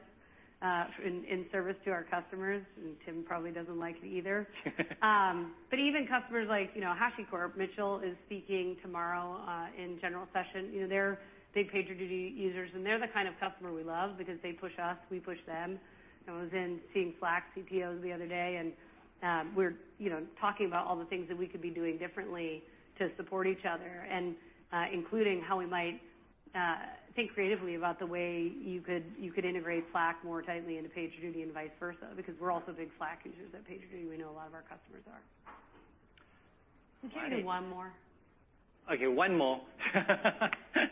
in service to our customers. And Tim probably doesn't like it either. But even customers like, you know, HashiCorp, Mitchell is speaking tomorrow, in General Session. You know, they're big PagerDuty users, and they're the kind of customer we love because they push us, we push them. I was in seeing Slack CTOs the other day, and we're, you know, talking about all the things that we could be doing differently to support each other and including how we might think creatively about the way you could integrate Slack more tightly into PagerDuty and vice versa because we're also big Slack users at PagerDuty. We know a lot of our customers are. Okay. Can I get one more? Okay. One more.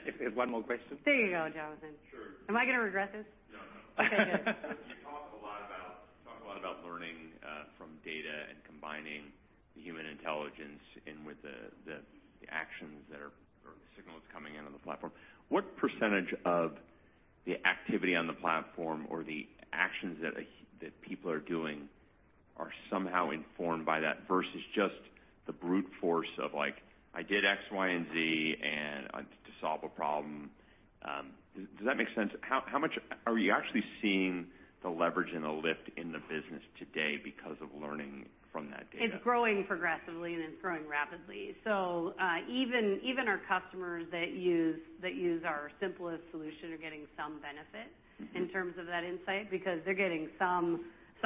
If there's one more question. There you go, Jonathan. Sure. Am I gonna regret this? No, no. Okay. Good. You talk a lot about learning from data and combining the human intelligence in with the actions that are or the signals coming in on the platform. What percentage of the activity on the platform or the actions that people are doing are somehow informed by that versus just the brute force of like, "I did X, Y, and Z and I to solve a problem"? Does that make sense? How much are you actually seeing the leverage and the lift in the business today because of learning from that data? It's growing progressively and it's growing rapidly. So, even our customers that use our simplest solution are getting some benefit. Mm-hmm. In terms of that insight because they're getting some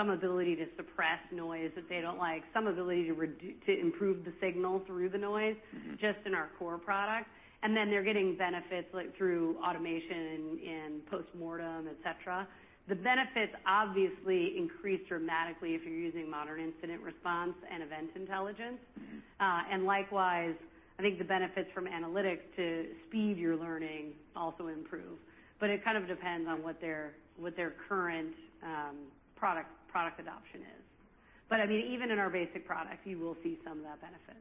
ability to suppress noise that they don't like, some ability to reduce to improve the signal through the noise. Mm-hmm. Just in our core product, and then they're getting benefits like through automation and postmortem, etc. The benefits obviously increase dramatically if you're using Modern Incident Response and Event Intelligence. Mm-hmm. And likewise, I think the benefits from Analytics to speed your learning also improve. But it kind of depends on what their current product adoption is. But I mean, even in our basic product, you will see some of that benefit.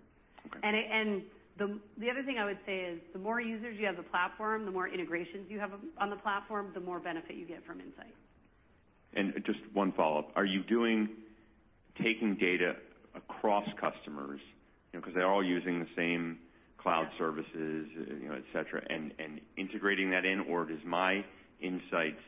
Okay. The other thing I would say is the more users you have the platform, the more integrations you have on the platform, the more benefit you get from insight. And just one follow-up. Are you doing taking data across customers, you know, 'cause they're all using the same cloud services, you know, etc., and integrating that in, or does my insights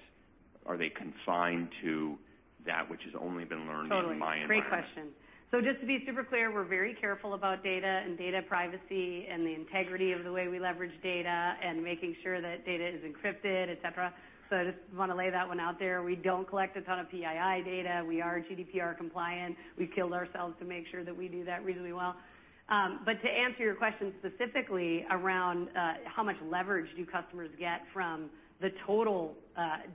are they confined to that which has only been learned in my environment? Totally. Great question. So just to be super clear, we're very careful about data and data privacy and the integrity of the way we leverage data and making sure that data is encrypted, etc. So I just wanna lay that one out there. We don't collect a ton of PII data. We are GDPR compliant. We've killed ourselves to make sure that we do that reasonably well. But to answer your question specifically around how much leverage do customers get from the total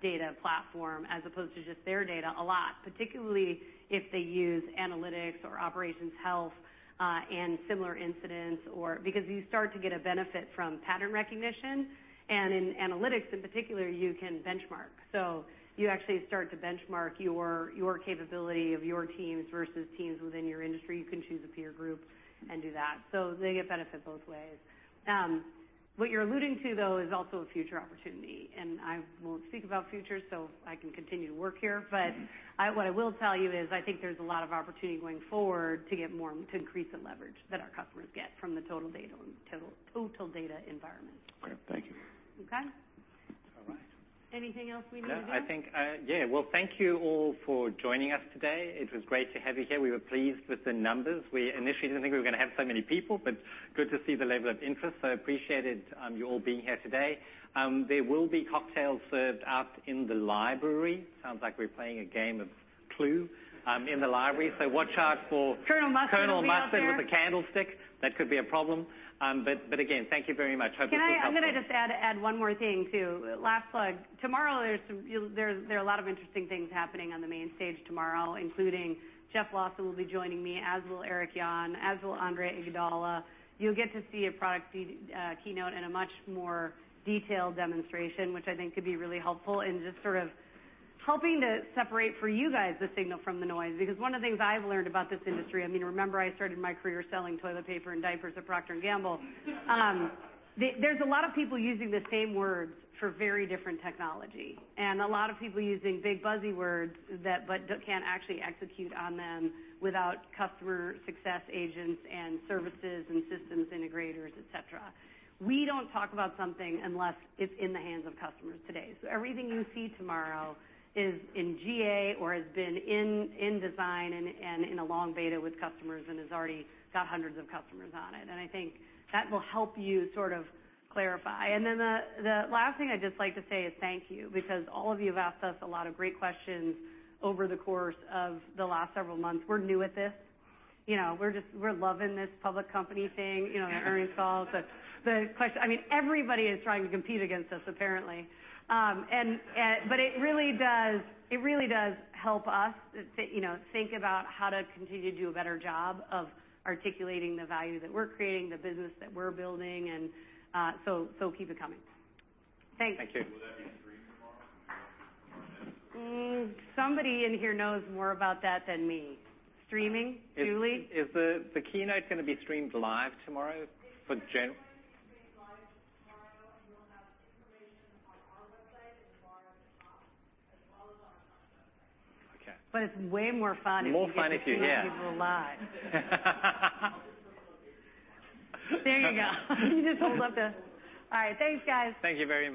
data platform as opposed to just their data, a lot, particularly if they use Analytics or Operations Health, and Similar Incidents or because you start to get a benefit from pattern recognition. And in Analytics in particular, you can benchmark. So you actually start to benchmark your capability of your teams versus teams within your industry. You can choose a peer group and do that. So they get benefit both ways. What you're alluding to, though, is also a future opportunity. And I won't speak about future so I can continue to work here. But what I will tell you is I think there's a lot of opportunity going forward to get more to increase the leverage that our customers get from the total data and total data environment. Okay. Thank you. Okay. All right. Anything else we need to do? No, I think, yeah. Well, thank you all for joining us today. It was great to have you here. We were pleased with the numbers. We initially didn't think we were gonna have so many people, but good to see the level of interest. So I appreciated you all being here today. There will be cocktails served out in the library. Sounds like we're playing a game of Clue in the library. So watch out for Colonel Mustard with a candlestick. That could be a problem. But again, thank you very much. Hope it was helpful. Yeah. I'm gonna just add one more thing too. Last plug. Tomorrow, there are a lot of interesting things happening on the main stage tomorrow, including Jeff Lawson will be joining me, as will Eric Yuan, as will Andre Iguodala. You'll get to see a product demo keynote and a much more detailed demonstration, which I think could be really helpful in just sort of helping to separate for you guys the signal from the noise because one of the things I've learned about this industry. I mean, remember I started my career selling toilet paper and diapers at Procter & Gamble? There's a lot of people using the same words for very different technology, and a lot of people using big buzzy words that but can't actually execute on them without customer success agents and services and systems integrators, etc. We don't talk about something unless it's in the hands of customers today. So everything you see tomorrow is in GA or has been in design and in a long beta with customers and has already got hundreds of customers on it. And I think that will help you sort of clarify. And then the last thing I'd just like to say is thank you because all of you have asked us a lot of great questions over the course of the last several months. We're new at this. You know, we're just loving this public company thing. You know, the earnings calls. The question, I mean, everybody is trying to compete against us apparently. But it really does help us to, you know, think about how to continue to do a better job of articulating the value that we're creating, the business that we're building. So keep it coming. Thanks. Thank you. Will that be streamed tomorrow? Somebody in here knows more about that than me. Streaming? Julie? Is the keynote gonna be streamed live tomorrow for Jen? If you want it to be streamed live tomorrow, you'll have information on our website as far as the ops as well as on our customer website. Okay. But it's way more fun if you just. More fun if you hear. People live. There you go. You just hold up the all right. Thanks, guys. Thank you very much.